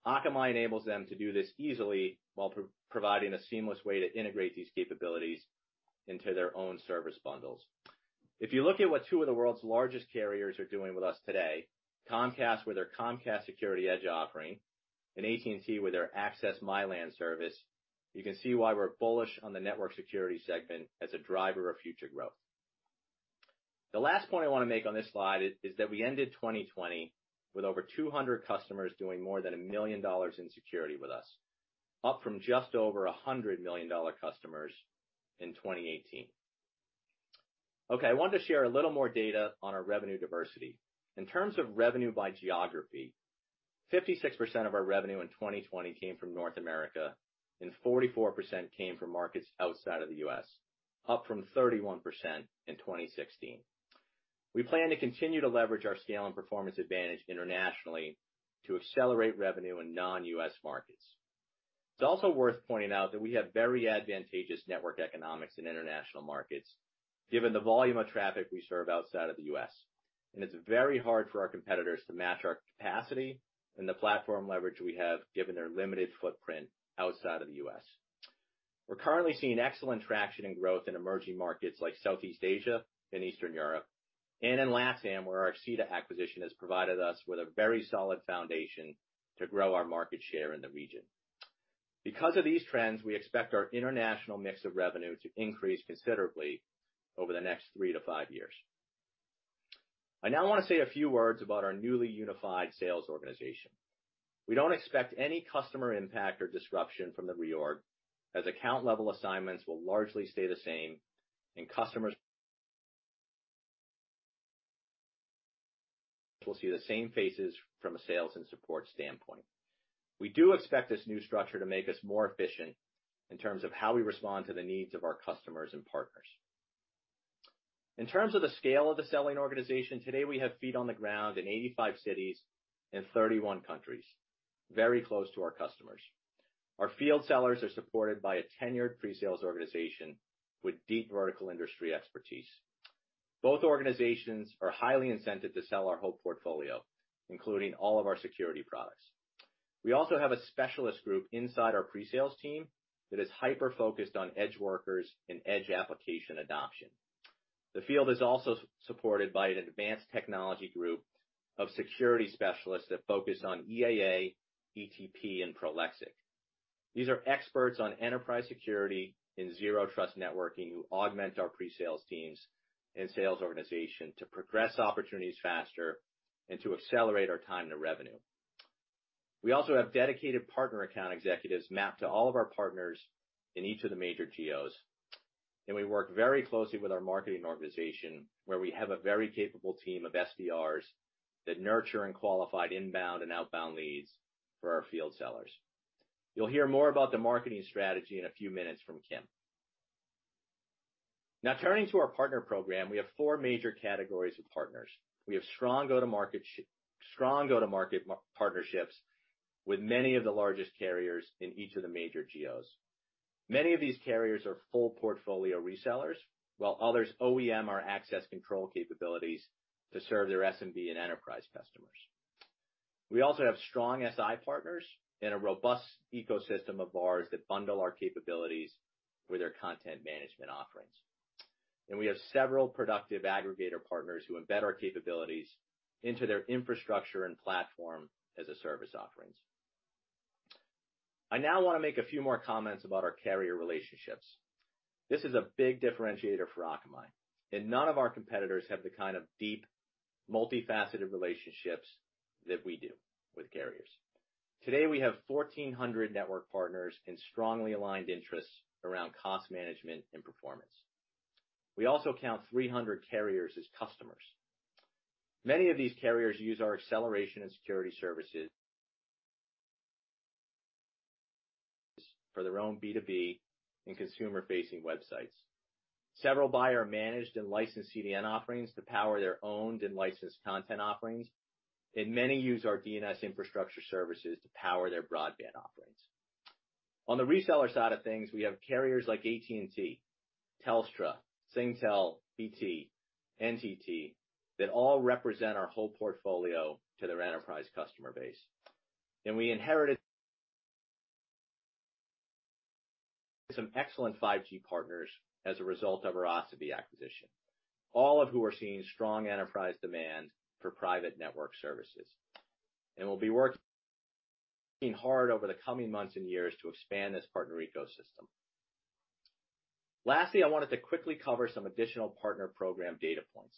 Akamai enables them to do this easily while providing a seamless way to integrate these capabilities into their own service bundles. If you look at what two of the world's largest carriers are doing with us today, Comcast with their Comcast Security Edge offering, and AT&T with their AccessMyLAN service, you can see why we're bullish on the network security segment as a driver of future growth. The last point I want to make on this slide is that we ended 2020 with over 200 customers doing more than $1 million in security with us, up from just over 100 million customers in 2018. Okay, I wanted to share a little more data on our revenue diversity. In terms of revenue by geography, 56% of our revenue in 2020 came from North America, and 44% came from markets outside of the U.S., up from 31% in 2016. We plan to continue to leverage our scale and performance advantage internationally to accelerate revenue in non-U.S. markets. It's also worth pointing out that we have very advantageous network economics in international markets, given the volume of traffic we serve outside of the U.S. It's very hard for our competitors to match our capacity and the platform leverage we have given their limited footprint outside of the U.S. We're currently seeing excellent traction and growth in emerging markets like Southeast Asia and Eastern Europe, and in LATAM, where our Exceda acquisition has provided us with a very solid foundation to grow our market share in the region. Because of these trends, we expect our international mix of revenue to increase considerably over the next three-five years. I now want to say a few words about our newly unified sales organization. We don't expect any customer impact or disruption from the reorg, as account-level assignments will largely stay the same, and customers will see the same faces from a sales and support standpoint. We do expect this new structure to make us more efficient in terms of how we respond to the needs of our customers and partners. In terms of the scale of the selling organization, today, we have feet on the ground in 85 cities and 31 countries, very close to our customers. Our field sellers are supported by a tenured pre-sales organization with deep vertical industry expertise. Both organizations are highly incented to sell our whole portfolio, including all of our security products. We also have a specialist group inside our pre-sales team that is hyper-focused on EdgeWorkers and edge application adoption. The field is also supported by an advanced technology group of security specialists that focus on EAA, ETP, and Prolexic. These are experts on enterprise security and zero trust networking who augment our pre-sales teams and sales organization to progress opportunities faster and to accelerate our time to revenue. We also have dedicated partner account executives mapped to all of our partners in each of the major geos. We work very closely with our marketing organization, where we have a very capable team of SDRs that nurture and qualify inbound and outbound leads for our field sellers. You'll hear more about the marketing strategy in a few minutes from Kim. Now turning to our partner program, we have four major categories of partners. We have strong go-to-market partnerships with many of the largest carriers in each of the major geos. Many of these carriers are full portfolio resellers, while others OEM our access control capabilities to serve their SMB and enterprise customers. We also have strong SI partners and a robust ecosystem of VARs that bundle our capabilities with their content management offerings. We have several productive aggregator partners who embed our capabilities into their infrastructure and PaaS offerings. I now want to make a few more comments about our carrier relationships. This is a big differentiator for Akamai, and none of our competitors have the kind of deep, multifaceted relationships that we do with carriers. Today, we have 1,400 network partners and strongly aligned interests around cost management and performance. We also count 300 carriers as customers. Many of these carriers use our acceleration and security services for their own B2B and consumer-facing websites. Several buy our managed and licensed CDN offerings to power their owned and licensed content offerings, many use our DNS infrastructure services to power their broadband offerings. On the reseller side of things, we have carriers like AT&T, Telstra, Singtel, BT, NTT that all represent our whole portfolio to their enterprise customer base. We inherited some excellent 5G partners as a result of our SBE acquisition, all of who are seeing strong enterprise demand for private network services. We'll be working hard over the coming months and years to expand this partner ecosystem. Lastly, I wanted to quickly cover some additional partner program data points.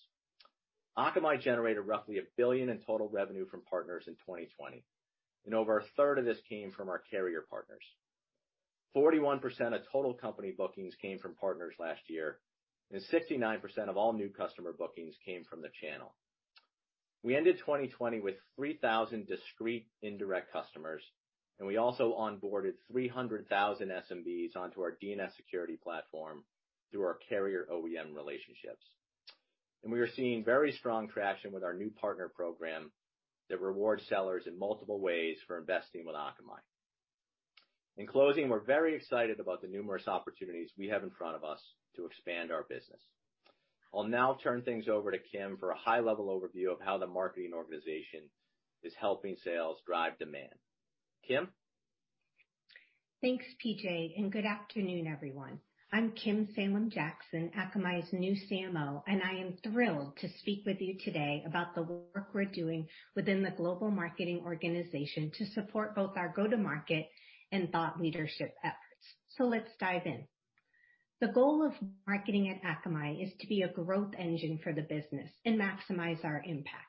Akamai generated roughly $1 billion in total revenue from partners in 2020, over a third of this came from our carrier partners. 41% of total company bookings came from partners last year, and 69% of all new customer bookings came from the channel. We ended 2020 with 3,000 discrete indirect customers. We also onboarded 300,000 SMBs onto our DNS security platform through our carrier OEM relationships. We are seeing very strong traction with our new partner program that rewards sellers in multiple ways for investing with Akamai. In closing, we're very excited about the numerous opportunities we have in front of us to expand our business. I'll now turn things over to Kim for a high-level overview of how the marketing organization is helping sales drive demand. Kim? Thanks, PJ, and good afternoon, everyone. I'm Kim Salem-Jackson, Akamai's new CMO, and I am thrilled to speak with you today about the work we're doing within the global marketing organization to support both our go-to-market and thought leadership efforts. Let's dive in. The goal of marketing at Akamai is to be a growth engine for the business and maximize our impact.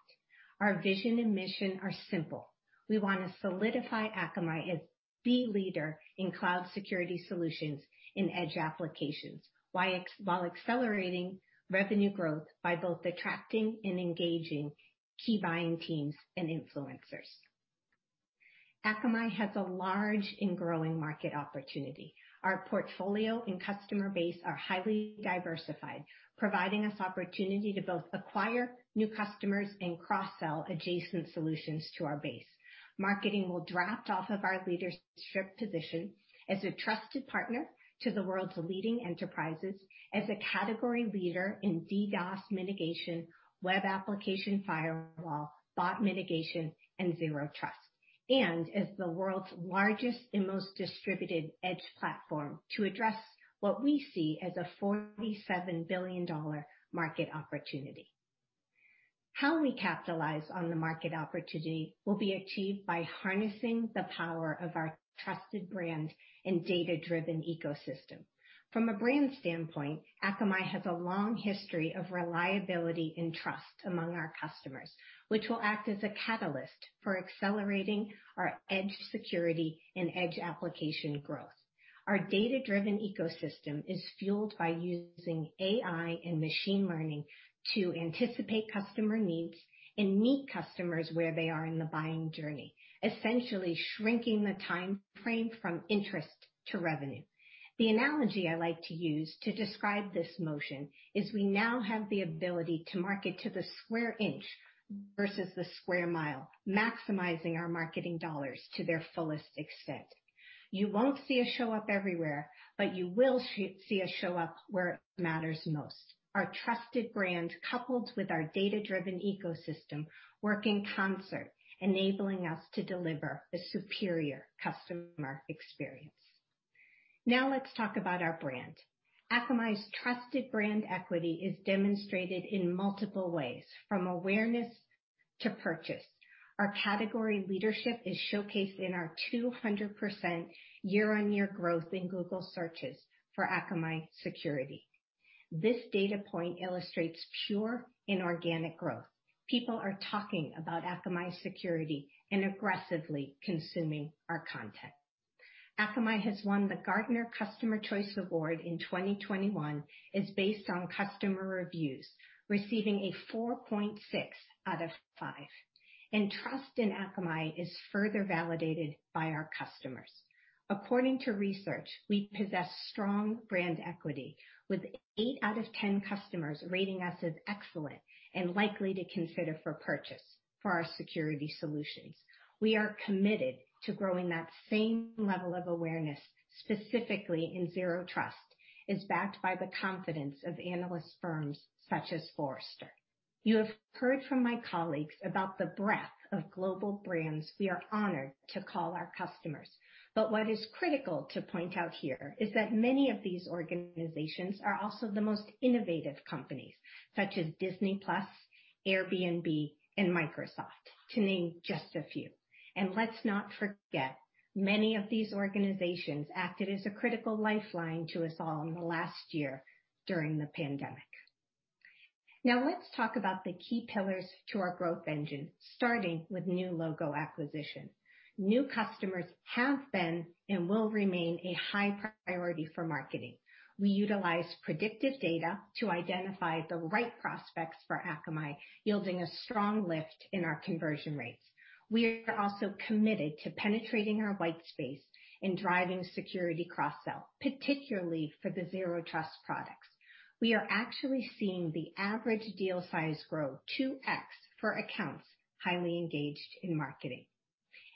Our vision and mission are simple. We want to solidify Akamai as the leader in cloud security solutions in edge applications, while accelerating revenue growth by both attracting and engaging key buying teams and influencers. Akamai has a large and growing market opportunity. Our portfolio and customer base are highly diversified, providing us opportunity to both acquire new customers and cross-sell adjacent solutions to our base. Marketing will draft off of our leadership position as a trusted partner to the world's leading enterprises as a category leader in DDoS mitigation, web application firewall, bot mitigation, and Zero Trust. As the world's largest and most distributed edge platform to address what we see as a $47 billion market opportunity. How we capitalize on the market opportunity will be achieved by harnessing the power of our trusted brand and data-driven ecosystem. From a brand standpoint, Akamai has a long history of reliability and trust among our customers, which will act as a catalyst for accelerating our edge security and edge application growth. Our data-driven ecosystem is fueled by using AI and machine learning to anticipate customer needs and meet customers where they are in the buying journey, essentially shrinking the timeframe from interest to revenue. The analogy I like to use to describe this motion is we now have the ability to market to the square inch versus the square mile, maximizing our marketing dollars to their fullest extent. You won't see us show up everywhere, you will see us show up where it matters most. Our trusted brand, coupled with our data-driven ecosystem, work in concert, enabling us to deliver a superior customer experience. Let's talk about our brand. Akamai's trusted brand equity is demonstrated in multiple ways, from awareness to purchase. Our category leadership is showcased in our 200% year-on-year growth in Google searches for Akamai Security. This data point illustrates pure inorganic growth. People are talking about Akamai Security and aggressively consuming our content. Akamai has won the Gartner Peer Insights Customers' Choice in 2021. It's based on customer reviews, receiving a 4.6 out of 5. Trust in Akamai is further validated by our customers. According to research, we possess strong brand equity, with eight out of 10 customers rating us as excellent and likely to consider for purchase for our security solutions. We are committed to growing that same level of awareness, specifically in zero trust. It's backed by the confidence of analyst firms such as Forrester. You have heard from my colleagues about the breadth of global brands we are honored to call our customers. What is critical to point out here is that many of these organizations are also the most innovative companies, such as Disney+, Airbnb, and Microsoft, to name just a few. Let's not forget, many of these organizations acted as a critical lifeline to us all in the last year during the pandemic. Now let's talk about the key pillars to our growth engine, starting with new logo acquisition. New customers have been and will remain a high priority for marketing. We utilize predictive data to identify the right prospects for Akamai, yielding a strong lift in our conversion rates. We are also committed to penetrating our white space and driving security cross-sell, particularly for the zero trust products. We are actually seeing the average deal size grow 2x for accounts highly engaged in marketing.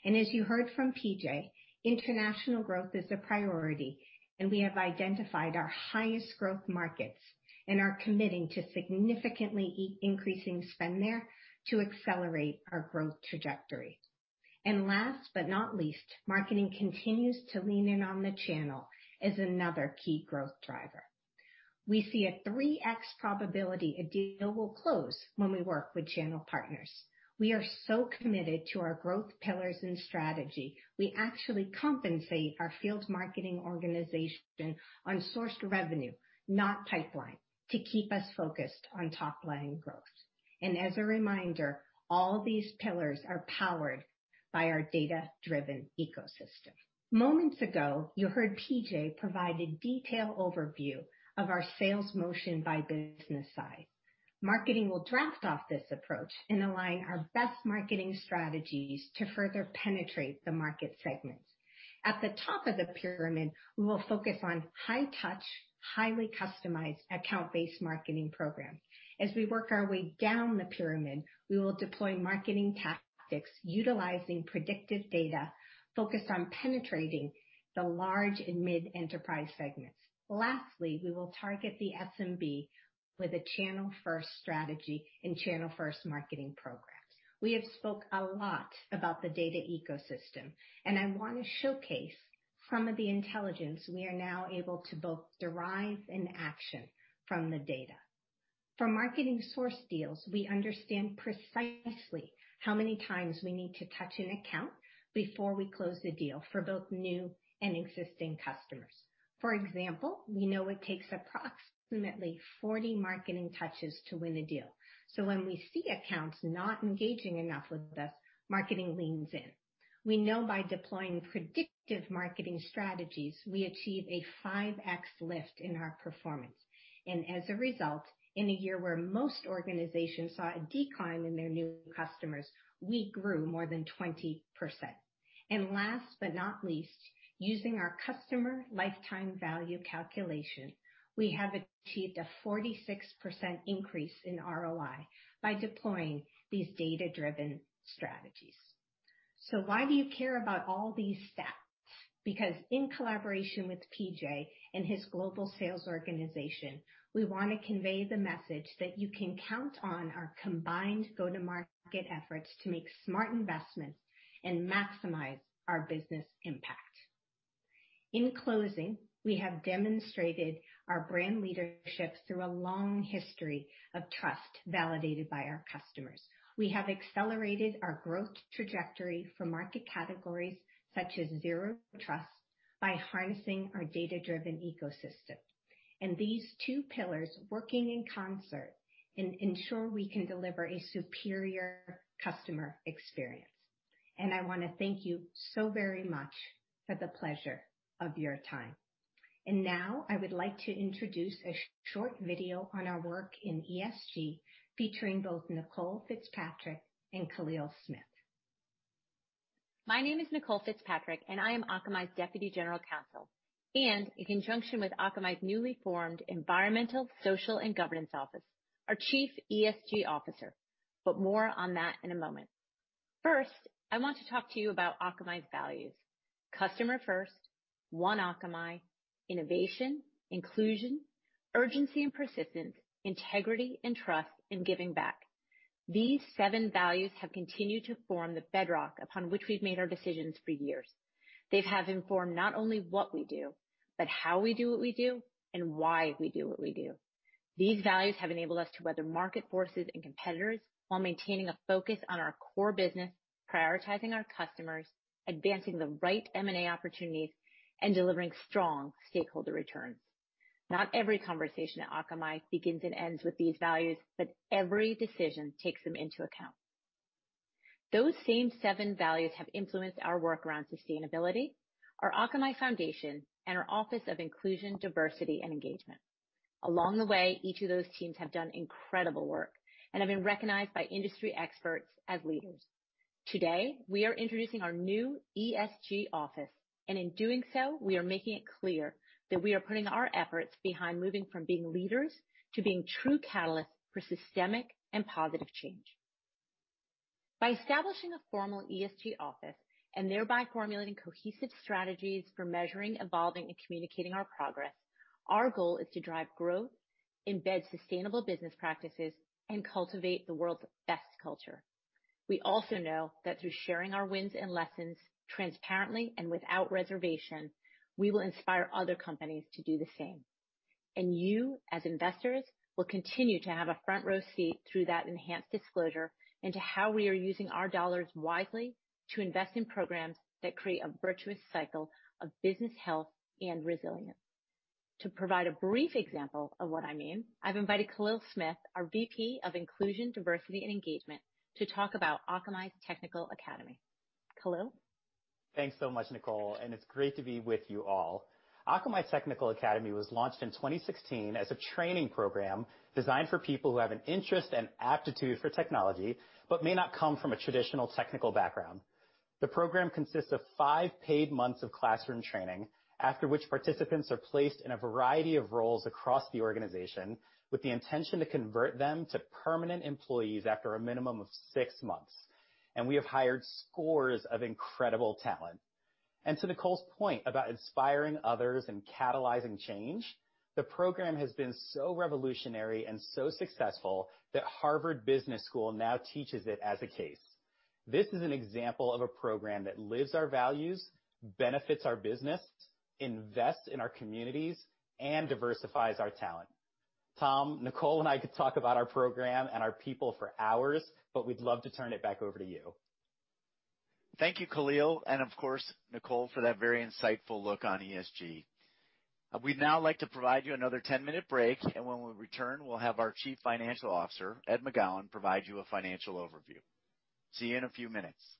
As you heard from PJ, international growth is a priority, and we have identified our highest growth markets and are committing to significantly increasing spend there to accelerate our growth trajectory. Last but not least, marketing continues to lean in on the channel as another key growth driver. We see a 3x probability a deal will close when we work with channel partners. We are so committed to our growth pillars and strategy, we actually compensate our field marketing organization on sourced revenue, not pipeline, to keep us focused on top-line growth. As a reminder, all these pillars are powered by our data-driven ecosystem. Moments ago, you heard PJ provide a detailed overview of our sales motion by business size. Marketing will draft off this approach and align our best marketing strategies to further penetrate the market segments. At the top of the pyramid, we will focus on high touch, highly customized account-based marketing program. As we work our way down the pyramid, we will deploy marketing tactics utilizing predictive data focused on penetrating the large and mid-enterprise segments. Lastly, we will target the SMB with a channel-first strategy and channel-first marketing programs. We have spoken a lot about the data ecosystem. I want to showcase some of the intelligence we are now able to both derive and action from the data. From marketing source deals, we understand precisely how many times we need to touch an account before we close the deal for both new and existing customers. For example, we know it takes approximately 40 marketing touches to win a deal. When we see accounts not engaging enough with us, marketing leans in. We know by deploying predictive marketing strategies, we achieve a 5x lift in our performance. As a result, in a year where most organizations saw a decline in their new customers, we grew more than 20%. Last but not least, using our customer lifetime value calculation, we have achieved a 46% increase in ROI by deploying these data-driven strategies. Why do you care about all these stats? Because in collaboration with PJ and his global sales organization, we want to convey the message that you can count on our combined go-to-market efforts to make smart investments and maximize our business impact. In closing, we have demonstrated our brand leadership through a long history of trust validated by our customers. We have accelerated our growth trajectory for market categories such as Zero Trust by harnessing our data-driven ecosystem. These two pillars working in concert ensure we can deliver a superior customer experience. I want to thank you so very much for the pleasure of your time. Now I would like to introduce a short video on our work in ESG featuring both Nicole Fitzpatrick and Khalil Smith. My name is Nicole Fitzpatrick, and I am Akamai's Deputy General Counsel, and in conjunction with Akamai's newly formed Environmental, Social, and Governance office, our Chief ESG Officer. More on that in a moment. First, I want to talk to you about Akamai's values. Customer first, one Akamai, innovation, inclusion, urgency and persistence, integrity and trust, and giving back. These seven values have continued to form the bedrock upon which we've made our decisions for years. They have informed not only what we do, but how we do what we do and why we do what we do. These values have enabled us to weather market forces and competitors while maintaining a focus on our core business, prioritizing our customers, advancing the right M&A opportunities, and delivering strong stakeholder returns. Not every conversation at Akamai begins and ends with these values. Every decision takes them into account. Those same seven values have influenced our work around sustainability, our Akamai Foundation, and our Office of Inclusion, Diversity, and Engagement. Along the way, each of those teams have done incredible work and have been recognized by industry experts as leaders. Today, we are introducing our new ESG office, and in doing so, we are making it clear that we are putting our efforts behind moving from being leaders to being true catalysts for systemic and positive change. By establishing a formal ESG office and thereby formulating cohesive strategies for measuring, evolving, and communicating our progress, our goal is to drive growth, embed sustainable business practices, and cultivate the world's best culture. We also know that through sharing our wins and lessons transparently and without reservation, we will inspire other companies to do the same. You, as investors, will continue to have a front-row seat through that enhanced disclosure into how we are using our dollars wisely to invest in programs that create a virtuous cycle of business health and resilience. To provide a brief example of what I mean, I've invited Khalil Smith, our VP of Inclusion, Diversity, and Engagement, to talk about Akamai's Technical Academy. Khalil? Thanks so much, Nicole. It's great to be with you all. Akamai Technical Academy was launched in 2016 as a training program designed for people who have an interest and aptitude for technology but may not come from a traditional technical background. The program consists of five paid months of classroom training, after which participants are placed in a variety of roles across the organization with the intention to convert them to permanent employees after a minimum of six months. We have hired scores of incredible talent. To Nicole's point about inspiring others and catalyzing change, the program has been so revolutionary and so successful that Harvard Business School now teaches it as a case. This is an example of a program that lives our values, benefits our business, invests in our communities, and diversifies our talent. Tom, Nicole and I could talk about our program and our people for hours, but we'd love to turn it back over to you. Thank you, Khalil, and of course, Nicole, for that very insightful look on ESG. We'd now like to provide you another 10-minute break, and when we return, we'll have our Chief Financial Officer, Ed McGowan, provide you a financial overview. See you in a few minutes.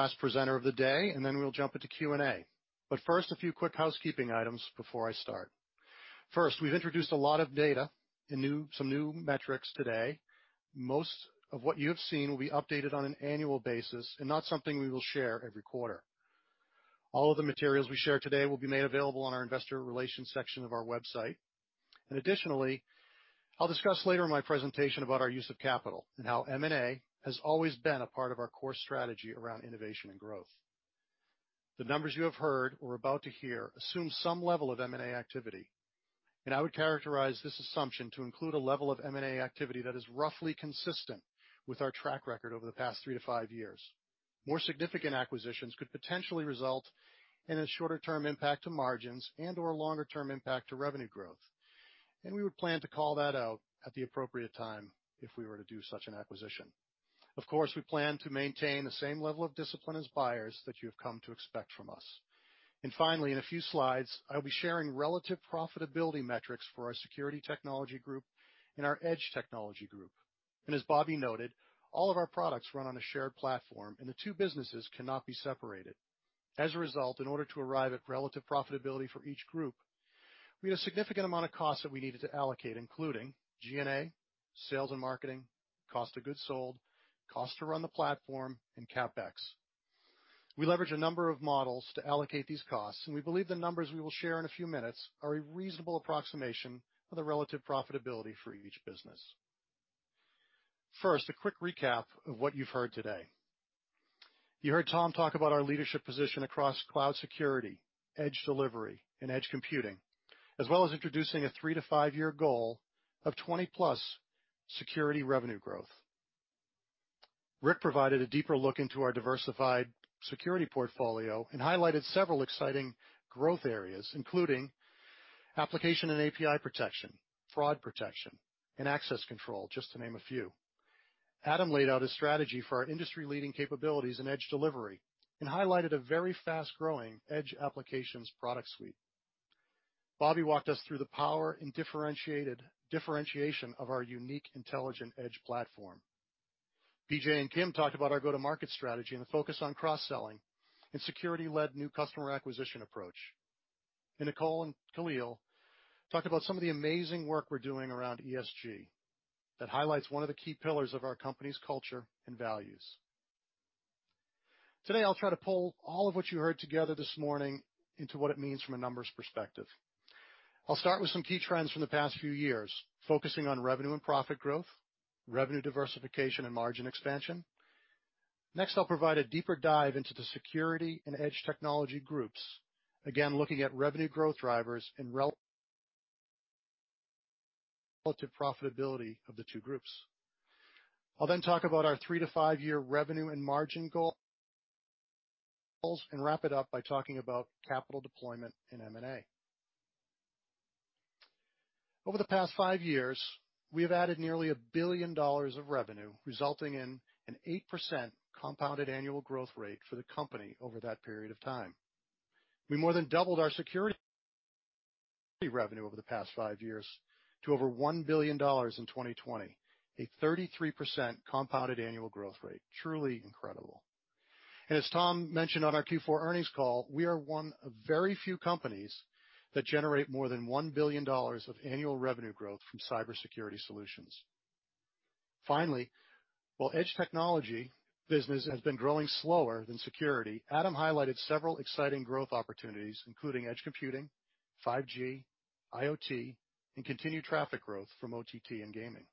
Good afternoon, everyone. I will be the last presenter of the day, and then we'll jump into Q&A. First, a few quick housekeeping items before I start. First, we've introduced a lot of data and some new metrics today. Most of what you have seen will be updated on an annual basis and not something we will share every quarter. All of the materials we share today will be made available on our investor relations section of our website. Additionally, I'll discuss later in my presentation about our use of capital and how M&A has always been a part of our core strategy around innovation and growth. The numbers you have heard or about to hear assume some level of M&A activity. I would characterize this assumption to include a level of M&A activity that is roughly consistent with our track record over the past three-five years. More significant acquisitions could potentially result in a shorter-term impact to margins and/or a longer-term impact to revenue growth. We would plan to call that out at the appropriate time if we were to do such an acquisition. Of course, we plan to maintain the same level of discipline as buyers that you have come to expect from us. Finally, in a few slides, I will be sharing relative profitability metrics for our Security Technology Group and our Edge Technology Group. As Bobby noted, all of our products run on a shared platform, and the two businesses cannot be separated. As a result, in order to arrive at relative profitability for each group, we had a significant amount of cost that we needed to allocate, including G&A, sales and marketing, cost of goods sold, cost to run the platform, and CapEx. We leverage a number of models to allocate these costs, and we believe the numbers we will share in a few minutes are a reasonable approximation of the relative profitability for each business. First, a quick recap of what you've heard today. You heard Tom talk about our leadership position across cloud security, edge delivery, and edge computing, as well as introducing a three to five-year goal of 20%+ security revenue growth. Rick provided a deeper look into our diversified security portfolio and highlighted several exciting growth areas, including application and API protection, fraud protection, and access control, just to name a few. Adam laid out his strategy for our industry-leading capabilities in edge delivery and highlighted a very fast-growing edge applications product suite. Bobby walked us through the power and differentiation of our unique Intelligent Edge platform. PJ and Kim talked about our go-to-market strategy and the focus on cross-selling and security-led new customer acquisition approach. Nicole and Khalil talked about some of the amazing work we're doing around ESG, that highlights one of the key pillars of our company's culture and values. Today, I'll try to pull all of what you heard together this morning into what it means from a numbers perspective. I'll start with some key trends from the past few years, focusing on revenue and profit growth, revenue diversification, and margin expansion. Next, I'll provide a deeper dive into the Security Technology Group and Edge Technology Group. Again, looking at revenue growth drivers and relative profitability of the two groups. I'll then talk about our three-five year revenue and margin goals, and wrap it up by talking about capital deployment in M&A. Over the past five years, we have added nearly $1 billion of revenue, resulting in an 8% compounded annual growth rate for the company over that period of time. We more than doubled our security revenue over the past five years to over $1 billion in 2020, a 33% compounded annual growth rate. Truly incredible. As Tom mentioned on our Q4 earnings call, we are one of very few companies that generate more than $1 billion of annual revenue growth from cybersecurity solutions. Finally, while Edge Technology Group has been growing slower than security, Adam highlighted several exciting growth opportunities, including edge computing, 5G, IoT, and continued traffic growth from OTT and gaming.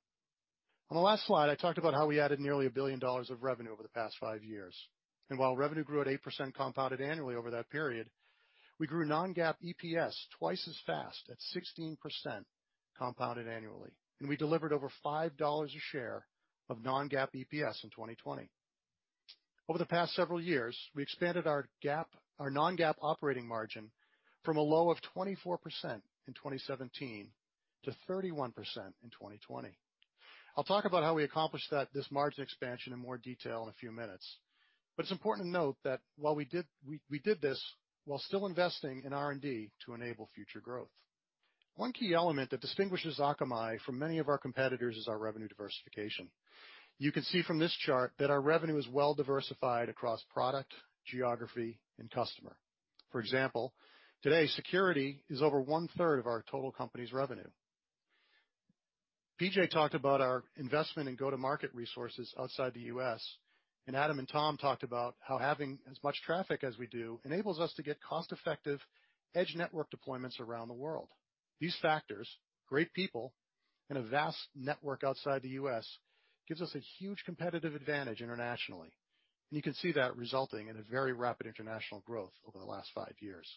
On the last slide, I talked about how we added nearly $1 billion of revenue over the past five years, and while revenue grew at 8% compounded annually over that period, we grew non-GAAP EPS twice as fast at 16% compounded annually, and we delivered over $5 a share of non-GAAP EPS in 2020. Over the past several years, we expanded our non-GAAP operating margin from a low of 24% in 2017 to 31% in 2020. I'll talk about how we accomplished this margin expansion in more detail in a few minutes, but it's important to note that we did this while still investing in R&D to enable future growth. One key element that distinguishes Akamai from many of our competitors is our revenue diversification. You can see from this chart that our revenue is well diversified across product, geography, and customer. For example, today, security is over 1/3 of our total company's revenue. PJ talked about our investment in go-to-market resources outside the U.S., and Adam and Tom talked about how having as much traffic as we do enables us to get cost-effective edge network deployments around the world. These factors, great people, and a vast network outside the U.S. gives us a huge competitive advantage internationally, and you can see that resulting in a very rapid international growth over the last five years.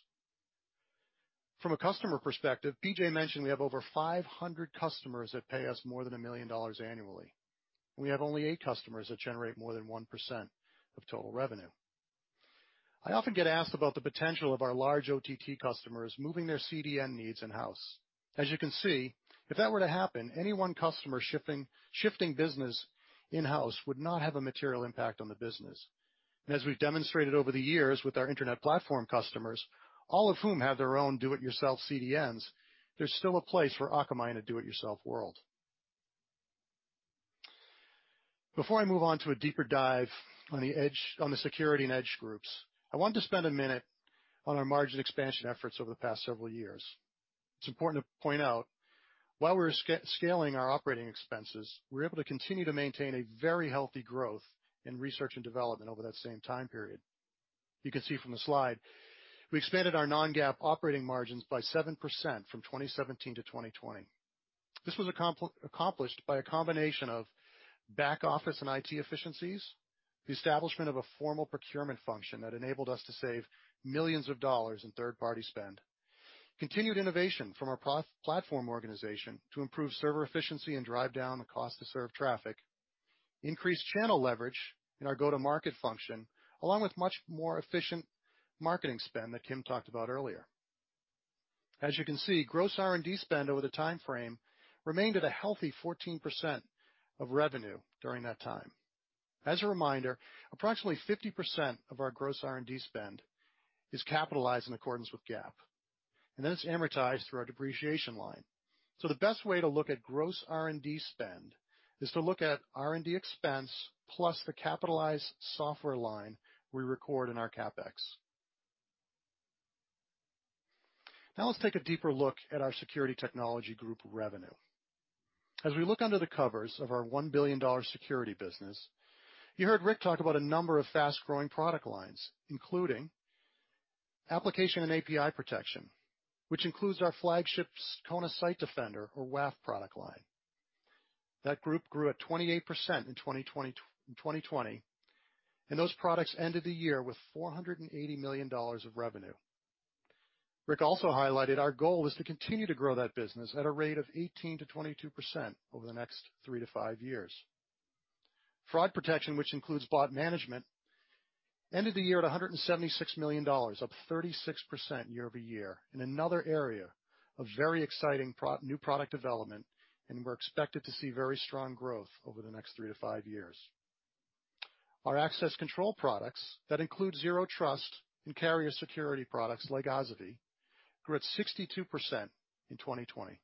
From a customer perspective, PJ mentioned we have over 500 customers that pay us more than $1 million annually. We have only eight customers that generate more than 1% of total revenue. I often get asked about the potential of our large OTT customers moving their CDN needs in-house. As you can see, if that were to happen, any one customer shifting business in-house would not have a material impact on the business. As we've demonstrated over the years with our internet platform customers, all of whom have their own do it yourself CDNs, there's still a place for Akamai in a do it yourself world. Before I move on to a deeper dive on the security and edge groups, I wanted to spend a minute on our margin expansion efforts over the past several years. It's important to point out while we're scaling our operating expenses, we're able to continue to maintain a very healthy growth in research and development over that same time period. You can see from the slide we expanded our non-GAAP operating margins by 7% from 2017 to 2020. This was accomplished by a combination of back office and IT efficiencies, the establishment of a formal procurement function that enabled us to save millions of dollars in third-party spend, continued innovation from our platform organization to improve server efficiency and drive down the cost to serve traffic, increased channel leverage in our go-to-market function, along with much more efficient marketing spend that Kim talked about earlier. You can see, gross R&D spend over the timeframe remained at a healthy 14% of revenue during that time. A reminder, approximately 50% of our gross R&D spend is capitalized in accordance with GAAP, and then it's amortized through our depreciation line. The best way to look at gross R&D spend is to look at R&D expense plus the capitalized software line we record in our CapEx. Let's take a deeper look at our Security Technology Group revenue. As we look under the covers of our $1 billion security business, you heard Rick talk about a number of fast-growing product lines, including application and API protection, which includes our flagship Kona Site Defender or WAF product line. That group grew at 28% in 2020, and those products ended the year with $480 million of revenue. Rick also highlighted our goal is to continue to grow that business at a rate of 18%-22% over the next three-five years. Fraud protection, which includes bot management, ended the year at $176 million, up 36% year-over-year. In another area of very exciting new product development, we're expected to see very strong growth over the next three to five years. Our access control products that include zero trust and carrier security products like Asavie, grew at 62% in 2020.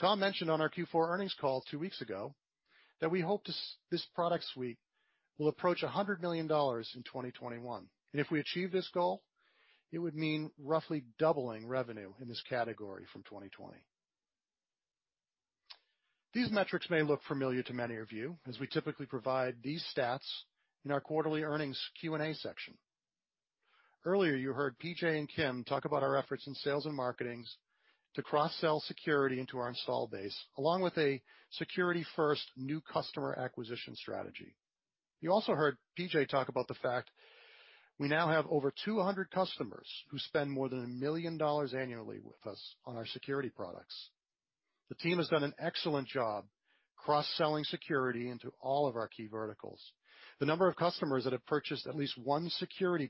Tom mentioned on our Q4 Earnings Call two weeks ago that we hope this product suite will approach $100 million in 2021. If we achieve this goal, it would mean roughly doubling revenue in this category from 2020. These metrics may look familiar to many of you as we typically provide these stats in our quarterly earnings Q&A section. Earlier, you heard PJ and Kim talk about our efforts in sales and marketing to cross-sell security into our install base, along with a security-first new customer acquisition strategy. You also heard PJ talk about the fact we now have over 200 customers who spend more than a million dollars annually with us on our security products. The team has done an excellent job cross-selling security into all of our key verticals. The number of customers that have purchased at least one security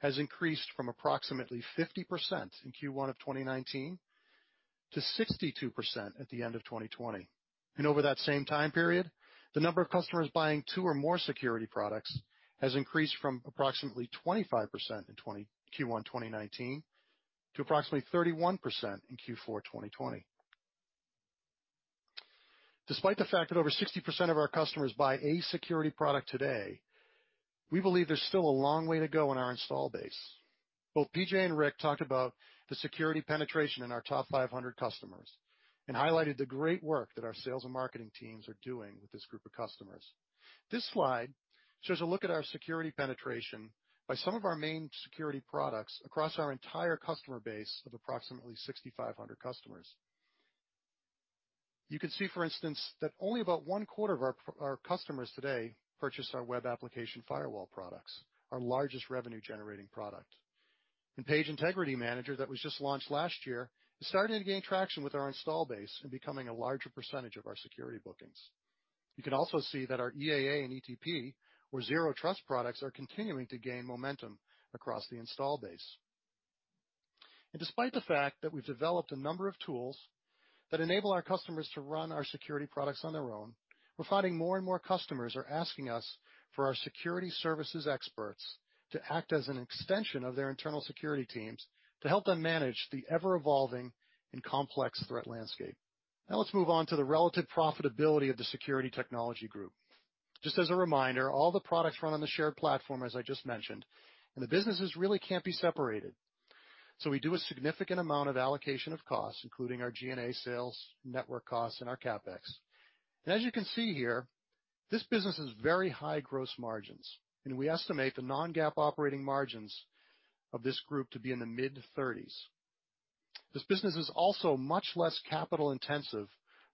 product has increased from approximately 50% in Q1 2019 to 62% at the end of 2020. Over that same time period, the number of customers buying two or more security products has increased from approximately 25% in Q1 2019 to approximately 31% in Q4 2020. Despite the fact that over 60% of our customers buy a security product today, we believe there's still a long way to go in our install base. Both PJ and Rick talked about the security penetration in our top 500 customers and highlighted the great work that our sales and marketing teams are doing with this group of customers. This slide shows a look at our security penetration by some of our main security products across our entire customer base of approximately 6,500 customers. You can see, for instance, that only about one-quarter of our customers today purchase our web application firewall products, our largest revenue-generating product. Page Integrity Manager that was just launched last year is starting to gain traction with our install base and becoming a larger percentage of our security bookings. You can also see that our EAA and ETP, or Zero Trust products, are continuing to gain momentum across the install base. Despite the fact that we've developed a number of tools that enable our customers to run our security products on their own, we're finding more and more customers are asking us for our security services experts to act as an extension of their internal security teams to help them manage the ever-evolving and complex threat landscape. Now let's move on to the relative profitability of the Security Technology Group. Just as a reminder, all the products run on the shared platform, as I just mentioned, and the businesses really can't be separated. We do a significant amount of allocation of costs, including our G&A sales, network costs, and our CapEx. As you can see here, this business is very high gross margins, and we estimate the non-GAAP operating margins of this group to be in the mid-30s. This business is also much less capital-intensive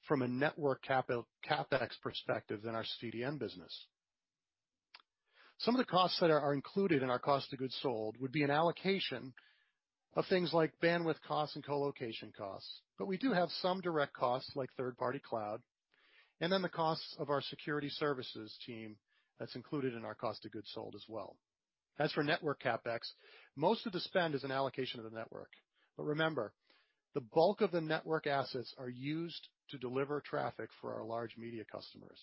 from a network CapEx perspective than our CDN business. Some of the costs that are included in our cost of goods sold would be an allocation of things like bandwidth costs and co-location costs. We do have some direct costs, like third-party cloud, and then the costs of our security services team that's included in our cost of goods sold as well. As for network CapEx, most of the spend is an allocation of the network. Remember, the bulk of the network assets are used to deliver traffic for our large media customers.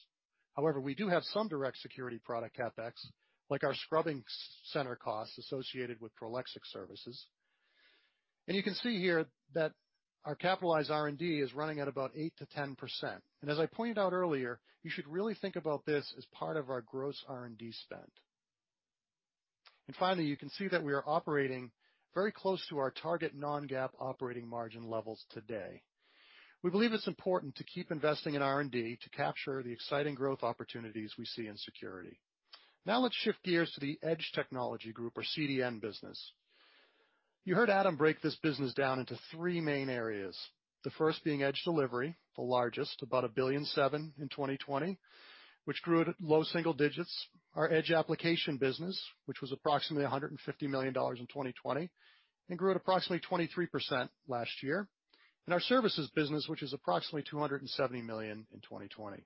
However, we do have some direct security product CapEx, like our scrubbing center costs associated with Prolexic services. You can see here that our capitalized R&D is running at about 8%-10%. As I pointed out earlier, you should really think about this as part of our gross R&D spend. Finally, you can see that we are operating very close to our target non-GAAP operating margin levels today. We believe it's important to keep investing in R&D to capture the exciting growth opportunities we see in security. Now let's shift gears to the Edge Technology Group or CDN business. You heard Adam break this business down into three main areas. The first being Edge Delivery, the largest, about $1.7 billion in 2020, which grew at low single digits. Our Edge Application business, which was approximately $150 million in 2020, and grew at approximately 23% last year. Our Services business, which was approximately $270 million in 2020.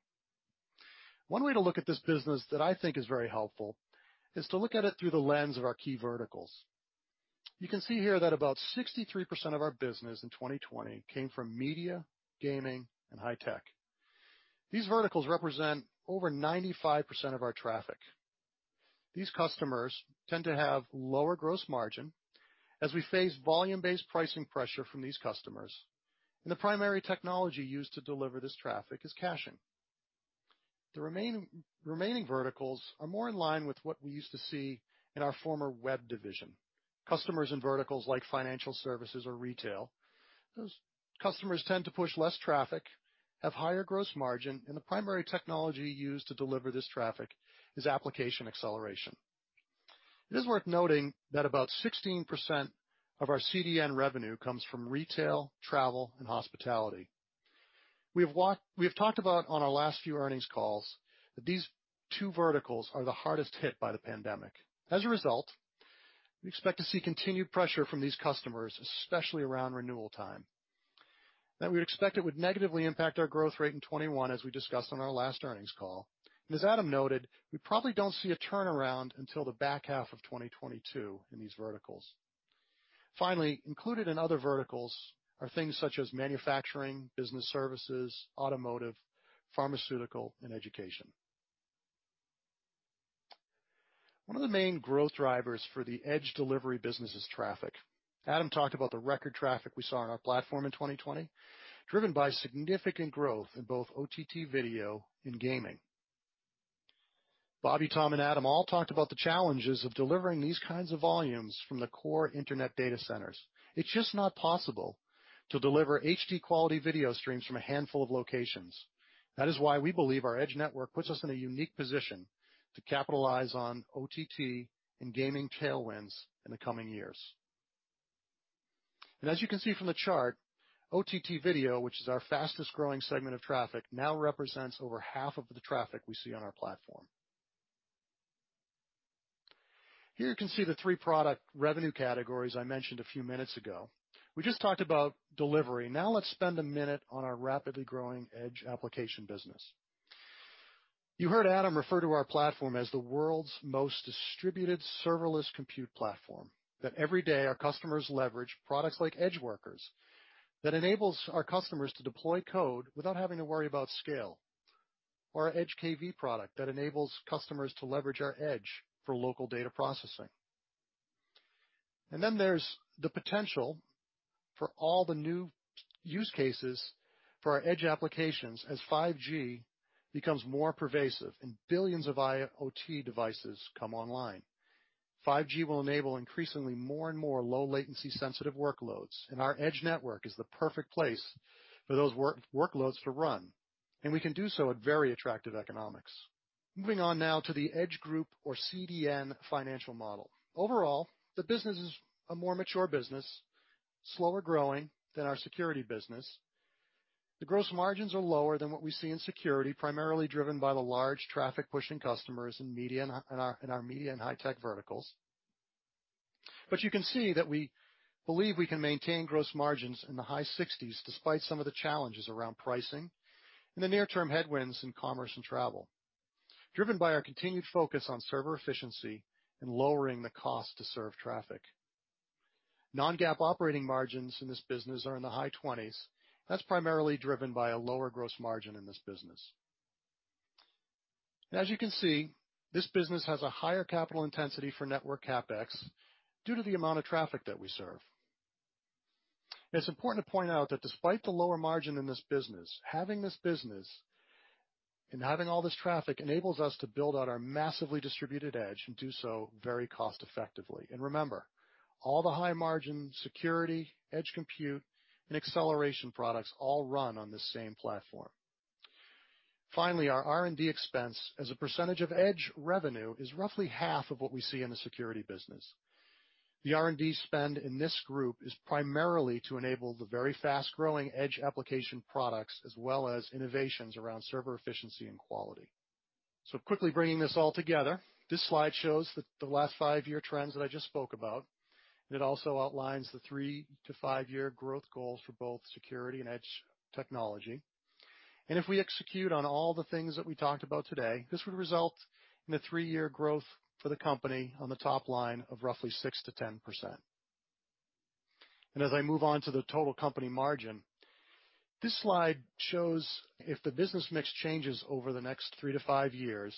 One way to look at this business that I think is very helpful is to look at it through the lens of our key verticals. You can see here that about 63% of our business in 2020 came from media, gaming, and high tech. These verticals represent over 95% of our traffic. These customers tend to have lower gross margin as we face volume-based pricing pressure from these customers, and the primary technology used to deliver this traffic is caching. The remaining verticals are more in line with what we used to see in our former web division. Customers in verticals like financial services or retail, those customers tend to push less traffic, have higher gross margin, the primary technology used to deliver this traffic is application acceleration. It is worth noting that about 16% of our CDN revenue comes from retail, travel, and hospitality. We have talked about on our last few earnings calls that these two verticals are the hardest hit by the pandemic. As a result, we expect to see continued pressure from these customers, especially around renewal time. That we would expect it would negatively impact our growth rate in 2021, as we discussed on our last earnings call. As Adam noted, we probably don't see a turnaround until the back half of 2022 in these verticals. Finally, included in other verticals are things such as manufacturing, business services, automotive, pharmaceutical, and education. One of the main growth drivers for the Edge delivery business is traffic. Adam talked about the record traffic we saw on our platform in 2020, driven by significant growth in both OTT video and gaming. Bobby, Tom, and Adam all talked about the challenges of delivering these kinds of volumes from the core internet data centers. It's just not possible to deliver HD-quality video streams from a handful of locations. That is why we believe our Edge network puts us in a unique position to capitalize on OTT and gaming tailwinds in the coming years. As you can see from the chart, OTT video, which is our fastest-growing segment of traffic, now represents over half of the traffic we see on our platform. Here, you can see the three product revenue categories I mentioned a few minutes ago. We just talked about delivery. Now let's spend a minute on our rapidly growing Edge application business. You heard Adam refer to our platform as the world's most distributed serverless compute platform, that every day our customers leverage products like EdgeWorkers that enables our customers to deploy code without having to worry about scale, or our EdgeKV product that enables customers to leverage our Edge for local data processing. There's the potential for all the new use cases for our Edge applications as 5G becomes more pervasive and billions of IoT devices come online. 5G will enable increasingly more and more low latency sensitive workloads, and our Edge network is the perfect place for those workloads to run, and we can do so at very attractive economics. Moving on now to the Edge Group or CDN financial model. Overall, the business is a more mature business, slower growing than our Security business. The gross margins are lower than what we see in Security, primarily driven by the large traffic-pushing customers in our media and high-tech verticals. You can see that we believe we can maintain gross margins in the high 60s despite some of the challenges around pricing and the near-term headwinds in commerce and travel, driven by our continued focus on server efficiency and lowering the cost to serve traffic. Non-GAAP operating margins in this business are in the high 20%s. That's primarily driven by a lower gross margin in this business. As you can see, this business has a higher capital intensity for network CapEx due to the amount of traffic that we serve. It's important to point out that despite the lower margin in this business, having this business and having all this traffic enables us to build out our massively distributed Edge and do so very cost effectively. Remember, all the high-margin Security, Edge compute, and acceleration products all run on this same platform. Our R&D expense as a percentage of Edge revenue is roughly half of what we see in the Security business. The R&D spend in this group is primarily to enable the very fast-growing Edge application products, as well as innovations around server efficiency and quality. Quickly bringing this all together, this slide shows the last five-year trends that I just spoke about, and it also outlines the three-five year growth goals for both Security and Edge technology. If we execute on all the things that we talked about today, this would result in a three-year growth for the company on the top line of roughly 6%-10%. As I move on to the total company margin, this slide shows if the business mix changes over the next three-five years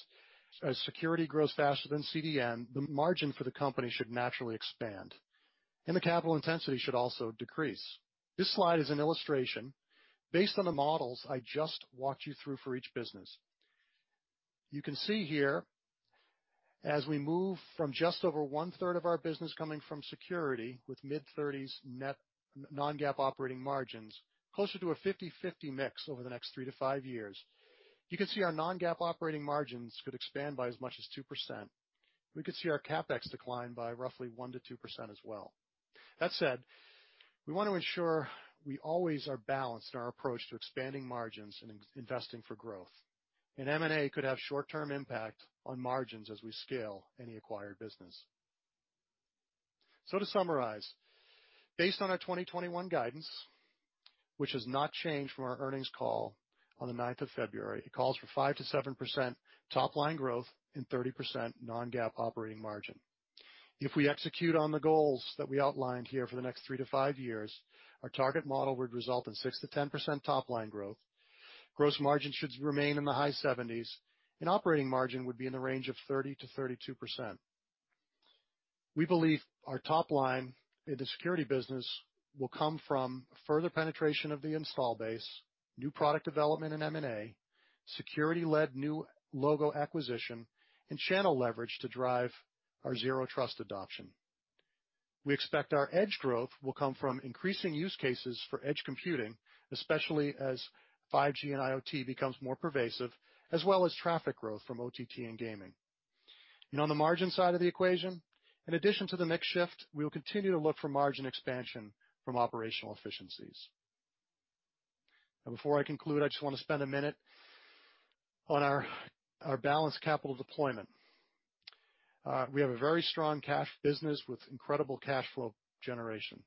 as security grows faster than CDN, the margin for the company should naturally expand, and the capital intensity should also decrease. This slide is an illustration based on the models I just walked you through for each business. You can see here, as we move from just over one-third of our business coming from security with mid-30s net non-GAAP operating margins closer to a 50/50 mix over the next three-five years. You can see our non-GAAP operating margins could expand by as much as 2%. We could see our CapEx decline by roughly 1%-2% as well. That said, we want to ensure we always are balanced in our approach to expanding margins and investing for growth. M&A could have short-term impact on margins as we scale any acquired business. To summarize, based on our 2021 guidance, which has not changed from our earnings call on the 9th of February, it calls for 5%-7% top-line growth and 30% non-GAAP operating margin. If we execute on the goals that we outlined here for the next three-five years, our target model would result in 6%-10% top-line growth. Gross margin should remain in the high 70%s, and operating margin would be in the range of 30%-32%. We believe our top line in the security business will come from further penetration of the install base, new product development in M&A, security-led new logo acquisition, and channel leverage to drive our Zero Trust adoption. We expect our Edge growth will come from increasing use cases for Edge computing, especially as 5G and IoT becomes more pervasive, as well as traffic growth from OTT and gaming. On the margin side of the equation, in addition to the mix shift, we will continue to look for margin expansion from operational efficiencies. Now, before I conclude, I just want to spend a minute on our balanced capital deployment. We have a very strong cash business with incredible cash flow generation.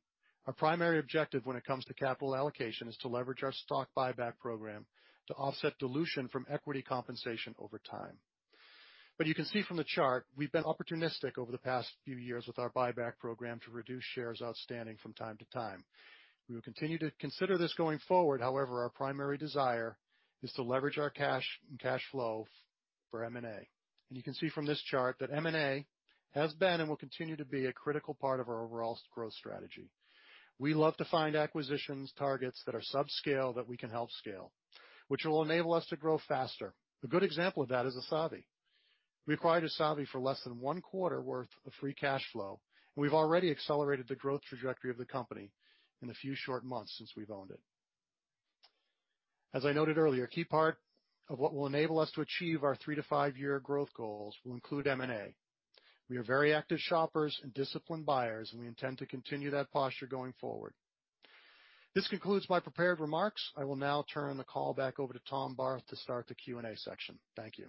Our primary objective when it comes to capital allocation is to leverage our stock buyback program to offset dilution from equity compensation over time. You can see from the chart, we've been opportunistic over the past few years with our buyback program to reduce shares outstanding from time to time. We will continue to consider this going forward. However, our primary desire is to leverage our cash and cash flow for M&A. You can see from this chart that M&A has been and will continue to be a critical part of our overall growth strategy. We love to find acquisitions targets that are subscale that we can help scale, which will enable us to grow faster. A good example of that is Asavie. We acquired Asavie for less than one quarter worth of free cash flow. We've already accelerated the growth trajectory of the company in the few short months since we've owned it. As I noted earlier, a key part of what will enable us to achieve our three-five year growth goals will include M&A. We are very active shoppers and disciplined buyers, and we intend to continue that posture going forward. This concludes my prepared remarks. I will now turn the call back over to Tom Barth to start the Q&A section. Thank you.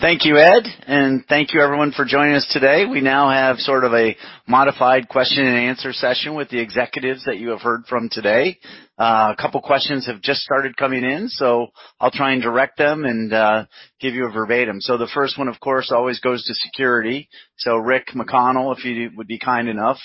Thank you, Ed, thank you everyone for joining us today. We now have sort of a modified question-and-answer session with the executives that you have heard from today. A couple of questions have just started coming in, I'll try and direct them and give you a verbatim. The first one, of course, always goes to security. Rick McConnell, if you would be kind enough.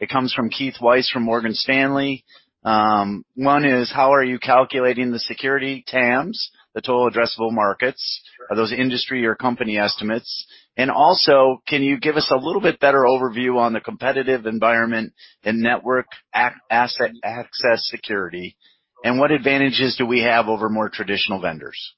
It comes from Keith Weiss from Morgan Stanley. One is, how are you calculating the security TAMs, the total addressable markets? Are those industry or company estimates? Also, can you give us a little bit better overview on the competitive environment and network asset access security, and what advantages do we have over more traditional vendors?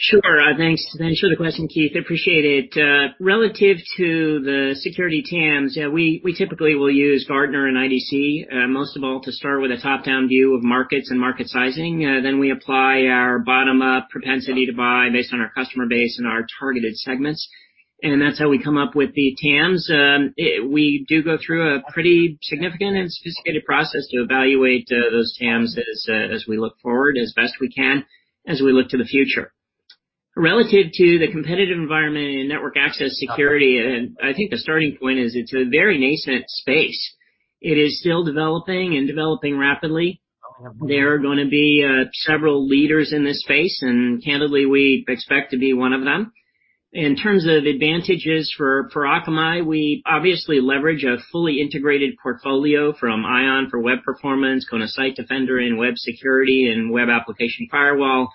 Sure. Thanks for the question, Keith. Appreciate it. Relative to the security TAMs, we typically will use Gartner and IDC, most of all, to start with a top-down view of markets and market sizing. We apply our bottom-up propensity to buy based on our customer base and our targeted segments. That's how we come up with the TAMs. We do go through a pretty significant and sophisticated process to evaluate those TAMs as we look forward as best we can as we look to the future. Relative to the competitive environment and network access security, I think the starting point is it's a very nascent space. It is still developing and developing rapidly. There are going to be several leaders in this space, and candidly, we expect to be one of them. In terms of advantages for Akamai, we obviously leverage a fully integrated portfolio from Ion for web performance, going to Site Defender in web security and web application firewall,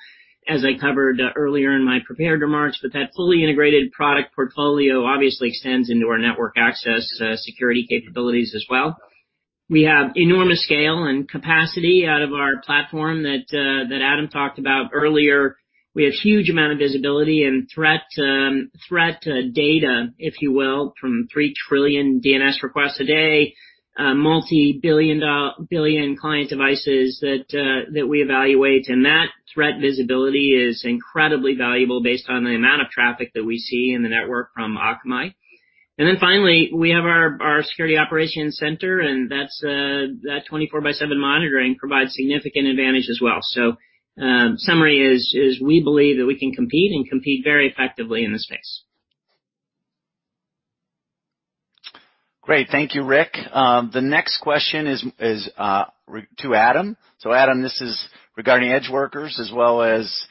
as I covered earlier in my prepared remarks. That fully integrated product portfolio obviously extends into our network access security capabilities as well. We have enormous scale and capacity out of our platform that Adam talked about earlier. We have huge amount of visibility and threat data, if you will, from 3 trillion DNS requests a day, multi-billion client devices that we evaluate. That threat visibility is incredibly valuable based on the amount of traffic that we see in the network from Akamai. Finally, we have our Security Operations Center, and that 24 by 7 monitoring provides significant advantage as well. In summary is we believe that we can compete and compete very effectively in this space. Great. Thank you, Rick. The next question is to Adam. Adam, this is regarding EdgeWorkers as well as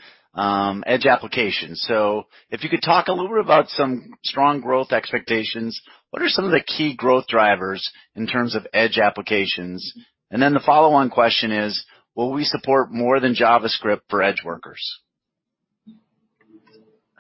Edge applications. If you could talk a little bit about some strong growth expectations, what are some of the key growth drivers in terms of Edge applications? The follow-on question is, will we support more than JavaScript for EdgeWorkers?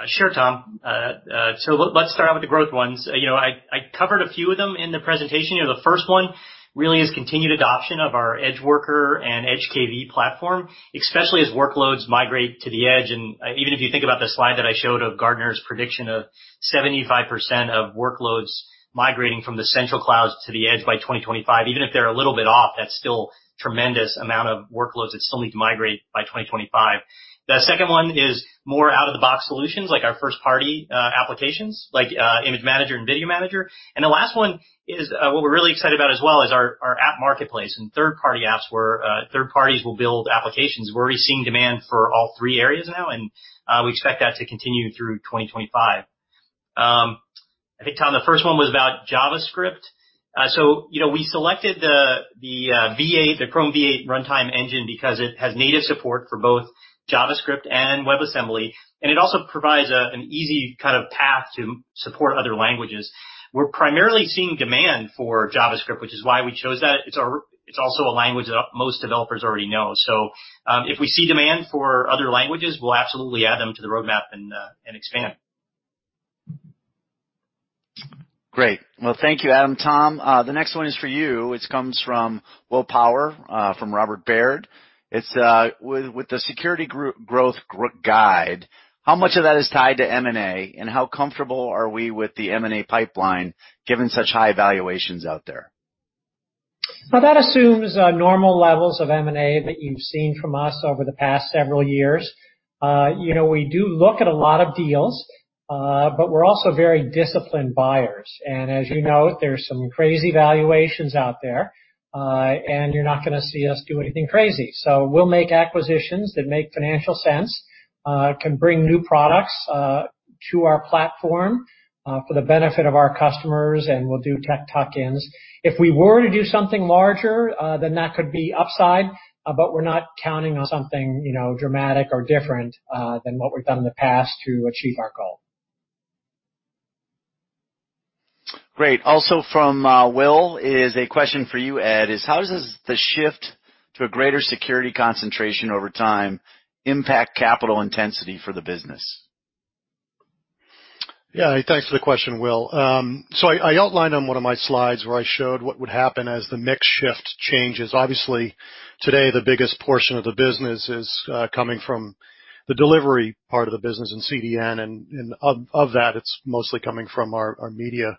Sure, Tom. Let's start with the growth ones. I covered a few of them in the presentation. The first one really is continued adoption of our EdgeWorkers and EdgeKV platform, especially as workloads migrate to the Edge. Even if you think about the slide that I showed of Gartner's prediction of 75% of workloads migrating from the central clouds to the Edge by 2025, even if they're a little bit off, that's still tremendous amount of workloads that still need to migrate by 2025. The second one is more out-of-the-box solutions like our first-party applications, like Image Manager and Video Manager. The last one is what we're really excited about as well is our app marketplace and third-party apps where third parties will build applications. We're already seeing demand for all three areas now, and we expect that to continue through 2025. I think, Tom, the first one was about JavaScript. We selected the Chrome V8 runtime engine because it has native support for both JavaScript and WebAssembly, and it also provides an easy path to support other languages. We're primarily seeing demand for JavaScript, which is why we chose that. It's also a language that most developers already know. If we see demand for other languages, we'll absolutely add them to the roadmap and expand. Great. Well, thank you, Adam. Tom, the next one is for you. It comes from Will Power, from Robert W. Baird. It's with the security growth guide, how much of that is tied to M&A, and how comfortable are we with the M&A pipeline, given such high valuations out there? Well, that assumes normal levels of M&A that you've seen from us over the past several years. We do look at a lot of deals, we're also very disciplined buyers. As you know, there's some crazy valuations out there, and you're not going to see us do anything crazy. We'll make acquisitions that make financial sense, can bring new products to our platform for the benefit of our customers, and we'll do tech tuck-ins. If we were to do something larger, that could be upside, we're not counting on something dramatic or different than what we've done in the past to achieve our goal. Great. Also from Will is a question for you, Ed, is how does the shift to a greater security concentration over time impact capital intensity for the business? Yeah. Thanks for the question, Will. I outlined on one of my slides where I showed what would happen as the mix shift changes. Obviously, today, the biggest portion of the business is coming from the delivery part of the business in CDN, and of that, it's mostly coming from our media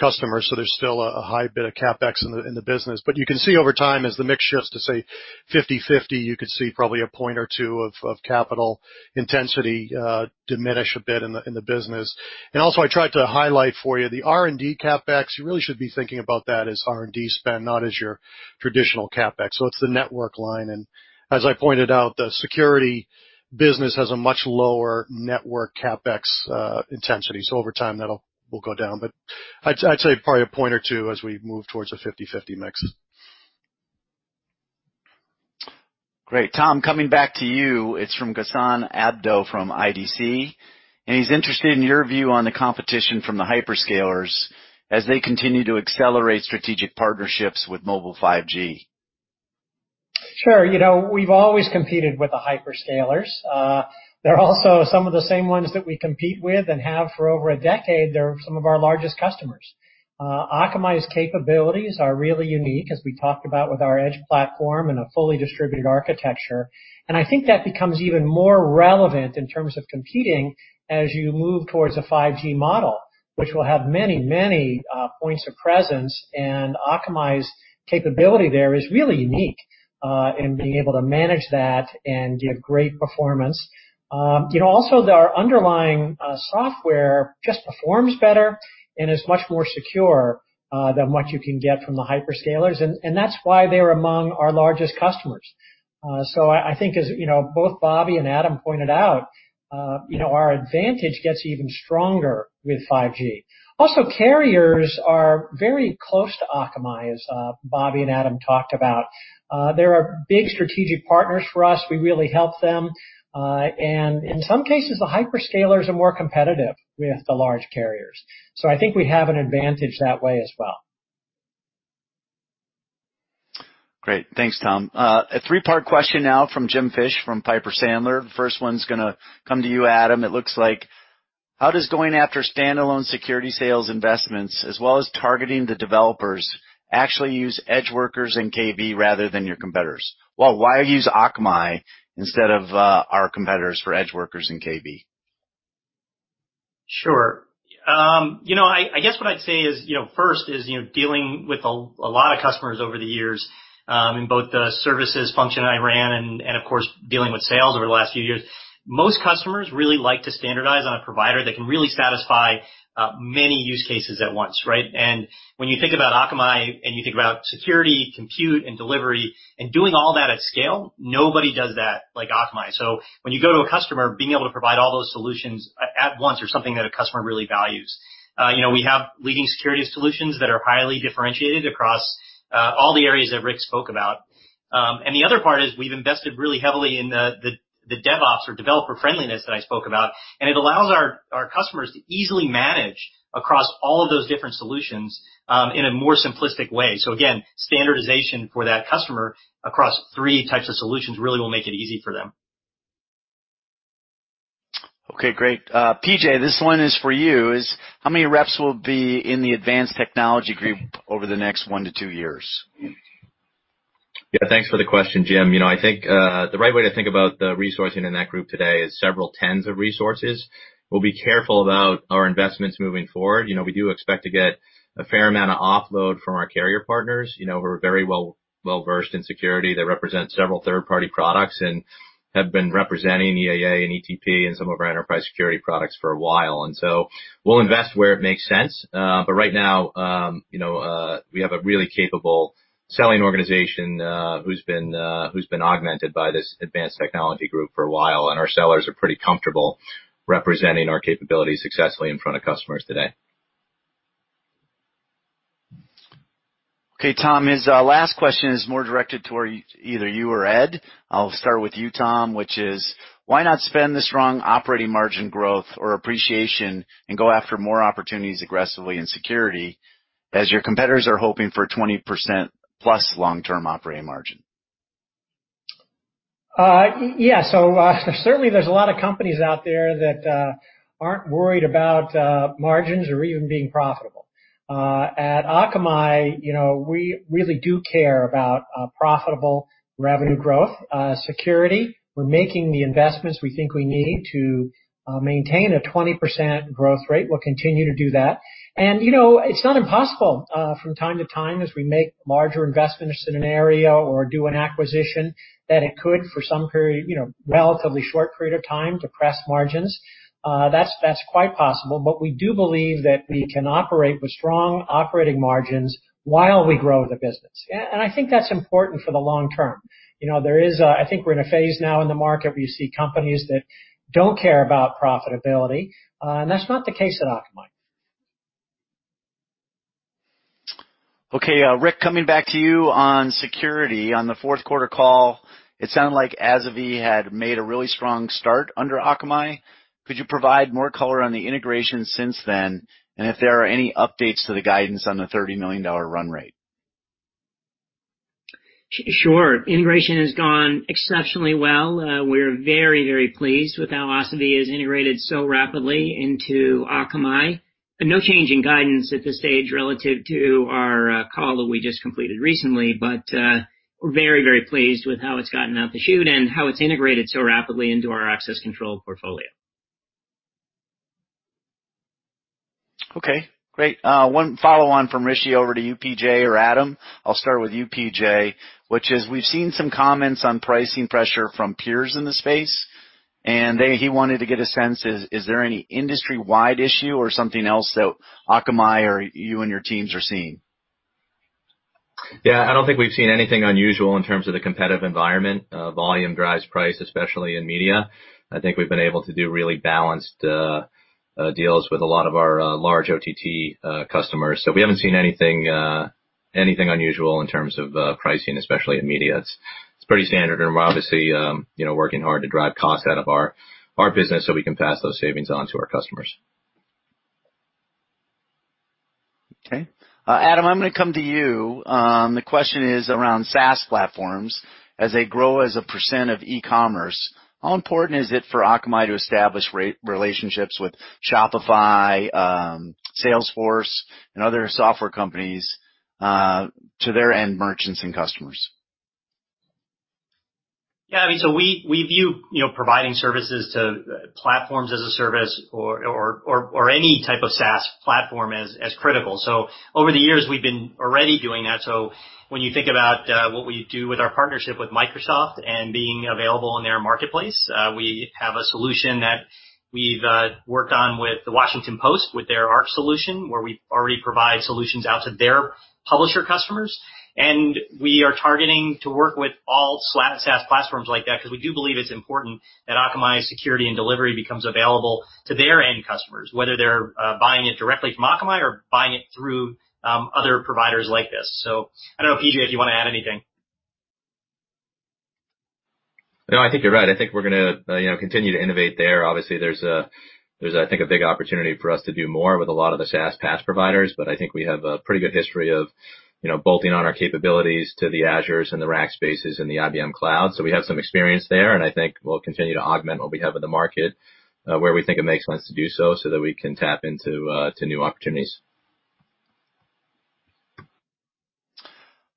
customers. There's still a high bit of CapEx in the business. You can see over time as the mix shifts to, say, 50/50, you could see probably a point or two of capital intensity diminish a bit in the business. I tried to highlight for you the R&D CapEx, you really should be thinking about that as R&D spend, not as your traditional CapEx. It's the network line, and as I pointed out, the security business has a much lower network CapEx intensity. Over time, that'll go down. I'd say probably a point or two as we move towards a 50/50 mix. Great. Tom, coming back to you. It's from Ghassan Abdo from IDC. He's interested in your view on the competition from the hyperscalers as they continue to accelerate strategic partnerships with mobile 5G. Sure. We've always competed with the hyperscalers. They're also some of the same ones that we compete with and have for over a decade. They're some of our largest customers. Akamai's capabilities are really unique as we talked about with our edge platform and a fully distributed architecture, and I think that becomes even more relevant in terms of competing as you move towards a 5G model, which will have many points of presence, and Akamai's capability there is really unique in being able to manage that and give great performance. Our underlying software just performs better and is much more secure than what you can get from the hyperscalers, and that's why they are among our largest customers. I think as both Bobby and Adam pointed out, our advantage gets even stronger with 5G. Carriers are very close to Akamai, as Bobby and Adam talked about. They are big strategic partners for us. We really help them. In some cases, the hyperscalers are more competitive with the large carriers. I think we have an advantage that way as well. Great. Thanks, Tom. A three-part question now from Jim Fish from Piper Sandler. The first one's going to come to you, Adam, it looks like. How does going after standalone security sales investments as well as targeting the developers actually use EdgeWorkers and KB rather than your competitors? Well, why use Akamai instead of our competitors for EdgeWorkers and KB? Sure. I guess what I'd say is first, dealing with a lot of customers over the years, in both the services function I ran and of course, dealing with sales over the last few years, most customers really like to standardize on a provider that can really satisfy many use cases at once, right? When you think about Akamai and you think about security, compute, and delivery and doing all that at scale, nobody does that like Akamai. When you go to a customer, being able to provide all those solutions at once is something that a customer really values. We have leading security solutions that are highly differentiated across all the areas that Rick spoke about. The other part is we've invested really heavily in the DevOps or developer friendliness that I spoke about, and it allows our customers to easily manage across all of those different solutions in a more simplistic way. Again, standardization for that customer across three types of solutions really will make it easy for them. Okay, great. PJ, this one is for you, is how many reps will be in the Advanced Technology Group over the next one to two years? Yeah, thanks for the question, Jim. I think the right way to think about the resourcing in that group today is several tens of resources. We'll be careful about our investments moving forward. We do expect to get a fair amount of offload from our carrier partners who are very well-versed in security. They represent several third-party products and have been representing EAA and ETP and some of our enterprise security products for a while. So we'll invest where it makes sense. Right now, we have a really capable selling organization who's been augmented by this advanced technology group for a while, and our sellers are pretty comfortable representing our capabilities successfully in front of customers today. Tom, this last question is more directed toward either you or Ed. I'll start with you, Tom, which is why not spend the strong operating margin growth or appreciation and go after more opportunities aggressively in security as your competitors are hoping for 20% plus long-term operating margin? Certainly there's a lot of companies out there that aren't worried about margins or even being profitable. At Akamai, we really do care about profitable revenue growth. Security, we're making the investments we think we need to maintain a 20% growth rate. We'll continue to do that. It's not impossible from time to time as we make larger investments in an area or do an acquisition that it could for some relatively short period of time, depress margins. That's quite possible. We do believe that we can operate with strong operating margins while we grow the business. I think that's important for the long term. I think we're in a phase now in the market where you see companies that don't care about profitability. That's not the case at Akamai. Okay. Rick, coming back to you on security. On the fourth quarter call, it sounded like Asavie had made a really strong start under Akamai. Could you provide more color on the integration since then, and if there are any updates to the guidance on the $30 million run rate? Sure. Integration has gone exceptionally well. We're very pleased with how Asavie has integrated so rapidly into Akamai. No change in guidance at this stage relative to our call that we just completed recently, but we're very pleased with how it's gotten out the chute and how it's integrated so rapidly into our access control portfolio. Okay, great. One follow-on from Rishi over to you, PJ or Adam. I'll start with you, PJ, which is, we've seen some comments on pricing pressure from peers in the space, and he wanted to get a sense, is there any industry-wide issue or something else that Akamai or you and your teams are seeing? Yeah, I don't think we've seen anything unusual in terms of the competitive environment. Volume drives price, especially in media. I think we've been able to do really balanced deals with a lot of our large OTT customers. We haven't seen anything unusual in terms of pricing, especially in media. It's pretty standard, and we're obviously working hard to drive costs out of our business so we can pass those savings on to our customers. Okay. Adam, I'm going to come to you. The question is around SaaS platforms. As they grow as a percent of e-commerce, how important is it for Akamai to establish relationships with Shopify, Salesforce, and other software companies to their end merchants and customers? Yeah. We view providing services to platforms as a service or any type of SaaS platform as critical. Over the years, we've been already doing that. When you think about what we do with our partnership with Microsoft and being available in their marketplace, we have a solution that we've worked on with The Washington Post, with their Arc solution, where we already provide solutions out to their publisher customers. We are targeting to work with all SaaS platforms like that because we do believe it's important that Akamai security and delivery becomes available to their end customers, whether they're buying it directly from Akamai or buying it through other providers like this. I don't know, PJ, if you want to add anything. No, I think you're right. I think we're going to continue to innovate there. Obviously, there's I think, a big opportunity for us to do more with a lot of the SaaS PaaS providers, but I think we have a pretty good history of bolting on our capabilities to the Azures and the Rackspace and the IBM Cloud. We have some experience there, and I think we'll continue to augment what we have in the market, where we think it makes sense to do so that we can tap into new opportunities.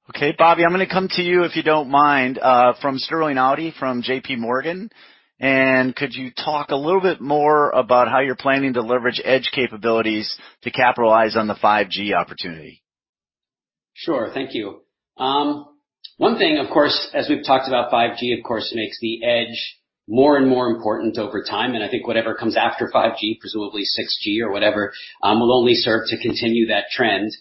Okay, Bobby, I'm going to come to you, if you don't mind, from Sterling Auty, from JP Morgan. Could you talk a little bit more about how you're planning to leverage edge capabilities to capitalize on the 5G opportunity? Sure. Thank you. One thing, of course, as we've talked about 5G, of course, makes the edge more and more important over time, and I think whatever comes after 5G, presumably 6G or whatever, will only serve to continue that trend.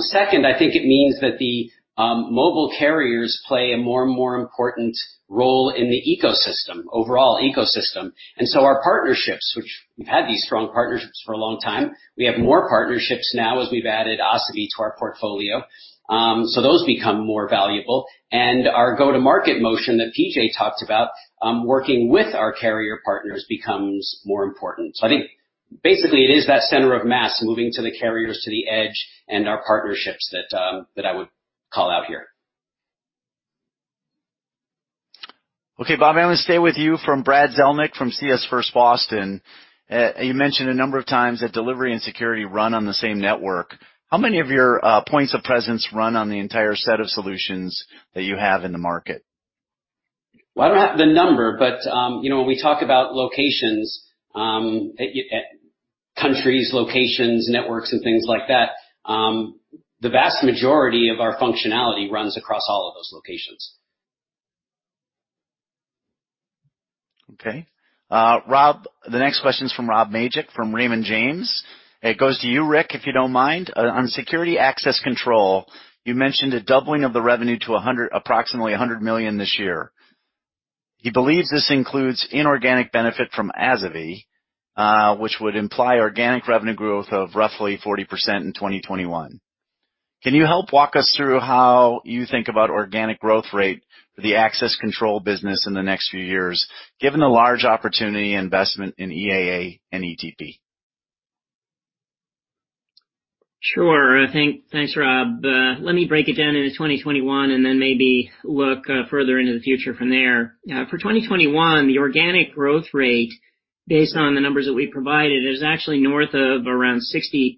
Second, I think it means that the mobile carriers play a more and more important role in the ecosystem, overall ecosystem. Our partnerships, which we've had these strong partnerships for a long time, we have more partnerships now as we've added Asavie to our portfolio. Those become more valuable. Our go-to-market motion that PJ talked about, working with our carrier partners becomes more important. I think basically it is that center of mass moving to the carriers, to the edge, and our partnerships that I would call out here. Okay, Bobby, I'm going to stay with you from Brad Zelnick from CS First Boston. You mentioned a number of times that delivery and security run on the same network. How many of your points of presence run on the entire set of solutions that you have in the market? Well, I don't have the number, but when we talk about locations, countries, locations, networks, and things like that, the vast majority of our functionality runs across all of those locations. Okay. The next question's from Rob Majek from Raymond James. It goes to you, Rick, if you don't mind. On security access control, you mentioned a doubling of the revenue to approximately $100 million this year. He believes this includes inorganic benefit from Asavie, which would imply organic revenue growth of roughly 40% in 2021. Can you help walk us through how you think about organic growth rate for the access control business in the next few years, given the large opportunity investment in EAA and ETP? Sure. Thanks, Rob. Let me break it down into 2021 and then maybe look further into the future from there. For 2021, the organic growth rate, based on the numbers that we provided, is actually north of around 60%.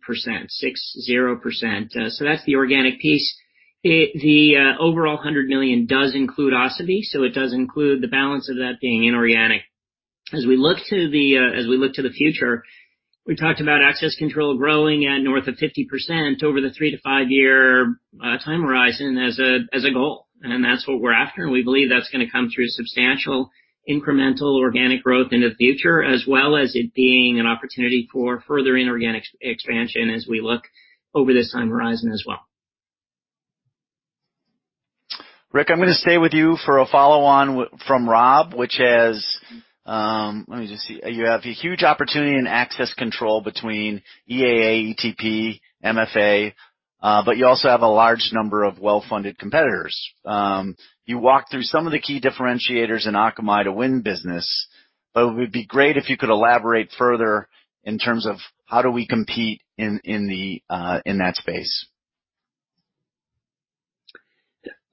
That's the organic piece. The overall $100 million does include Asavie, so it does include the balance of that being inorganic. As we look to the future, we talked about access control growing at north of 50% over the three-five year time horizon as a goal, and that's what we're after, and we believe that's going to come through substantial incremental organic growth in the future, as well as it being an opportunity for further inorganic expansion as we look over this time horizon as well. Rick, I'm going to stay with you for a follow-on from Rob. You have a huge opportunity in access control between EAA, ETP, MFA, but you also have a large number of well-funded competitors. You walked through some of the key differentiators in Akamai to win business, but it would be great if you could elaborate further in terms of how do we compete in that space.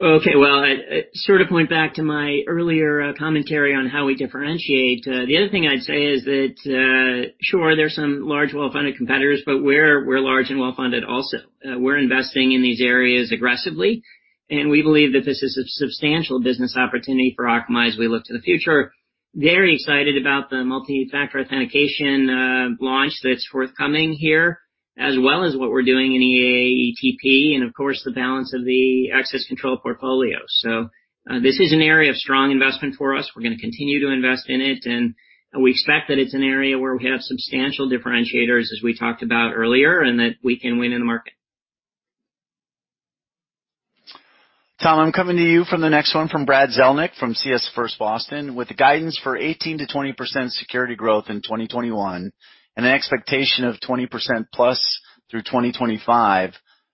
Okay. Well, I point back to my earlier commentary on how we differentiate. The other thing I'd say is that, sure, there's some large, well-funded competitors, but we're large and well-funded also. We're investing in these areas aggressively, and we believe that this is a substantial business opportunity for Akamai as we look to the future. Very excited about the multi-factor authentication launch that's forthcoming here, as well as what we're doing in EAA, ETP, and of course, the balance of the access control portfolio. This is an area of strong investment for us. We're going to continue to invest in it, and we expect that it's an area where we have substantial differentiators, as we talked about earlier, and that we can win in the market. Tom, I'm coming to you for the next one from Brad Zelnick from CS First Boston. With the guidance for 18%-20% security growth in 2021 and an expectation of 20%+ through 2025,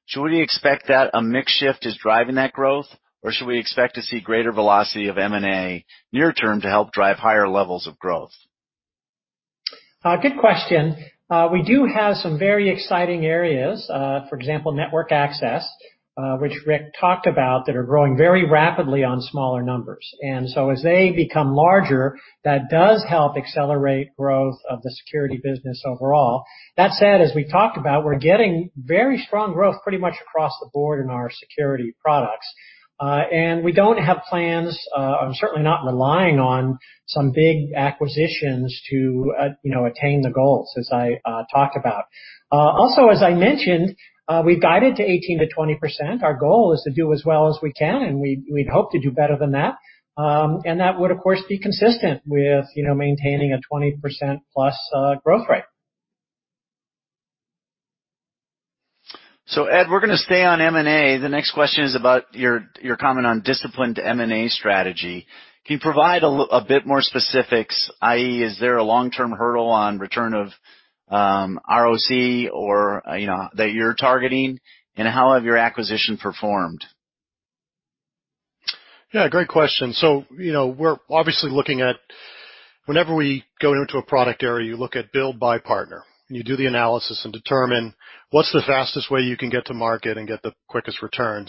should we expect that a mix shift is driving that growth, or should we expect to see greater velocity of M&A near term to help drive higher levels of growth? Good question. We do have some very exciting areas, for example, network access, which Rick talked about, that are growing very rapidly on smaller numbers. As they become larger, that does help accelerate growth of the security business overall. That said, as we talked about, we're getting very strong growth pretty much across the board in our security products. We don't have plans, I'm certainly not relying on some big acquisitions to attain the goals, as I talked about. As I mentioned, we've guided to 18%-20%. Our goal is to do as well as we can, and we'd hope to do better than that. That would, of course, be consistent with maintaining a 20%+ growth rate. Ed, we're going to stay on M&A. The next question is about your comment on disciplined M&A strategy. Can you provide a bit more specifics, i.e., is there a long-term hurdle on return of ROC that you're targeting, and how have your acquisition performed? Yeah, great question. We're obviously looking at whenever we go into a product area, you look at build, buy, partner, and you do the analysis and determine what's the fastest way you can get to market and get the quickest return.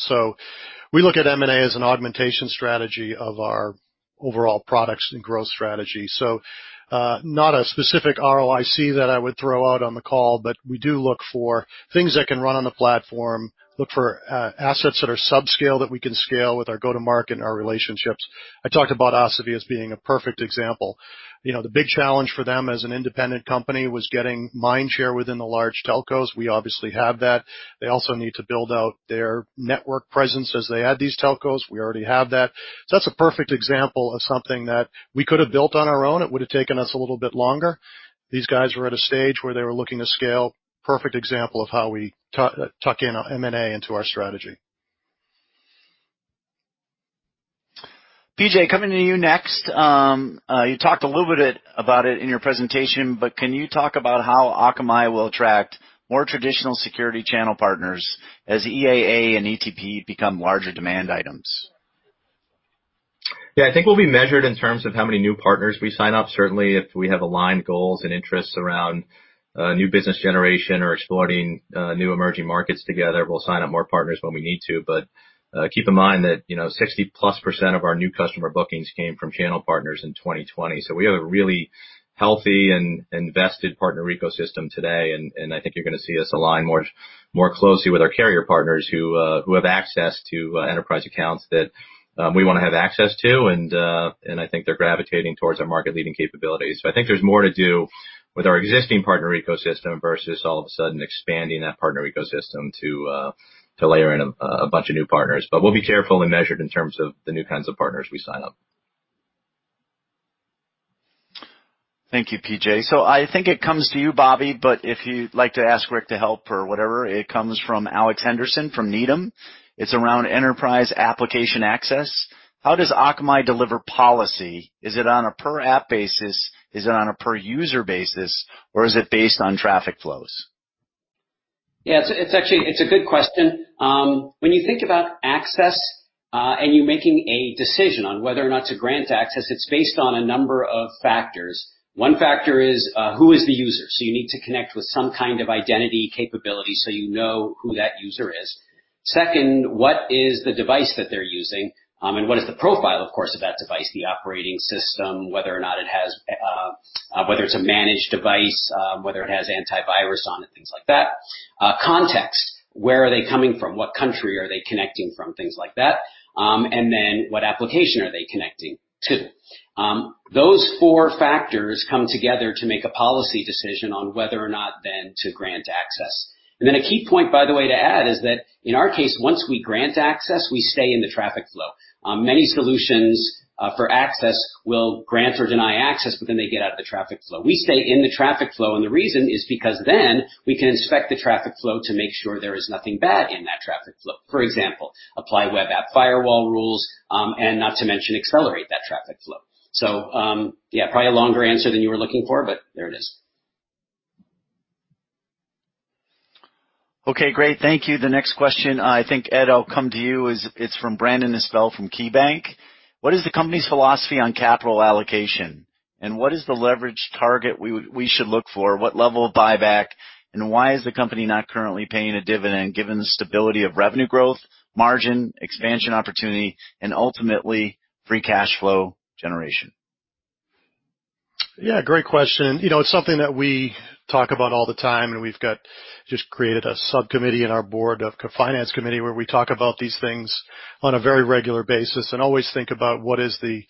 We look at M&A as an augmentation strategy of our overall products and growth strategy. Not a specific ROIC that I would throw out on the call, but we do look for things that can run on the platform, look for assets that are subscale that we can scale with our go-to-market and our relationships. I talked about Asavie as being a perfect example. The big challenge for them as an independent company was getting mind share within the large telcos. We obviously have that. They also need to build out their network presence as they add these telcos. We already have that. That's a perfect example of something that we could have built on our own. It would have taken us a little bit longer. These guys were at a stage where they were looking to scale. Perfect example of how we tuck in M&A into our strategy. PJ, coming to you next. You talked a little bit about it in your presentation, but can you talk about how Akamai will attract more traditional security channel partners as EAA and ETP become larger demand items? I think we'll be measured in terms of how many new partners we sign up. Certainly, if we have aligned goals and interests around new business generation or exploring new emerging markets together, we'll sign up more partners when we need to. Keep in mind that 60%+ of our new customer bookings came from channel partners in 2020. We have a really healthy and invested partner ecosystem today, and I think you're going to see us align more closely with our carrier partners who have access to enterprise accounts that we want to have access to. I think they're gravitating towards our market-leading capabilities. I think there's more to do with our existing partner ecosystem versus all of a sudden expanding that partner ecosystem to layer in a bunch of new partners. We'll be careful and measured in terms of the new kinds of partners we sign up. Thank you, PJ. I think it comes to you, Bobby, but if you'd like to ask Rick to help or whatever, it comes from Alex Henderson from Needham. It is around Enterprise Application Access. How does Akamai deliver policy? Is it on a per-app basis? Is it on a per-user basis, or is it based on traffic flows? Yeah, it's a good question. When you think about access, and you're making a decision on whether or not to grant access, it's based on a number of factors. One factor is who is the user. You need to connect with some kind of identity capability so you know who that user is. Second, what is the device that they're using, and what is the profile, of course, of that device, the operating system, whether it's a managed device, whether it has antivirus on it, things like that. Context, where are they coming from, what country are they connecting from, things like that. Then what application are they connecting to? Those four factors come together to make a policy decision on whether or not then to grant access. A key point, by the way, to add is that in our case, once we grant access, we stay in the traffic flow. Many solutions for access will grant or deny access, but then they get out of the traffic flow. We stay in the traffic flow, and the reason is because then we can inspect the traffic flow to make sure there is nothing bad in that traffic flow. For example, apply web app firewall rules, and not to mention accelerate that traffic flow. Yeah, probably a longer answer than you were looking for, but there it is. Okay, great. Thank you. The next question, I think, Ed, I'll come to you, it's from Brandon Nispel from KeyBanc. What is the company's philosophy on capital allocation? What is the leverage target we should look for? What level of buyback? Why is the company not currently paying a dividend given the stability of revenue growth, margin expansion opportunity, and ultimately free cash flow generation? Yeah, great question. It's something that we talk about all the time. We've just created a subcommittee in our Board of Finance Committee where we talk about these things on a very regular basis and always think about what is the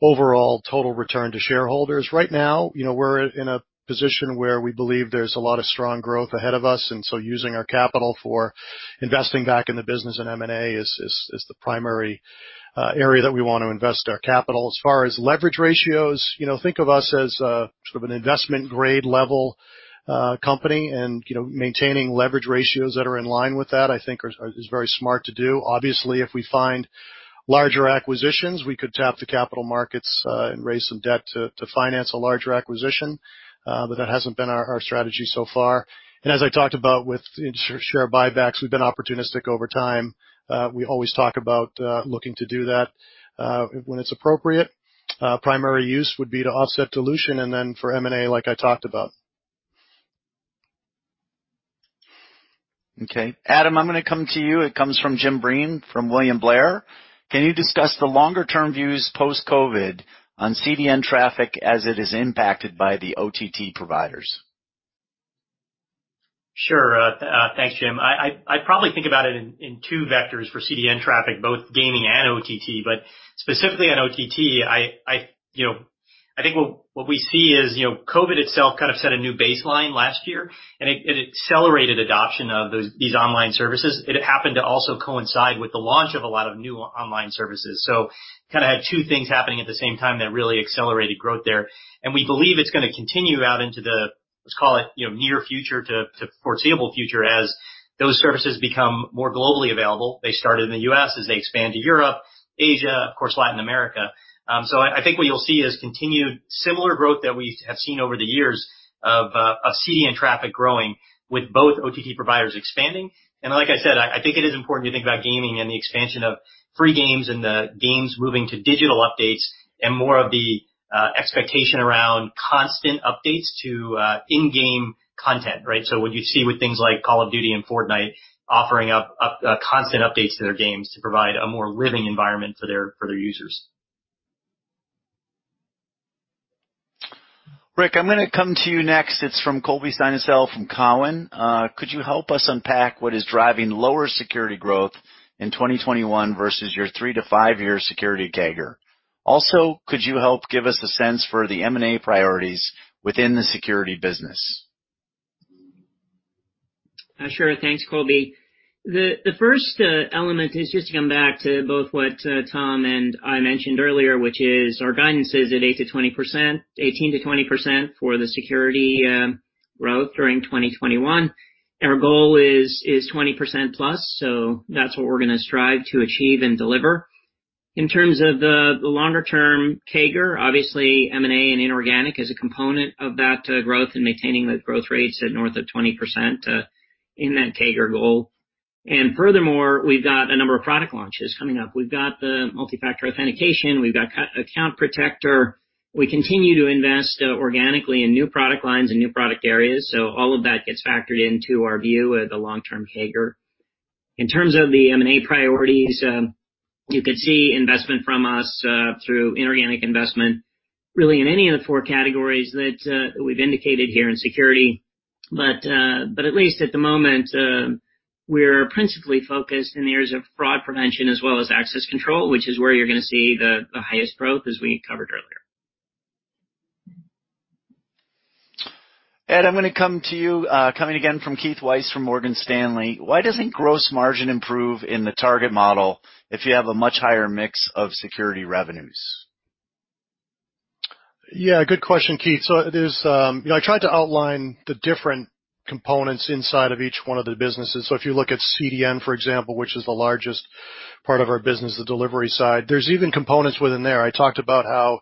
overall total return to shareholders. Right now, we're in a position where we believe there's a lot of strong growth ahead of us. Using our capital for investing back in the business and M&A is the primary area that we want to invest our capital. As far as leverage ratios, think of us as sort of an investment-grade level company and maintaining leverage ratios that are in line with that, I think is very smart to do. Obviously, if we find larger acquisitions, we could tap the capital markets and raise some debt to finance a larger acquisition. That hasn't been our strategy so far. As I talked about with share buybacks, we've been opportunistic over time. We always talk about looking to do that when it's appropriate. Primary use would be to offset dilution and then for M&A, like I talked about. Okay. Adam, I'm going to come to you. It comes from Jim Breen from William Blair. Can you discuss the longer-term views post-COVID on CDN traffic as it is impacted by the OTT providers? Sure. Thanks, Jim. I probably think about it in two vectors for CDN traffic, both gaming and OTT. Specifically on OTT, I think what we see is COVID itself kind of set a new baseline last year, and it accelerated adoption of these online services. It happened to also coincide with the launch of a lot of new online services. Kind of had two things happening at the same time that really accelerated growth there. We believe it's going to continue out into the, let's call it, near future to foreseeable future as those services become more globally available. They started in the U.S., as they expand to Europe, Asia, of course, Latin America. I think what you'll see is continued similar growth that we have seen over the years of CDN traffic growing with both OTT providers expanding. Like I said, I think it is important to think about gaming and the expansion of free games and the games moving to digital updates and more of the expectation around constant updates to in-game content, right. What you see with things like Call of Duty and Fortnite offering up constant updates to their games to provide a more living environment for their users. Rick, I'm going to come to you next. It's from Colby Synesael from Cowen. Could you help us unpack what is driving lower security growth in 2021 versus your three-to-five-year security CAGR? Also, could you help give us a sense for the M&A priorities within the security business? Sure. Thanks, Colby. The first element is just to come back to both what Tom and I mentioned earlier, which is our guidance is at 18%-20% for the security growth during 2021. Our goal is 20%+, that's what we're going to strive to achieve and deliver. In terms of the longer-term CAGR, obviously M&A and inorganic is a component of that growth and maintaining the growth rates at north of 20% in that CAGR goal. Furthermore, we've got a number of product launches coming up. We've got the multi-factor authentication. We've got Account Protector. We continue to invest organically in new product lines and new product areas, all of that gets factored into our view of the long-term CAGR. In terms of the M&A priorities, you could see investment from us through inorganic investment really in any of the four categories that we've indicated here in security. At least at the moment, we're principally focused in the areas of fraud prevention as well as access control, which is where you're going to see the highest growth as we covered earlier. Ed, I'm going to come to you. Coming again from Keith Weiss from Morgan Stanley. Why doesn't gross margin improve in the target model if you have a much higher mix of security revenues? Yeah, good question, Keith. I tried to outline the different components inside of each one of the businesses. If you look at CDN, for example, which is the largest part of our business, the delivery side, there's even components within there. I talked about how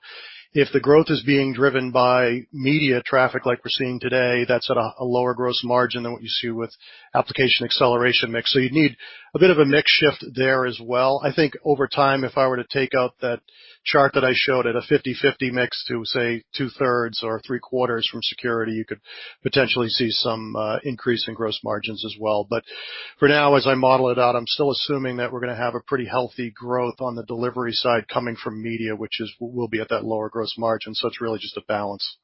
if the growth is being driven by media traffic like we're seeing today, that's at a lower gross margin than what you see with application acceleration mix. You'd need a bit of a mix shift there as well. I think over time, if I were to take out that chart that I showed at a 50/50 mix to, say, 2/3 or 3/4 from security, you could potentially see some increase in gross margins as well. For now, as I model it out, I'm still assuming that we're going to have a pretty healthy growth on the delivery side coming from media, which will be at that lower gross margin. It's really just a balance.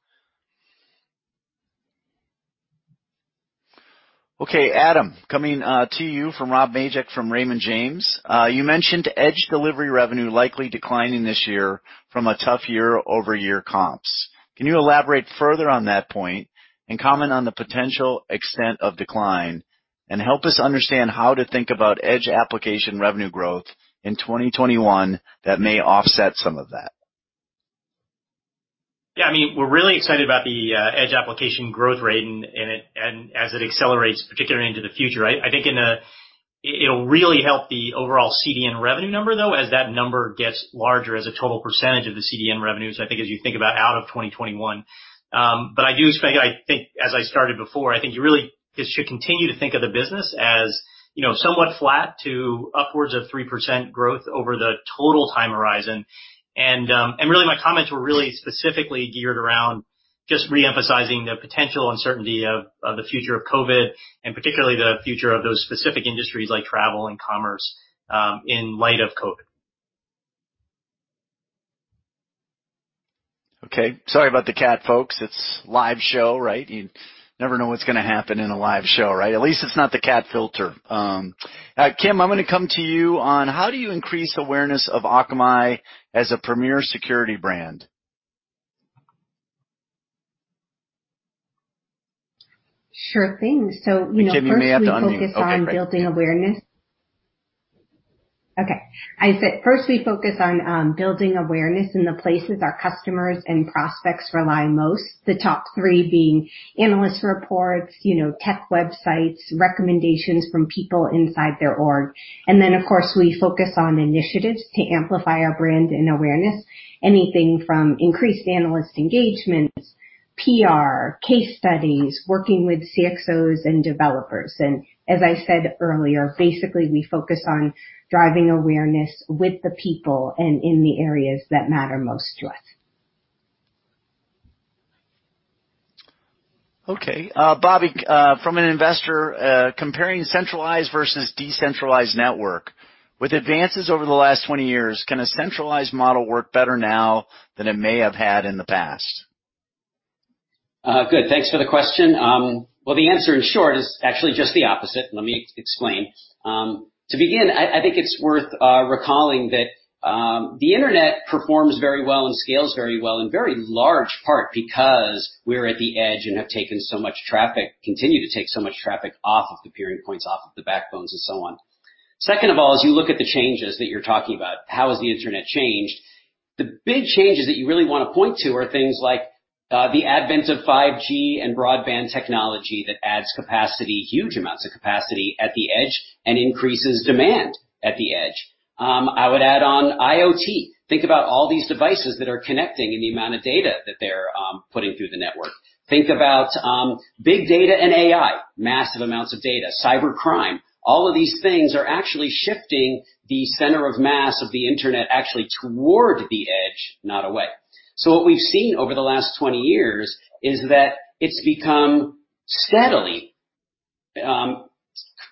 Okay, Adam, coming to you from Rob Majek from Raymond James. You mentioned Edge delivery revenue likely declining this year from a tough year-over-year comps. Can you elaborate further on that point and comment on the potential extent of decline and help us understand how to think about Edge application revenue growth in 2021 that may offset some of that? Yeah, we're really excited about the Edge application growth rate as it accelerates, particularly into the future. It'll really help the overall CDN revenue number, though, as that number gets larger as a total percentage of the CDN revenues, I think as you think about out of 2021. I do think, as I started before, I think you really just should continue to think of the business as somewhat flat to upwards of 3% growth over the total time horizon. Really, my comments were really specifically geared around just re-emphasizing the potential uncertainty of the future of COVID and particularly the future of those specific industries like travel and commerce in light of COVID. Okay. Sorry about the cat, folks. It's live show, right? You never know what's going to happen in a live show, right? At least it's not the cat filter. Kim, I'm going to come to you on how do you increase awareness of Akamai as a premier security brand? Sure thing. first Kim, you may have to unmute. Okay, great. focus on building awareness. Okay. I said, first we focus on building awareness in the places our customers and prospects rely most, the top three being analyst reports, tech websites, recommendations from people inside their org. Of course, we focus on initiatives to amplify our brand and awareness. Anything from increased analyst engagements, PR, case studies, working with CXOs and developers. As I said earlier, basically, we focus on driving awareness with the people and in the areas that matter most to us. Okay. Bobby, from an investor, comparing centralized versus decentralized network. With advances over the last 20 years, can a centralized model work better now than it may have had in the past? Good, thanks for the question. Well, the answer, in short, is actually just the opposite. Let me explain. To begin, I think it's worth recalling that the Internet performs very well and scales very well in very large part because we're at the edge and have taken so much traffic, continue to take so much traffic off of the peering points, off of the backbones and so on. Second of all, as you look at the changes that you're talking about, how has the Internet changed? The big changes that you really want to point to are things like the advent of 5G and broadband technology that adds capacity, huge amounts of capacity at the edge, and increases demand at the edge. I would add on IoT. Think about all these devices that are connecting and the amount of data that they're putting through the network. Think about big data and AI, massive amounts of data, cybercrime. All of these things are actually shifting the center of mass of the Internet actually toward the edge, not away. What we've seen over the last 20 years is that it's become steadily,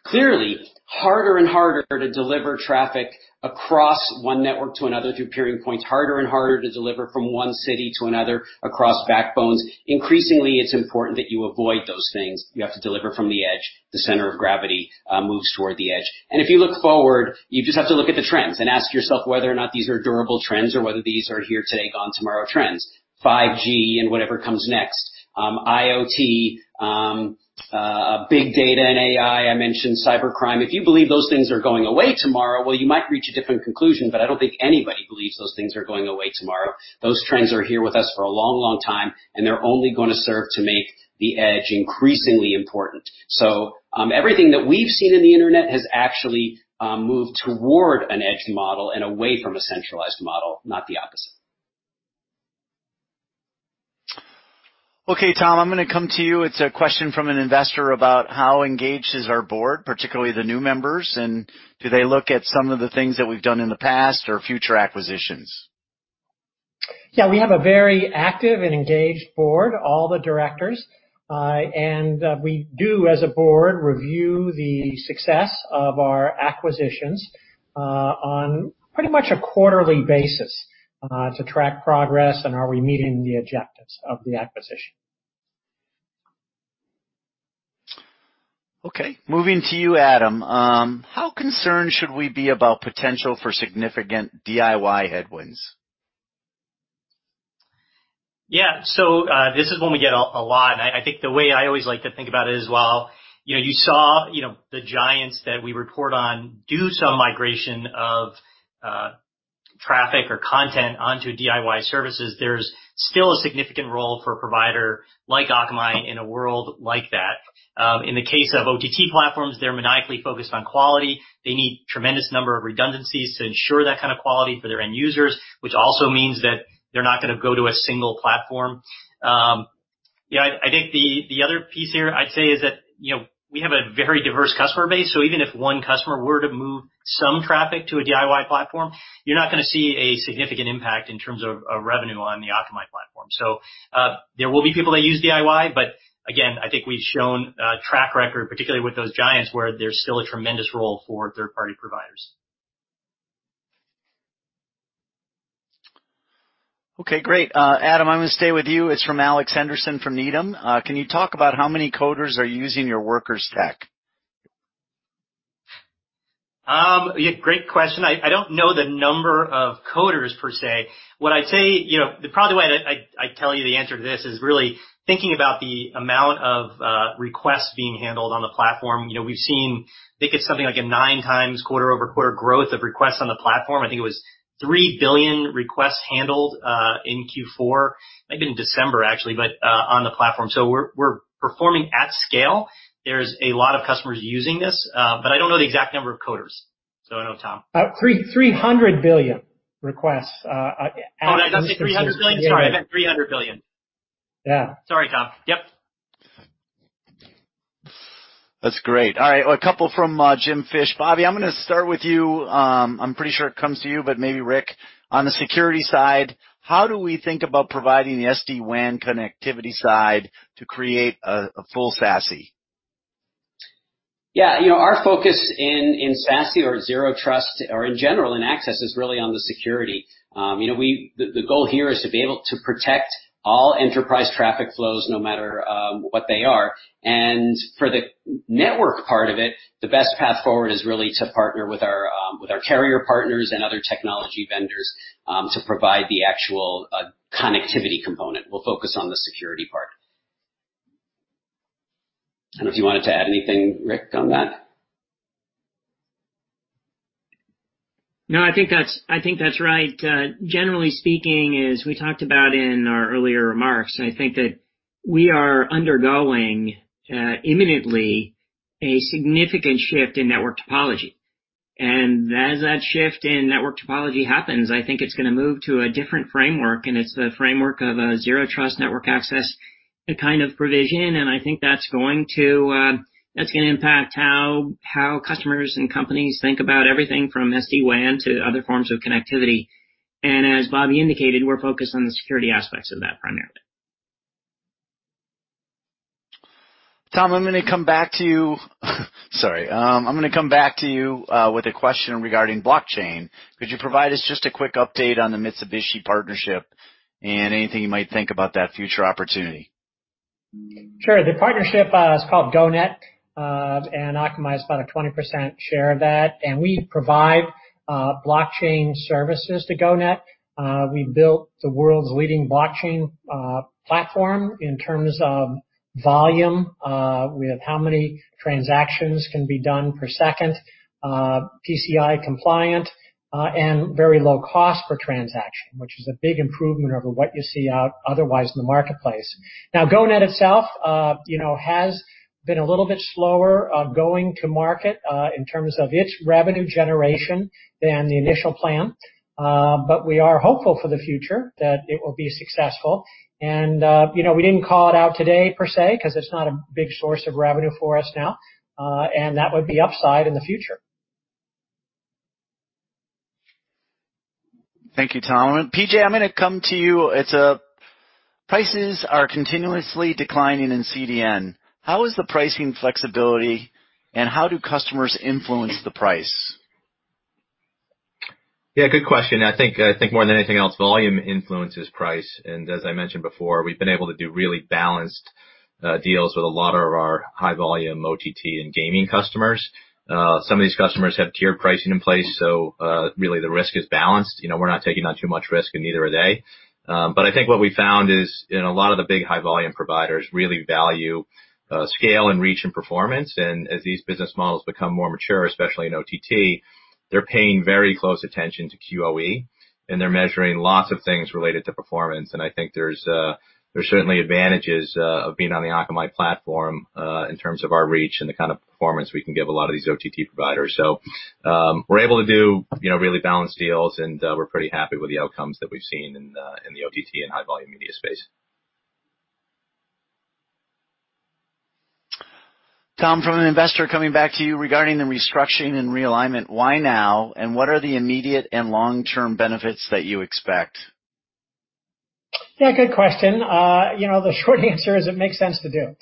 clearly harder and harder to deliver traffic across one network to another through peering points, harder and harder to deliver from one city to another across backbones. Increasingly, it's important that you avoid those things. You have to deliver from the edge. The center of gravity moves toward the edge. If you look forward, you just have to look at the trends and ask yourself whether or not these are durable trends or whether these are here today, gone tomorrow trends, 5G and whatever comes next. IoT, big data and AI. I mentioned cybercrime. If you believe those things are going away tomorrow, well, you might reach a different conclusion, but I don't think anybody believes those things are going away tomorrow. Those trends are here with us for a long time, and they're only going to serve to make the edge increasingly important. Everything that we've seen in the Internet has actually moved toward an edge model and away from a centralized model, not the opposite. Okay, Tom, I'm going to come to you. It's a question from an investor about how engaged is our board, particularly the new members, and do they look at some of the things that we've done in the past or future acquisitions? Yeah, we have a very active and engaged board, all the directors. We do, as a board, review the success of our acquisitions on pretty much a quarterly basis to track progress and are we meeting the objectives of the acquisition. Okay. Moving to you, Adam. How concerned should we be about potential for significant DIY headwinds? Yeah. This is one we get a lot, and I think the way I always like to think about it is, while you saw the giants that we report on do some migration of traffic or content onto DIY services, there's still a significant role for a provider like Akamai in a world like that. In the case of OTT platforms, they're maniacally focused on quality. They need tremendous number of redundancies to ensure that kind of quality for their end users, which also means that they're not going to go to a single platform. I think the other piece here I'd say is that we have a very diverse customer base, so even if one customer were to move some traffic to a DIY platform, you're not going to see a significant impact in terms of revenue on the Akamai platform. There will be people that use DIY, but again, I think we've shown track record, particularly with those giants, where there's still a tremendous role for third-party providers. Okay, great. Adam, I am going to stay with you. It is from Alex Henderson from Needham. Can you talk about how many coders are using your Workers tech? Great question. I don't know the number of coders per se. What I'd say, probably the way that I'd tell you the answer to this is really thinking about the amount of requests being handled on the platform. We've seen, I think it's something like a 9x quarter-over-quarter growth of requests on the platform. I think it was three billion requests handled in Q4, might have been in December, actually, but on the platform. We're performing at scale. There's a lot of customers using this, but I don't know the exact number of coders. I don't know, Tom. About 300 billion requests. Oh, did I say $300 million? Sorry, I meant $300 billion. Yeah. Sorry, Tom. Yep. That's great. All right, a couple from James Fish. Bobby, I'm going to start with you. I'm pretty sure it comes to you, but maybe Rick. On the security side, how do we think about providing the SD-WAN connectivity side to create a full SASE? Our focus in SASE or Zero Trust or in general in access is really on the security. The goal here is to be able to protect all enterprise traffic flows no matter what they are. For the network part of it, the best path forward is really to partner with our carrier partners and other technology vendors, to provide the actual connectivity component. We'll focus on the security part. I don't know if you wanted to add anything, Rick, on that. No, I think that's right. Generally speaking, as we talked about in our earlier remarks, I think that we are undergoing imminently a significant shift in network topology. As that shift in network topology happens, I think it's going to move to a different framework, and it's the framework of a Zero Trust Network Access kind of provision. I think that's going to impact how customers and companies think about everything from SD-WAN to other forms of connectivity. As Bobby indicated, we're focused on the security aspects of that primarily. Tom, I'm going to come back to you. Sorry. I'm going to come back to you, with a question regarding blockchain. Could you provide us just a quick update on the Mitsubishi partnership and anything you might think about that future opportunity? Sure. The partnership is called GoNet, and Akamai has about a 20% share of that, and we provide blockchain services to GoNet. We built the world's leading blockchain platform in terms of volume, with how many transactions can be done per second, PCI compliant, and very low cost per transaction, which is a big improvement over what you see out otherwise in the marketplace. GoNet itself has been a little bit slower going to market in terms of its revenue generation than the initial plan. We are hopeful for the future that it will be successful. We didn't call it out today per se, because it's not a big source of revenue for us now. That would be upside in the future. Thank you, Tom. PJ, I'm going to come to you. Prices are continuously declining in CDN. How is the pricing flexibility and how do customers influence the price? Yeah, good question. I think more than anything else, volume influences price. As I mentioned before, we've been able to do really balanced deals with a lot of our high volume OTT and gaming customers. Some of these customers have tiered pricing in place, so really the risk is balanced. We're not taking on too much risk, and neither are they. I think what we found is in a lot of the big high volume providers really value scale and reach and performance. As these business models become more mature, especially in OTT, they're paying very close attention to QoE. They're measuring lots of things related to performance. I think there's certainly advantages of being on the Akamai platform, in terms of our reach and the kind of performance we can give a lot of these OTT providers. We're able to do really balanced deals, and we're pretty happy with the outcomes that we've seen in the OTT and high volume media space. Tom, from an investor coming back to you regarding the restructuring and realignment, why now, and what are the immediate and long-term benefits that you expect? Yeah, good question. The short answer is it makes sense to do.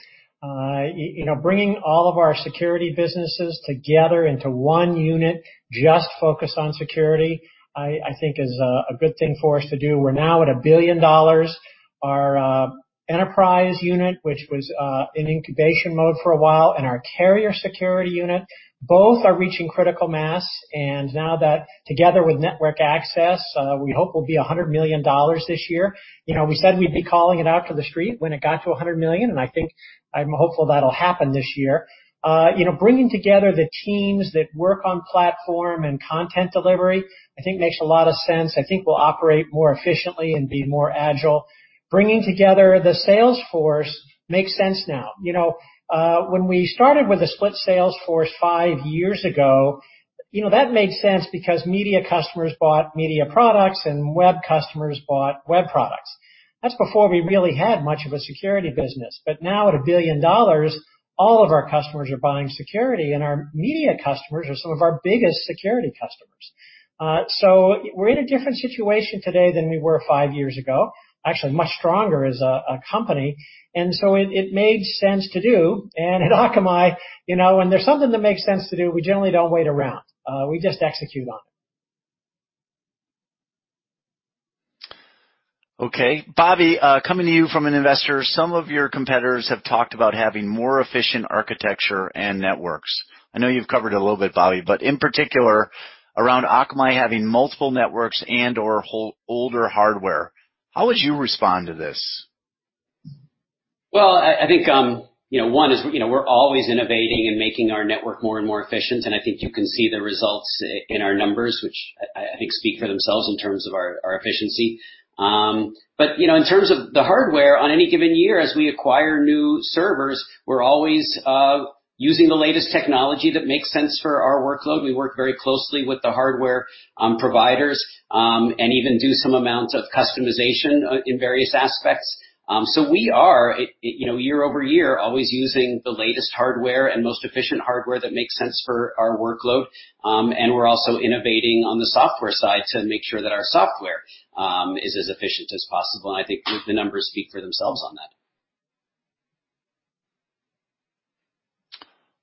Bringing all of our security businesses together into one unit just focused on security, I think is a good thing for us to do. We're now at $1 billion. Our enterprise unit, which was in incubation mode for a while, and our carrier security unit both are reaching critical mass. Now that together with network access, we hope will be $100 million this year. We said we'd be calling it out to the street when it got to $100 million, and I'm hopeful that'll happen this year. Bringing together the teams that work on platform and content delivery, I think makes a lot of sense. I think we'll operate more efficiently and be more agile. Bringing together the sales force makes sense now. When we started with a split sales force five years ago, that made sense because media customers bought media products and web customers bought web products. That's before we really had much of a security business. Now at $1 billion, all of our customers are buying security, and our media customers are some of our biggest security customers. We're in a different situation today than we were five years ago, actually much stronger as a company. It made sense to do. At Akamai, when there's something that makes sense to do, we generally don't wait around. We just execute on it. Bobby, coming to you from an investor. Some of your competitors have talked about having more efficient architecture and networks. I know you've covered a little bit, Bobby, but in particular around Akamai having multiple networks and/or older hardware. How would you respond to this? I think one is we're always innovating and making our network more and more efficient, and I think you can see the results in our numbers, which I think speak for themselves in terms of our efficiency. In terms of the hardware, on any given year, as we acquire new servers, we're always using the latest technology that makes sense for our workload. We work very closely with the hardware providers, and even do some amount of customization in various aspects. We are, year over year, always using the latest hardware and most efficient hardware that makes sense for our workload. We're also innovating on the software side to make sure that our software is as efficient as possible, and I think the numbers speak for themselves on that.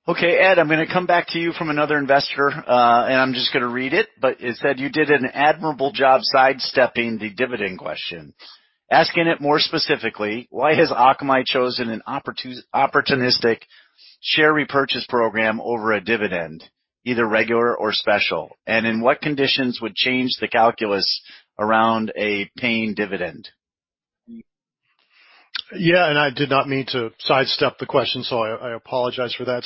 Okay, Ed, I'm going to come back to you from another investor, and I'm just going to read it. It said you did an admirable job sidestepping the dividend question. Asking it more specifically, why has Akamai chosen an opportunistic share repurchase program over a dividend, either regular or special? In what conditions would change the calculus around a paying dividend? Yeah, I did not mean to sidestep the question, so I apologize for that.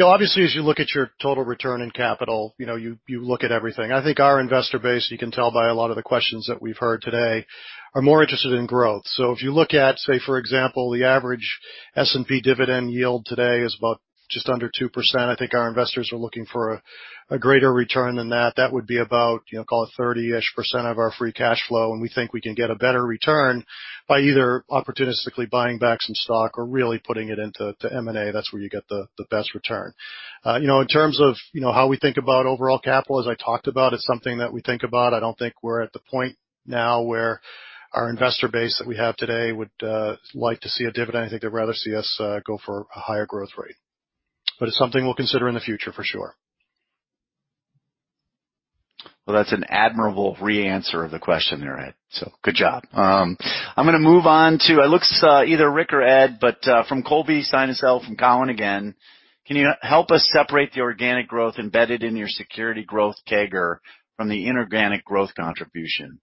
Obviously, as you look at your total return in capital, you look at everything. I think our investor base, you can tell by a lot of the questions that we've heard today, are more interested in growth. If you look at, say, for example, the average S&P dividend yield today is about just under 2%. I think our investors are looking for a greater return than that. That would be about, call it, 30%ish of our free cash flow, and we think we can get a better return by either opportunistically buying back some stock or really putting it into M&A. That's where you get the best return. In terms of how we think about overall capital, as I talked about, it's something that we think about. I don't think we're at the point now where our investor base that we have today would like to see a dividend. I think they'd rather see us go for a higher growth rate. It's something we'll consider in the future for sure. That's an admirable re-answer of the question there, Ed. Good job. I'm going to move on to, it looks either Rick or Ed, but from Colby Synesael from Cowen again. Can you help us separate the organic growth embedded in your security growth CAGR from the inorganic growth contribution?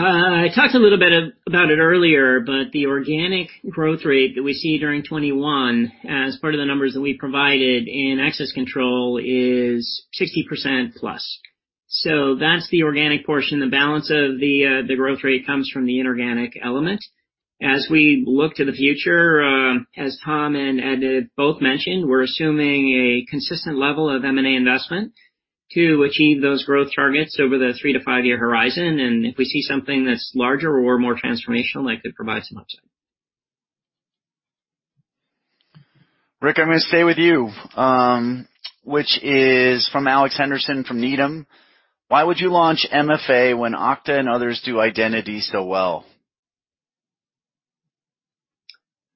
I talked a little bit about it earlier, the organic growth rate that we see during 2021, as part of the numbers that we provided in access control, is 60%+. That's the organic portion. The balance of the growth rate comes from the inorganic element. As we look to the future, as Tom and Ed both mentioned, we're assuming a consistent level of M&A investment to achieve those growth targets over the three-to-five year horizon. If we see something that's larger or more transformational, that could provide some upside. Rick, I'm going to stay with you, which is from Alex Henderson from Needham. Why would you launch MFA when Okta and others do identity so well?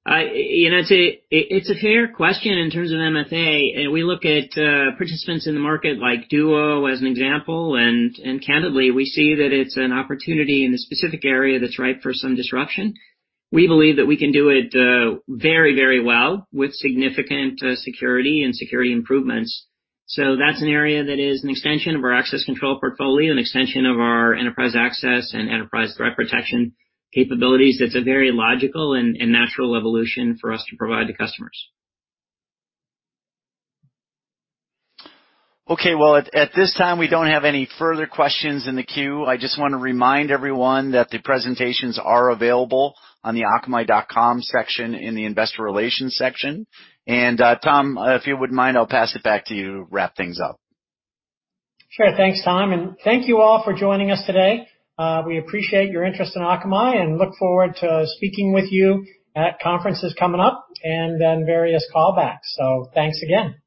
It's a fair question in terms of MFA. We look at participants in the market like Duo as an example, and candidly, we see that it's an opportunity in a specific area that's ripe for some disruption. We believe that we can do it very well with significant security and security improvements. That's an area that is an extension of our access control portfolio and extension of our enterprise access and enterprise threat protection capabilities. That's a very logical and natural evolution for us to provide to customers. Okay. Well, at this time, we don't have any further questions in the queue. I just want to remind everyone that the presentations are available on the akamai.com section in the investor relations section. Tom, if you wouldn't mind, I'll pass it back to you to wrap things up. Sure. Thanks, Tom, and thank you all for joining us today. We appreciate your interest in Akamai and look forward to speaking with you at conferences coming up and then various callbacks. Thanks again.